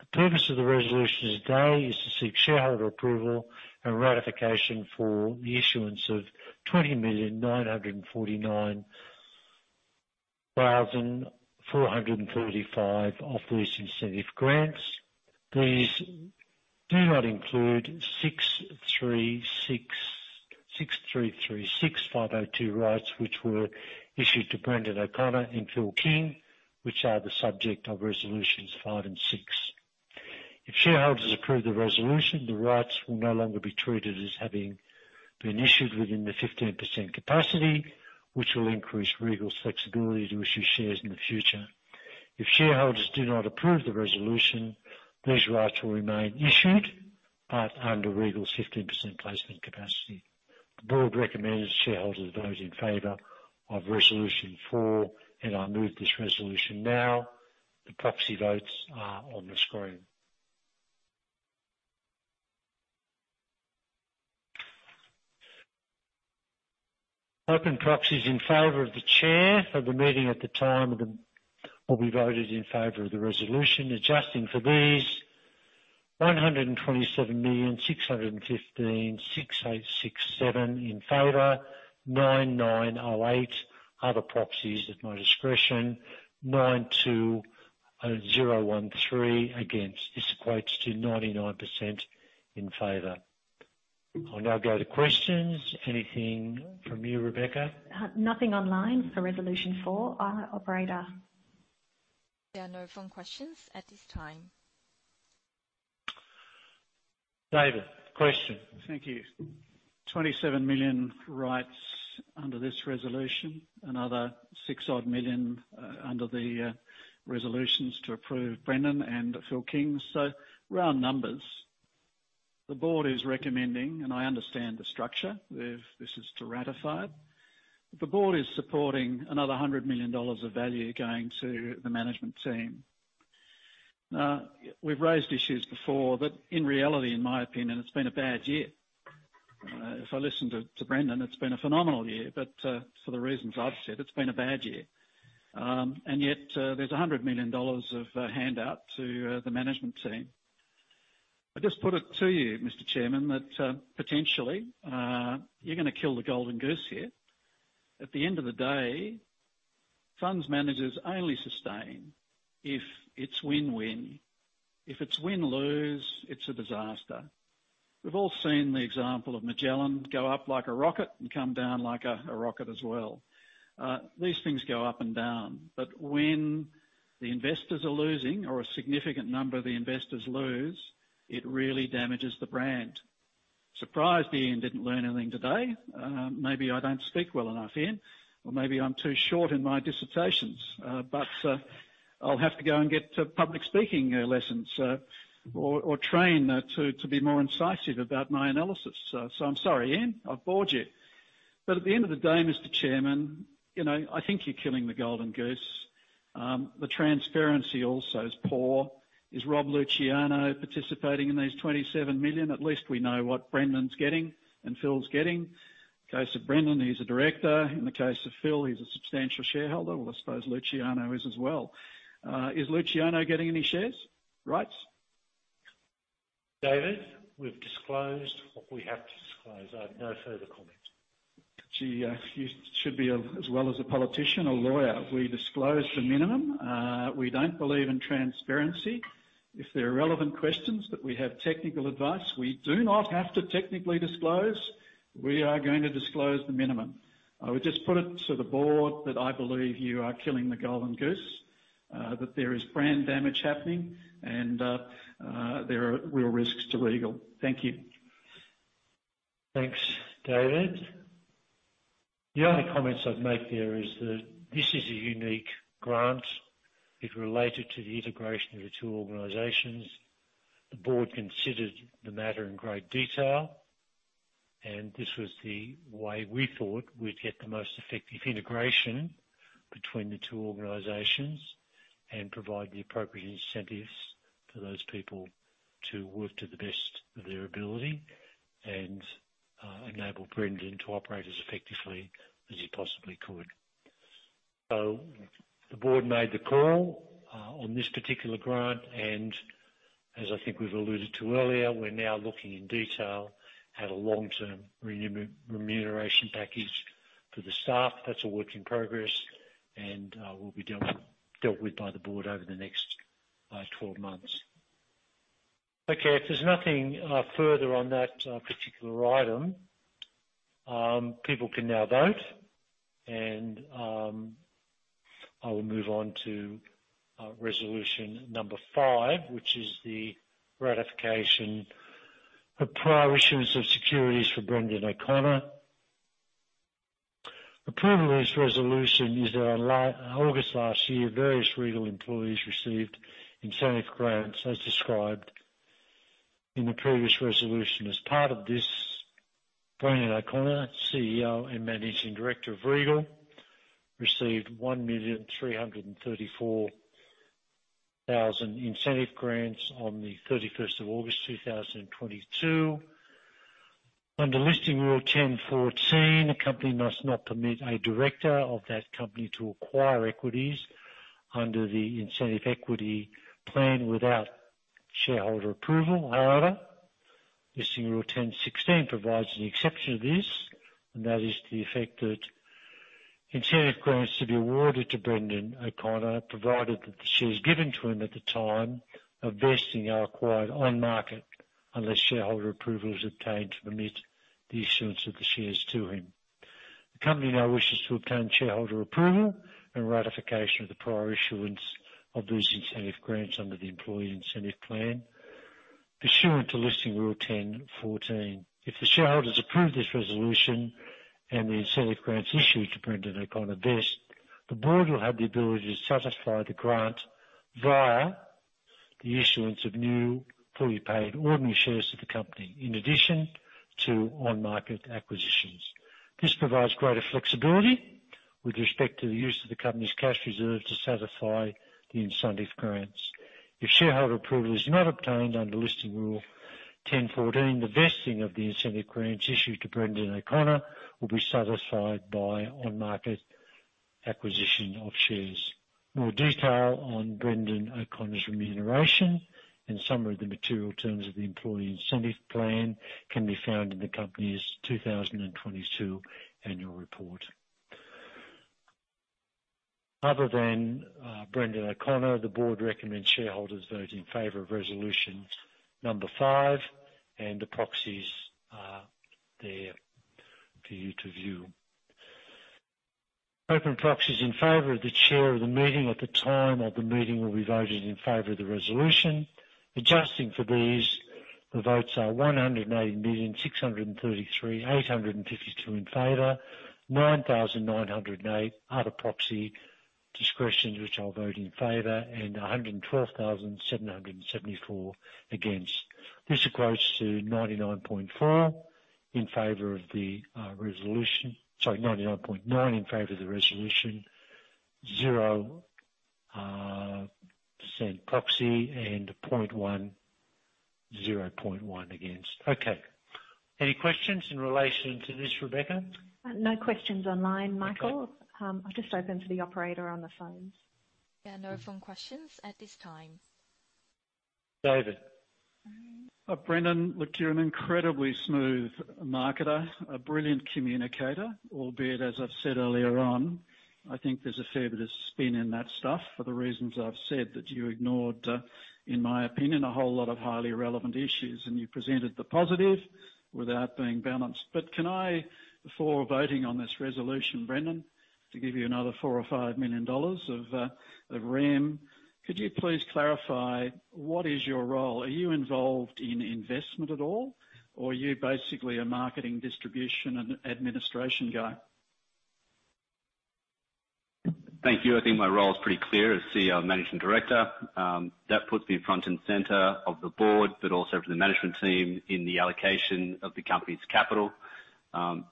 The purpose of the resolutions today is to seek shareholder approval and ratification for the issuance of 20,949,445 of these incentive grants. Please do not include 6,336,502 rights, which were issued to Brendan O'Connor and Philip King, which are the subject of Resolutions five and six. If shareholders approve the resolution, the rights will no longer be treated as having been issued within the 15% capacity, which will increase Regal's flexibility to issue shares in the future. If shareholders do not approve the resolution, these rights will remain issued, but under Regal's 15% placement capacity. The board recommends shareholders vote in favor of Resolution four, and I move this resolution now. The proxy votes are on the screen. Open proxies in favor of the chair of the meeting will be voted in favor of the resolution. Adjusting for these 127,615,687 in favor. 9,908 other proxies at my discretion, 9,013 against. This equates to 99% in favor. I'll now go to questions. Anything from you, Rebecca? Nothing online for resolution four. Operator? There are no phone questions at this time. David, question. Thank you. 27 million rights under this resolution. Another six odd million under the resolutions to approve Brendan and Philip King. Round numbers. The board is recommending, I understand the structure if this is to ratify it. The board is supporting another 100 million dollars of value going to the management team. We've raised issues before, in reality, in my opinion, it's been a bad year. If I listen to Brendan, it's been a phenomenal year. For the reasons I've said, it's been a bad year. Yet, there's an 100 million dollars of a handout to the management team. I just put it to you, Mr. Chairman, that potentially, you're gonna kill the golden goose here. At the end of the day, funds managers only sustain if it's win-win. If it's win-lose, it's a disaster. We've all seen the example of Magellan go up like a rocket and come down like a rocket as well. These things go up and down. When the investors are losing or a significant number of the investors lose, it really damages the brand. Surprised Ian didn't learn anything today. Maybe I don't speak well enough, Ian, or maybe I'm too short in my dissertations. I'll have to go and get to public speaking lessons or train to be more incisive about my analysis. I'm sorry, Ian, I've bored you. At the end of the day, Mr. Chairman, you know, I think you're killing the golden goose. The transparency also is poor. Is Robert Luciano participating in these 27 million? At least we know what Brendan's getting and Phil's getting. In the case of Brendan, he's a director. In the case of Phil, he's a substantial shareholder. Well, I suppose Luciano is as well. Is Luciano getting any shares? Rights? David, we've disclosed what we have to disclose. I have no further comment. Gee, you should be as well as a politician, a lawyer. We disclose the minimum. We don't believe in transparency. If there are relevant questions that we have technical advice, we do not have to technically disclose. We are going to disclose the minimum. I would just put it to the board that I believe you are killing the golden goose, that there is brand damage happening and, there are real risks to Regal. Thank you. Thanks, David. The only comments I'd make there is that this is a unique grant. It related to the integration of the two organizations. The board considered the matter in great detail. This was the way we thought we'd get the most effective integration between the two organizations and provide the appropriate incentives for those people to work to the best of their ability and enable Brendan to operate as effectively as he possibly could. The board made the call on this particular grant, and as I think we've alluded to earlier, we're now looking in detail at a long-term remuneration package for the staff. That's a work in progress and will be dealt with by the board over the next 12 months. Okay. If there's nothing further on that particular item, people can now vote. I will move on to resolution number five, which is the ratification of prior issuance of securities for Brendan O'Connor. The purpose of this resolution is that on August last year, various Regal employees received incentive grants as described in the previous resolution. As part of this, Brendan O'Connor, CEO and Managing Director of Regal, received 1,334,000 incentive grants on the 31st of August, 2022. Under Listing Rule 10.14, a company must not permit a director of that company to acquire equities under the incentive equity plan without shareholder approval. However, Listing Rule 10.16 provides an exception to this, and that is to the effect that incentive grants should be awarded to Brendan O'Connor, provided that the shares given to him at the time of vesting are acquired on market unless shareholder approval is obtained to permit the issuance of the shares to him. The company now wishes to obtain shareholder approval and ratification of the prior issuance of those incentive grants under the employee incentive plan pursuant to Listing Rule 10.14. If the shareholders approve this resolution and the incentive grants issued to Brendan O'Connor vest, the board will have the ability to satisfy the grant via the issuance of new fully paid ordinary shares to the company in addition to on-market acquisitions. This provides greater flexibility with respect to the use of the company's cash reserve to satisfy the incentive grants. If shareholder approval is not obtained under Listing Rule 10.14, the vesting of the incentive grants issued to Brendan O'Connor will be satisfied by on-market acquisition of shares. More detail on Brendan O'Connor's remuneration and summary of the material terms of the employee incentive plan can be found in the company's 2022 annual report. Other than Brendan O'Connor, the board recommends shareholders vote in favor of Resolution five. The proxies are there for you to view. Open proxies in favor of the chair of the meeting at the time of the meeting will be voted in favor of the resolution. Adjusting for these, the votes are 180,633,852 in favor. 9,908 other proxy discretions, which I'll vote in favor, and 112,774 against. This equates to 99.4% in favor of the resolution. Sorry, 99.9% in favor of the resolution, 0% proxy and 0.1% against. Okay. Any questions in relation to this, Rebecca? No questions online, Michael. Okay. I'll just open to the operator on the phones. Yeah, no phone questions at this time. David. Brendan, look, you're an incredibly smooth marketer, a brilliant communicator, albeit, as I've said earlier on, I think there's a fair bit of spin in that stuff for the reasons I've said that you ignored, in my opinion, a whole lot of highly relevant issues, and you presented the positive without being balanced. Can I, before voting on this resolution, Brendan, to give you another 4 million or 5 million dollars of RAM, could you please clarify what is your role? Are you involved in investment at all, or are you basically a marketing, distribution, and administration guy? Thank you. I think my role is pretty clear as CEO and Managing Director. That puts me front and center of the board, also for the management team in the allocation of the company's capital,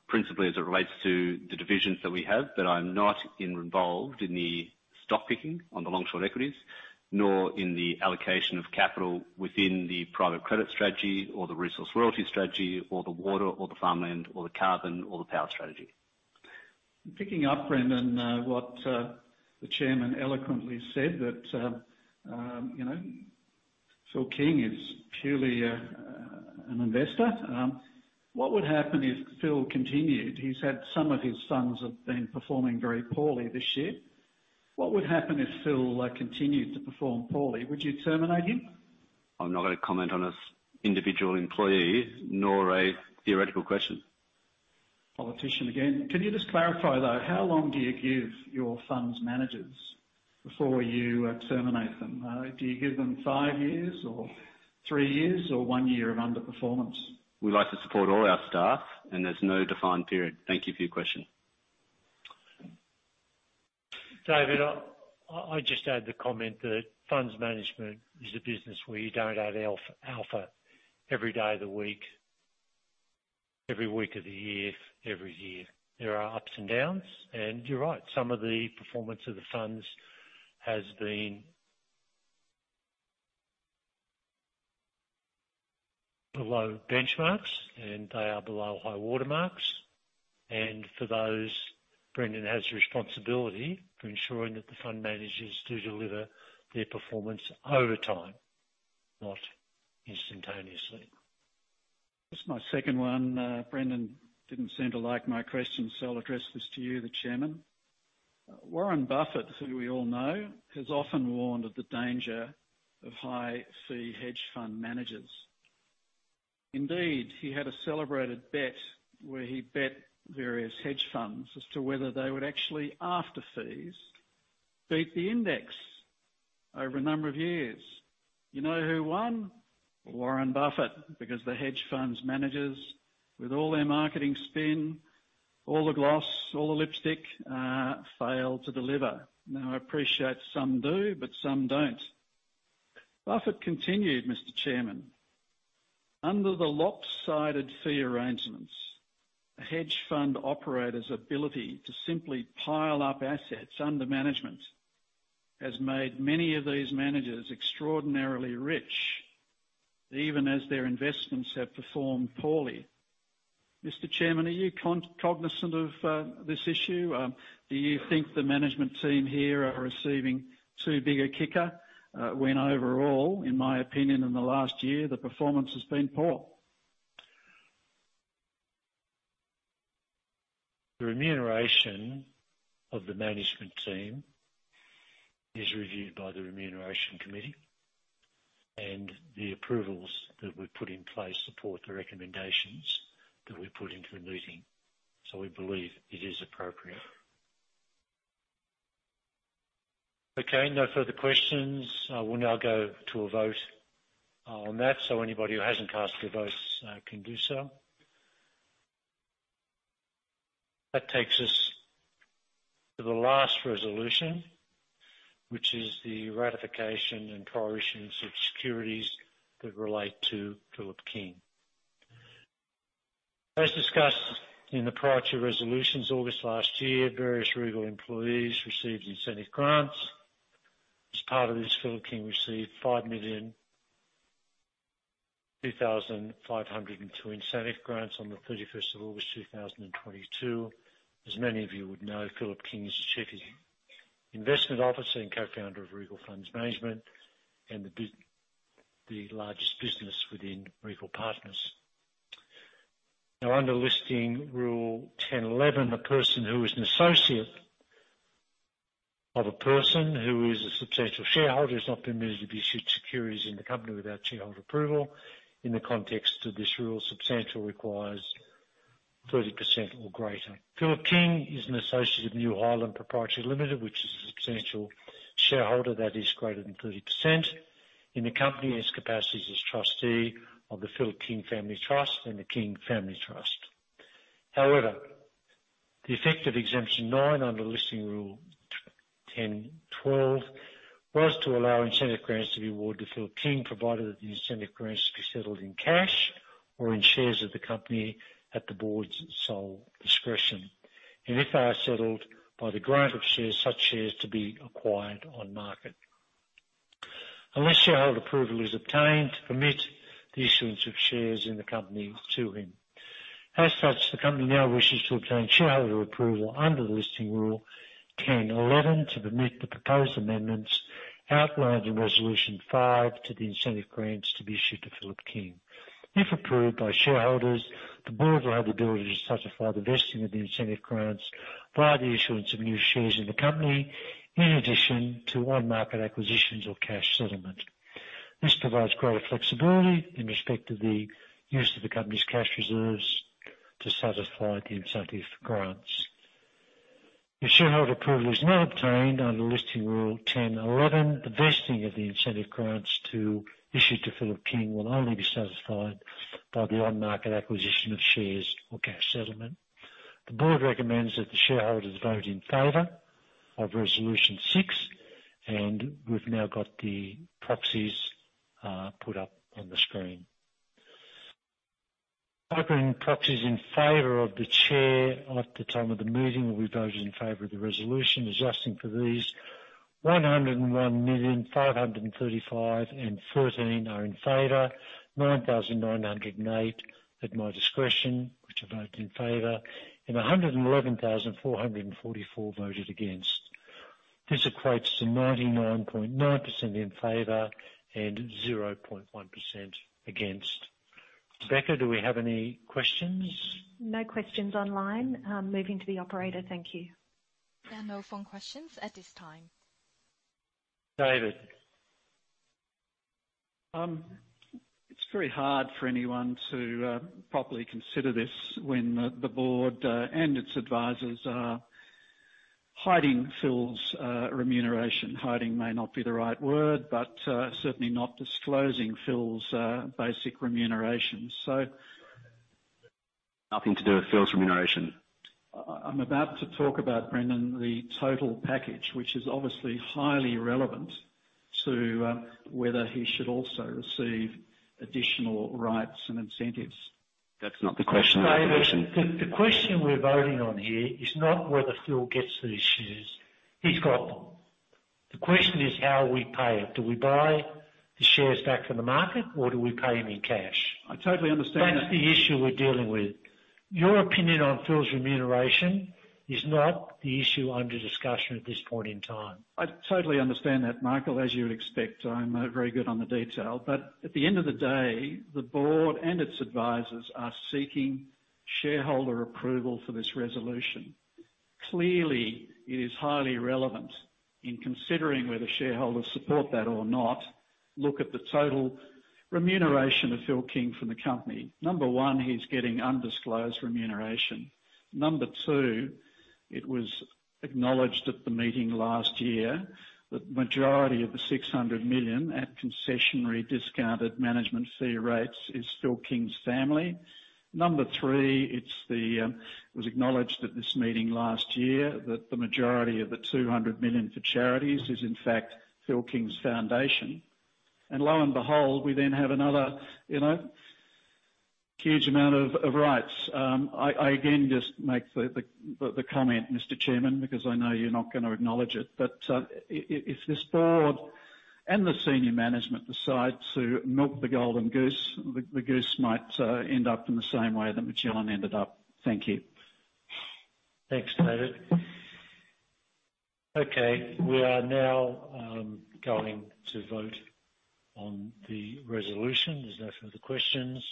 principally as it relates to the divisions that we have. I'm not involved in the stock picking on the long-short equities, nor in the allocation of capital within the private credit strategy or the resource royalty strategy or the water or the farmland or the carbon or the power strategy. Picking up, Brendan, what the chairman eloquently said that, you know, Philip King is purely an investor. What would happen if Phil continued? He's had some of his funds have been performing very poorly this year. What would happen if Phil continued to perform poorly? Would you terminate him? I'm not gonna comment on a individual employee, nor a theoretical question. Politician again. Can you just clarify, though, how long do you give your funds managers before you terminate them? Do you give them five years or three years or one year of underperformance? We like to support all our staff. There's no defined period. Thank you for your question. David, I'll just add the comment that funds management is a business where you don't add alpha every day of the week, every week of the year, every year. There are ups and downs. You're right, some of the performance of the funds has been below benchmarks, and they are below high water marks. For those, Brendan has responsibility for ensuring that the fund managers do deliver their performance over time, not instantaneously. Just my second one. Brendan didn't seem to like my question, I'll address this to you, the Chairman. Warren Buffett, who we all know, has often warned of the danger of high fee hedge fund managers. He had a celebrated bet where he bet various hedge funds as to whether they would actually, after fees, beat the index over a number of years. You know who won? Warren Buffett, the hedge funds managers, with all their marketing spin, all the gloss, all the lipstick, failed to deliver. I appreciate some do, some don't. Buffett continued, Mr. Chairman, "Under the lopsided fee arrangements, a hedge fund operator's ability to simply pile up assets under management has made many of these managers extraordinarily rich, even as their investments have performed poorly." Mr. Chairman, are you cognizant of this issue? Do you think the management team here are receiving too big a kicker, when overall, in my opinion, in the last year, the performance has been poor? The remuneration of the management team is reviewed by the remuneration committee. The approvals that we've put in place support the recommendations that we put into the meeting. We believe it is appropriate. Okay, no further questions. I will now go to a vote on that. Anybody who hasn't cast their votes can do so. That takes us to the last resolution, which is the ratification and prohibition of securities that relate to Philip King. As discussed in the prior two resolutions, August last year, various Regal employees received incentive grants. As part of this, Philip King received 5,002,502 incentive grants on the 31st of August, 2022. As many of you would know, Philip King is the chief investment officer and cofounder of Regal Funds Management and the largest business within Regal Partners. Under Listing Rule 10.11, a person who is an associate of a person who is a substantial shareholder has not been moved to be issued securities in the company without shareholder approval. In the context of this rule, substantial requires 30% or greater. Philip King is an associate of New Highland Pty Limited, which is a substantial shareholder that is greater than 30%. In the company, his capacity is as trustee of the Philip King Family Trust and the King Family Trust. The effect of Exemption 9 under Listing Rule 10.12 was to allow incentive grants to be awarded to Philip King, provided that the incentive grants be settled in cash or in shares of the company at the board's sole discretion, and if they are settled by the grant of shares, such shares to be acquired on market. Unless shareholder approval is obtained to permit the issuance of shares in the company to him. As such, the company now wishes to obtain shareholder approval under the Listing Rule 10.11 to permit the proposed amendments outlined in Resolution five to the incentive grants to be issued to Philip King. If approved by shareholders, the board will have the ability to satisfy the vesting of the incentive grants via the issuance of new shares in the company, in addition to on-market acquisitions or cash settlement. This provides greater flexibility in respect to the use of the company's cash reserves to satisfy the incentive grants. If shareholder approval is not obtained under Listing Rule 10.11, the vesting of the incentive grants to issue to Philip King will only be satisfied by the on-market acquisition of shares or cash settlement. The board recommends that the shareholders vote in favor of Resolution six. We've now got the proxies put up on the screen. Opening proxies in favor of the chair at the time of the meeting will be voted in favor of the resolution. Adjusting for these, 101,535,013 are in favor. 9,908, at my discretion, which I vote in favor, and 111,444 voted against. This equates to 99.9% in favor and 0.1% against. Rebecca, do we have any questions? No questions online. Moving to the operator. Thank you. There are no phone questions at this time. David. It's very hard for anyone to properly consider this when the board and its advisors are hiding Phil's remuneration. Hiding may not be the right word, but certainly not disclosing Phil's basic remuneration. Nothing to do with Phil's remuneration. I'm about to talk about, Brendan, the total package, which is obviously highly relevant to whether he should also receive additional rights and incentives. That's not the question at hand. David, the question we're voting on here is not whether Phil gets these shares. He's got them. The question is how we pay him. Do we buy the shares back from the market, or do we pay him in cash? I totally understand that. That's the issue we're dealing with. Your opinion on Phil's remuneration is not the issue under discussion at this point in time. I totally understand that, Michael. As you would expect, I'm very good on the detail. At the end of the day, the board and its advisors are seeking shareholder approval for this resolution. Clearly, it is highly relevant in considering whether shareholders support that or not. Look at the total remuneration of Phil King from the company. Number one, he's getting undisclosed remuneration. Number two, it was acknowledged at the meeting last year that the majority of the 600 million at concessionary discounted management fee rates is Phil King's family. Number three, it's the... it was acknowledged at this meeting last year that the majority of the 200 million for charities is, in fact, Phil King's foundation. Lo and behold, we then have another, you know, huge amount of rights. I again just make the comment, Mr. Chairman, because I know you're not gonna acknowledge it, if this board and the senior management decide to milk the golden goose, the goose might end up in the same way that Magellan ended up. Thank you. Thanks, David. Okay. We are now going to vote on the resolution. There's no further questions.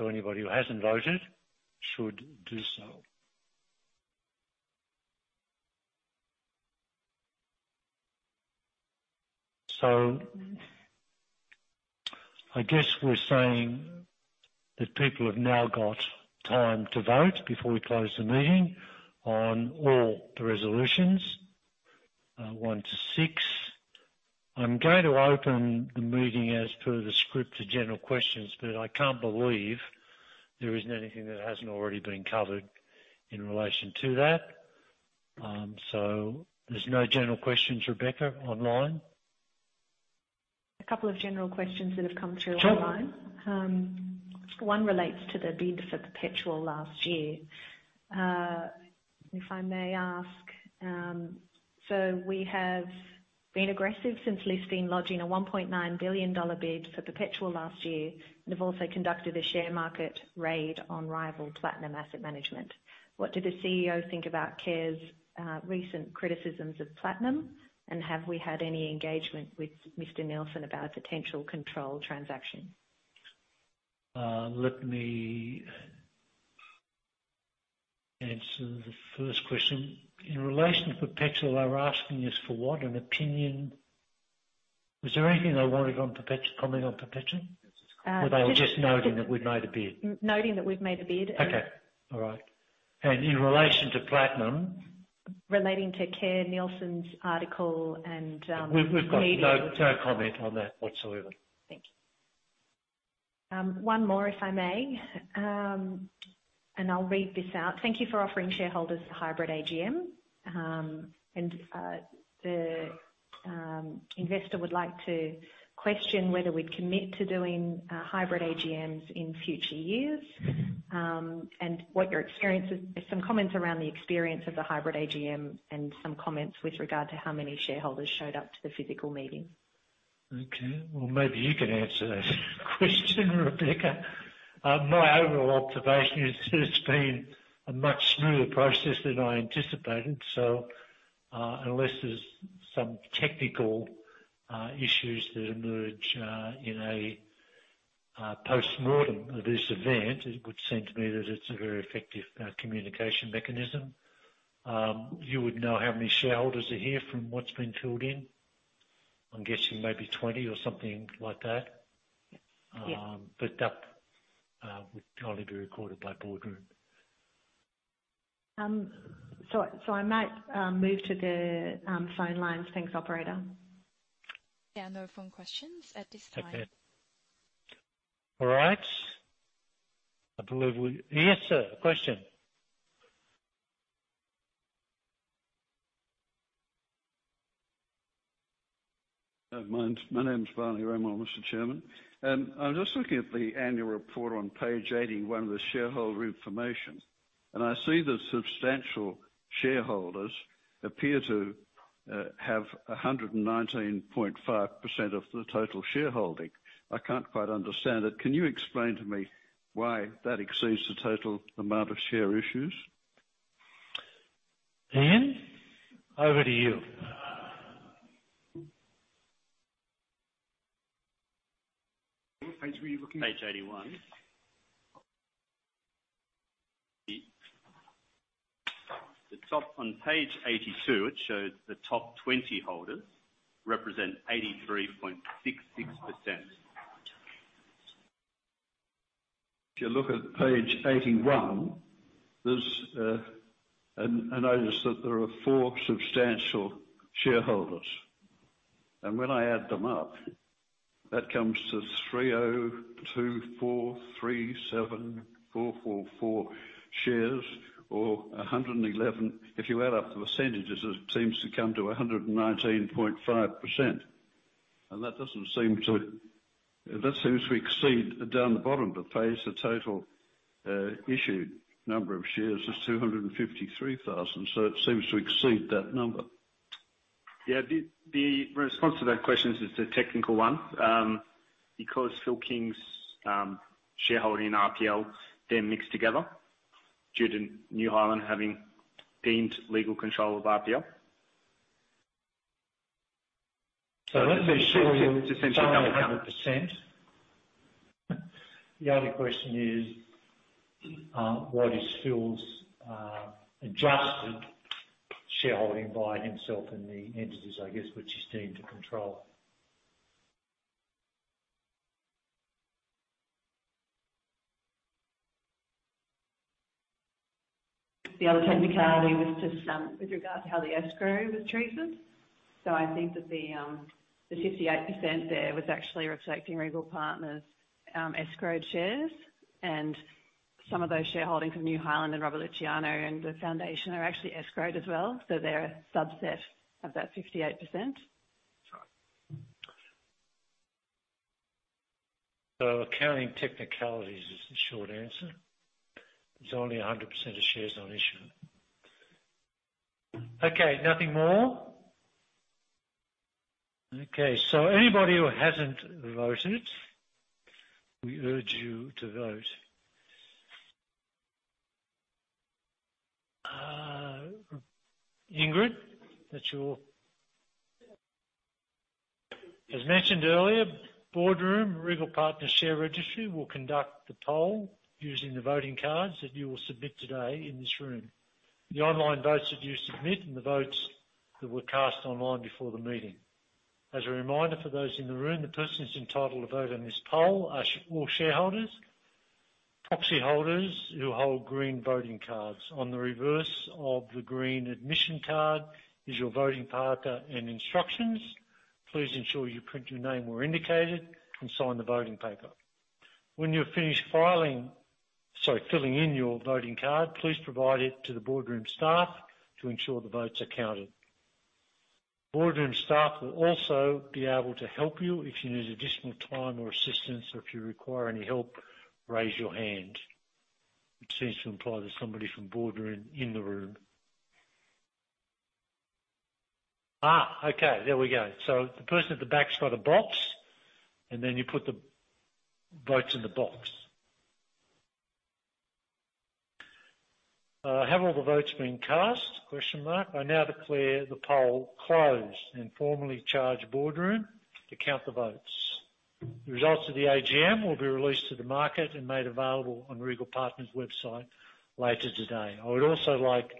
Anybody who hasn't voted should do so. I guess we're saying that people have now got time to vote before we close the meeting on all the resolutions, 1-6. I'm going to open the meeting as per the script to general questions. I can't believe there isn't anything that hasn't already been covered in relation to that. There's no general questions, Rebecca, online? A couple of general questions that have come through online. Sure. One relates to the bid for Perpetual last year. If I may ask, we have been aggressive since listing, lodging a 1.9 billion dollar bid for Perpetual last year. We've also conducted a share market raid on rival Platinum Asset Management. What did the CEO think about Kerr's recent criticisms of Platinum? Have we had any engagement with Mr. Neilson about a potential control transaction? Let me answer the first question. In relation to Perpetual, they were asking us for what? An opinion? Was there anything they wanted on Perpetual? Uh, just- They were just noting that we'd made a bid? Noting that we've made a bid. Okay. All right. In relation to Platinum? Relating to Kerr Neilson's article and. We've got no comment on that whatsoever. Thank you. One more if I may, I'll read this out. Thank you for offering shareholders the hybrid AGM. The investor would like to question whether we'd commit to doing hybrid AGMs in future years, and what your experiences... Some comments around the experience of the hybrid AGM. Some comments with regard to how many shareholders showed up to the physical meeting. Well, maybe you can answer that question, Rebecca. My overall observation is it's been a much smoother process than I anticipated. Unless there's some technical issues that emerge in a postmortem of this event, it would seem to me that it's a very effective communication mechanism. You would know how many shareholders are here from what's been filled in. I'm guessing maybe 20 or something like that. Yes. That would kindly be recorded by Boardroom. I might move to the phone lines. Thanks, operator. There are no phone questions at this time. Okay. All right. I believe we... Yes, sir. Question. My name's Barney Romo, Mr. Chairman. I was just looking at the annual report on page 81, the shareholder information. I see the substantial shareholders appear to have 119.5% of the total shareholding. I can't quite understand it. Can you explain to me why that exceeds the total amount of share issues? Ian, over to you. What page were you looking at? Page 81. The top on page 82, it shows the top 20 holders represent 83.66%. If you look at page 81, there's a notice that there are four substantial shareholders. When I add them up, that comes to 302,437,444 shares or 111. If you add up the percentages, it seems to come to 119.5%. That doesn't seem to. That seems to exceed, down the bottom of the page, the total issued number of shares is 253,000. It seems to exceed that number. Yeah. The, the response to that question is it's a technical one. Because Philip King's shareholding and RPL, they're mixed together due to New Highland having gained legal control of RPL. Let me ensure. Let's say Phil's is 100%. The only question is, what is Phil's adjusted shareholding by himself and the entities, I guess, which is deemed to control? The other technicality was just, with regard to how the escrow was treated. I think that the 58% there was actually reflecting Regal Partners', escrowed shares. Some of those shareholdings of New Highland and Robert Luciano and the foundation are actually escrowed as well. They're a subset of that 58%. Accounting technicalities is the short answer. There's only 100% of shares on issue. Okay. Nothing more? Okay. Anybody who hasn't voted, we urge you to vote. Ingrid, that's your... As mentioned earlier, Boardroom, Regal Partners share registry will conduct the poll using the voting cards that you will submit today in this room. The online votes that you submit and the votes that were cast online before the meeting. As a reminder for those in the room, the persons entitled to vote in this poll are all shareholders, proxy holders who hold green voting cards. On the reverse of the green admission card is your voting paper and instructions. Please ensure you print your name where indicated and sign the voting paper. When you're finished filling in your voting card, please provide it to the Boardroom staff to ensure the votes are counted. Boardroom staff will also be able to help you if you need additional time or assistance, or if you require any help, raise your hand. Seems to imply there's somebody from Boardroom in the room. Okay. There we go. The person at the back's got a box, you put the votes in the box. Have all the votes been cast? I now declare the poll closed and formally charge Boardroom to count the votes. The results of the AGM will be released to the market and made available on Regal Partners' website later today. I would also like to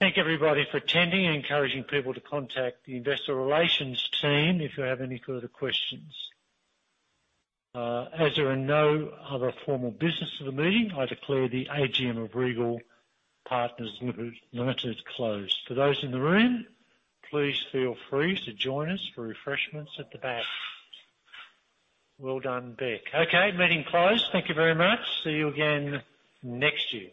thank everybody for attending and encouraging people to contact the investor relations team if you have any further questions. As there are no other formal business to the meeting, I declare the AGM of Regal Partners Limited closed. For those in the room, please feel free to join us for refreshments at the back. Well done, Beck. Okay, meeting closed. Thank you very much. See you again next year.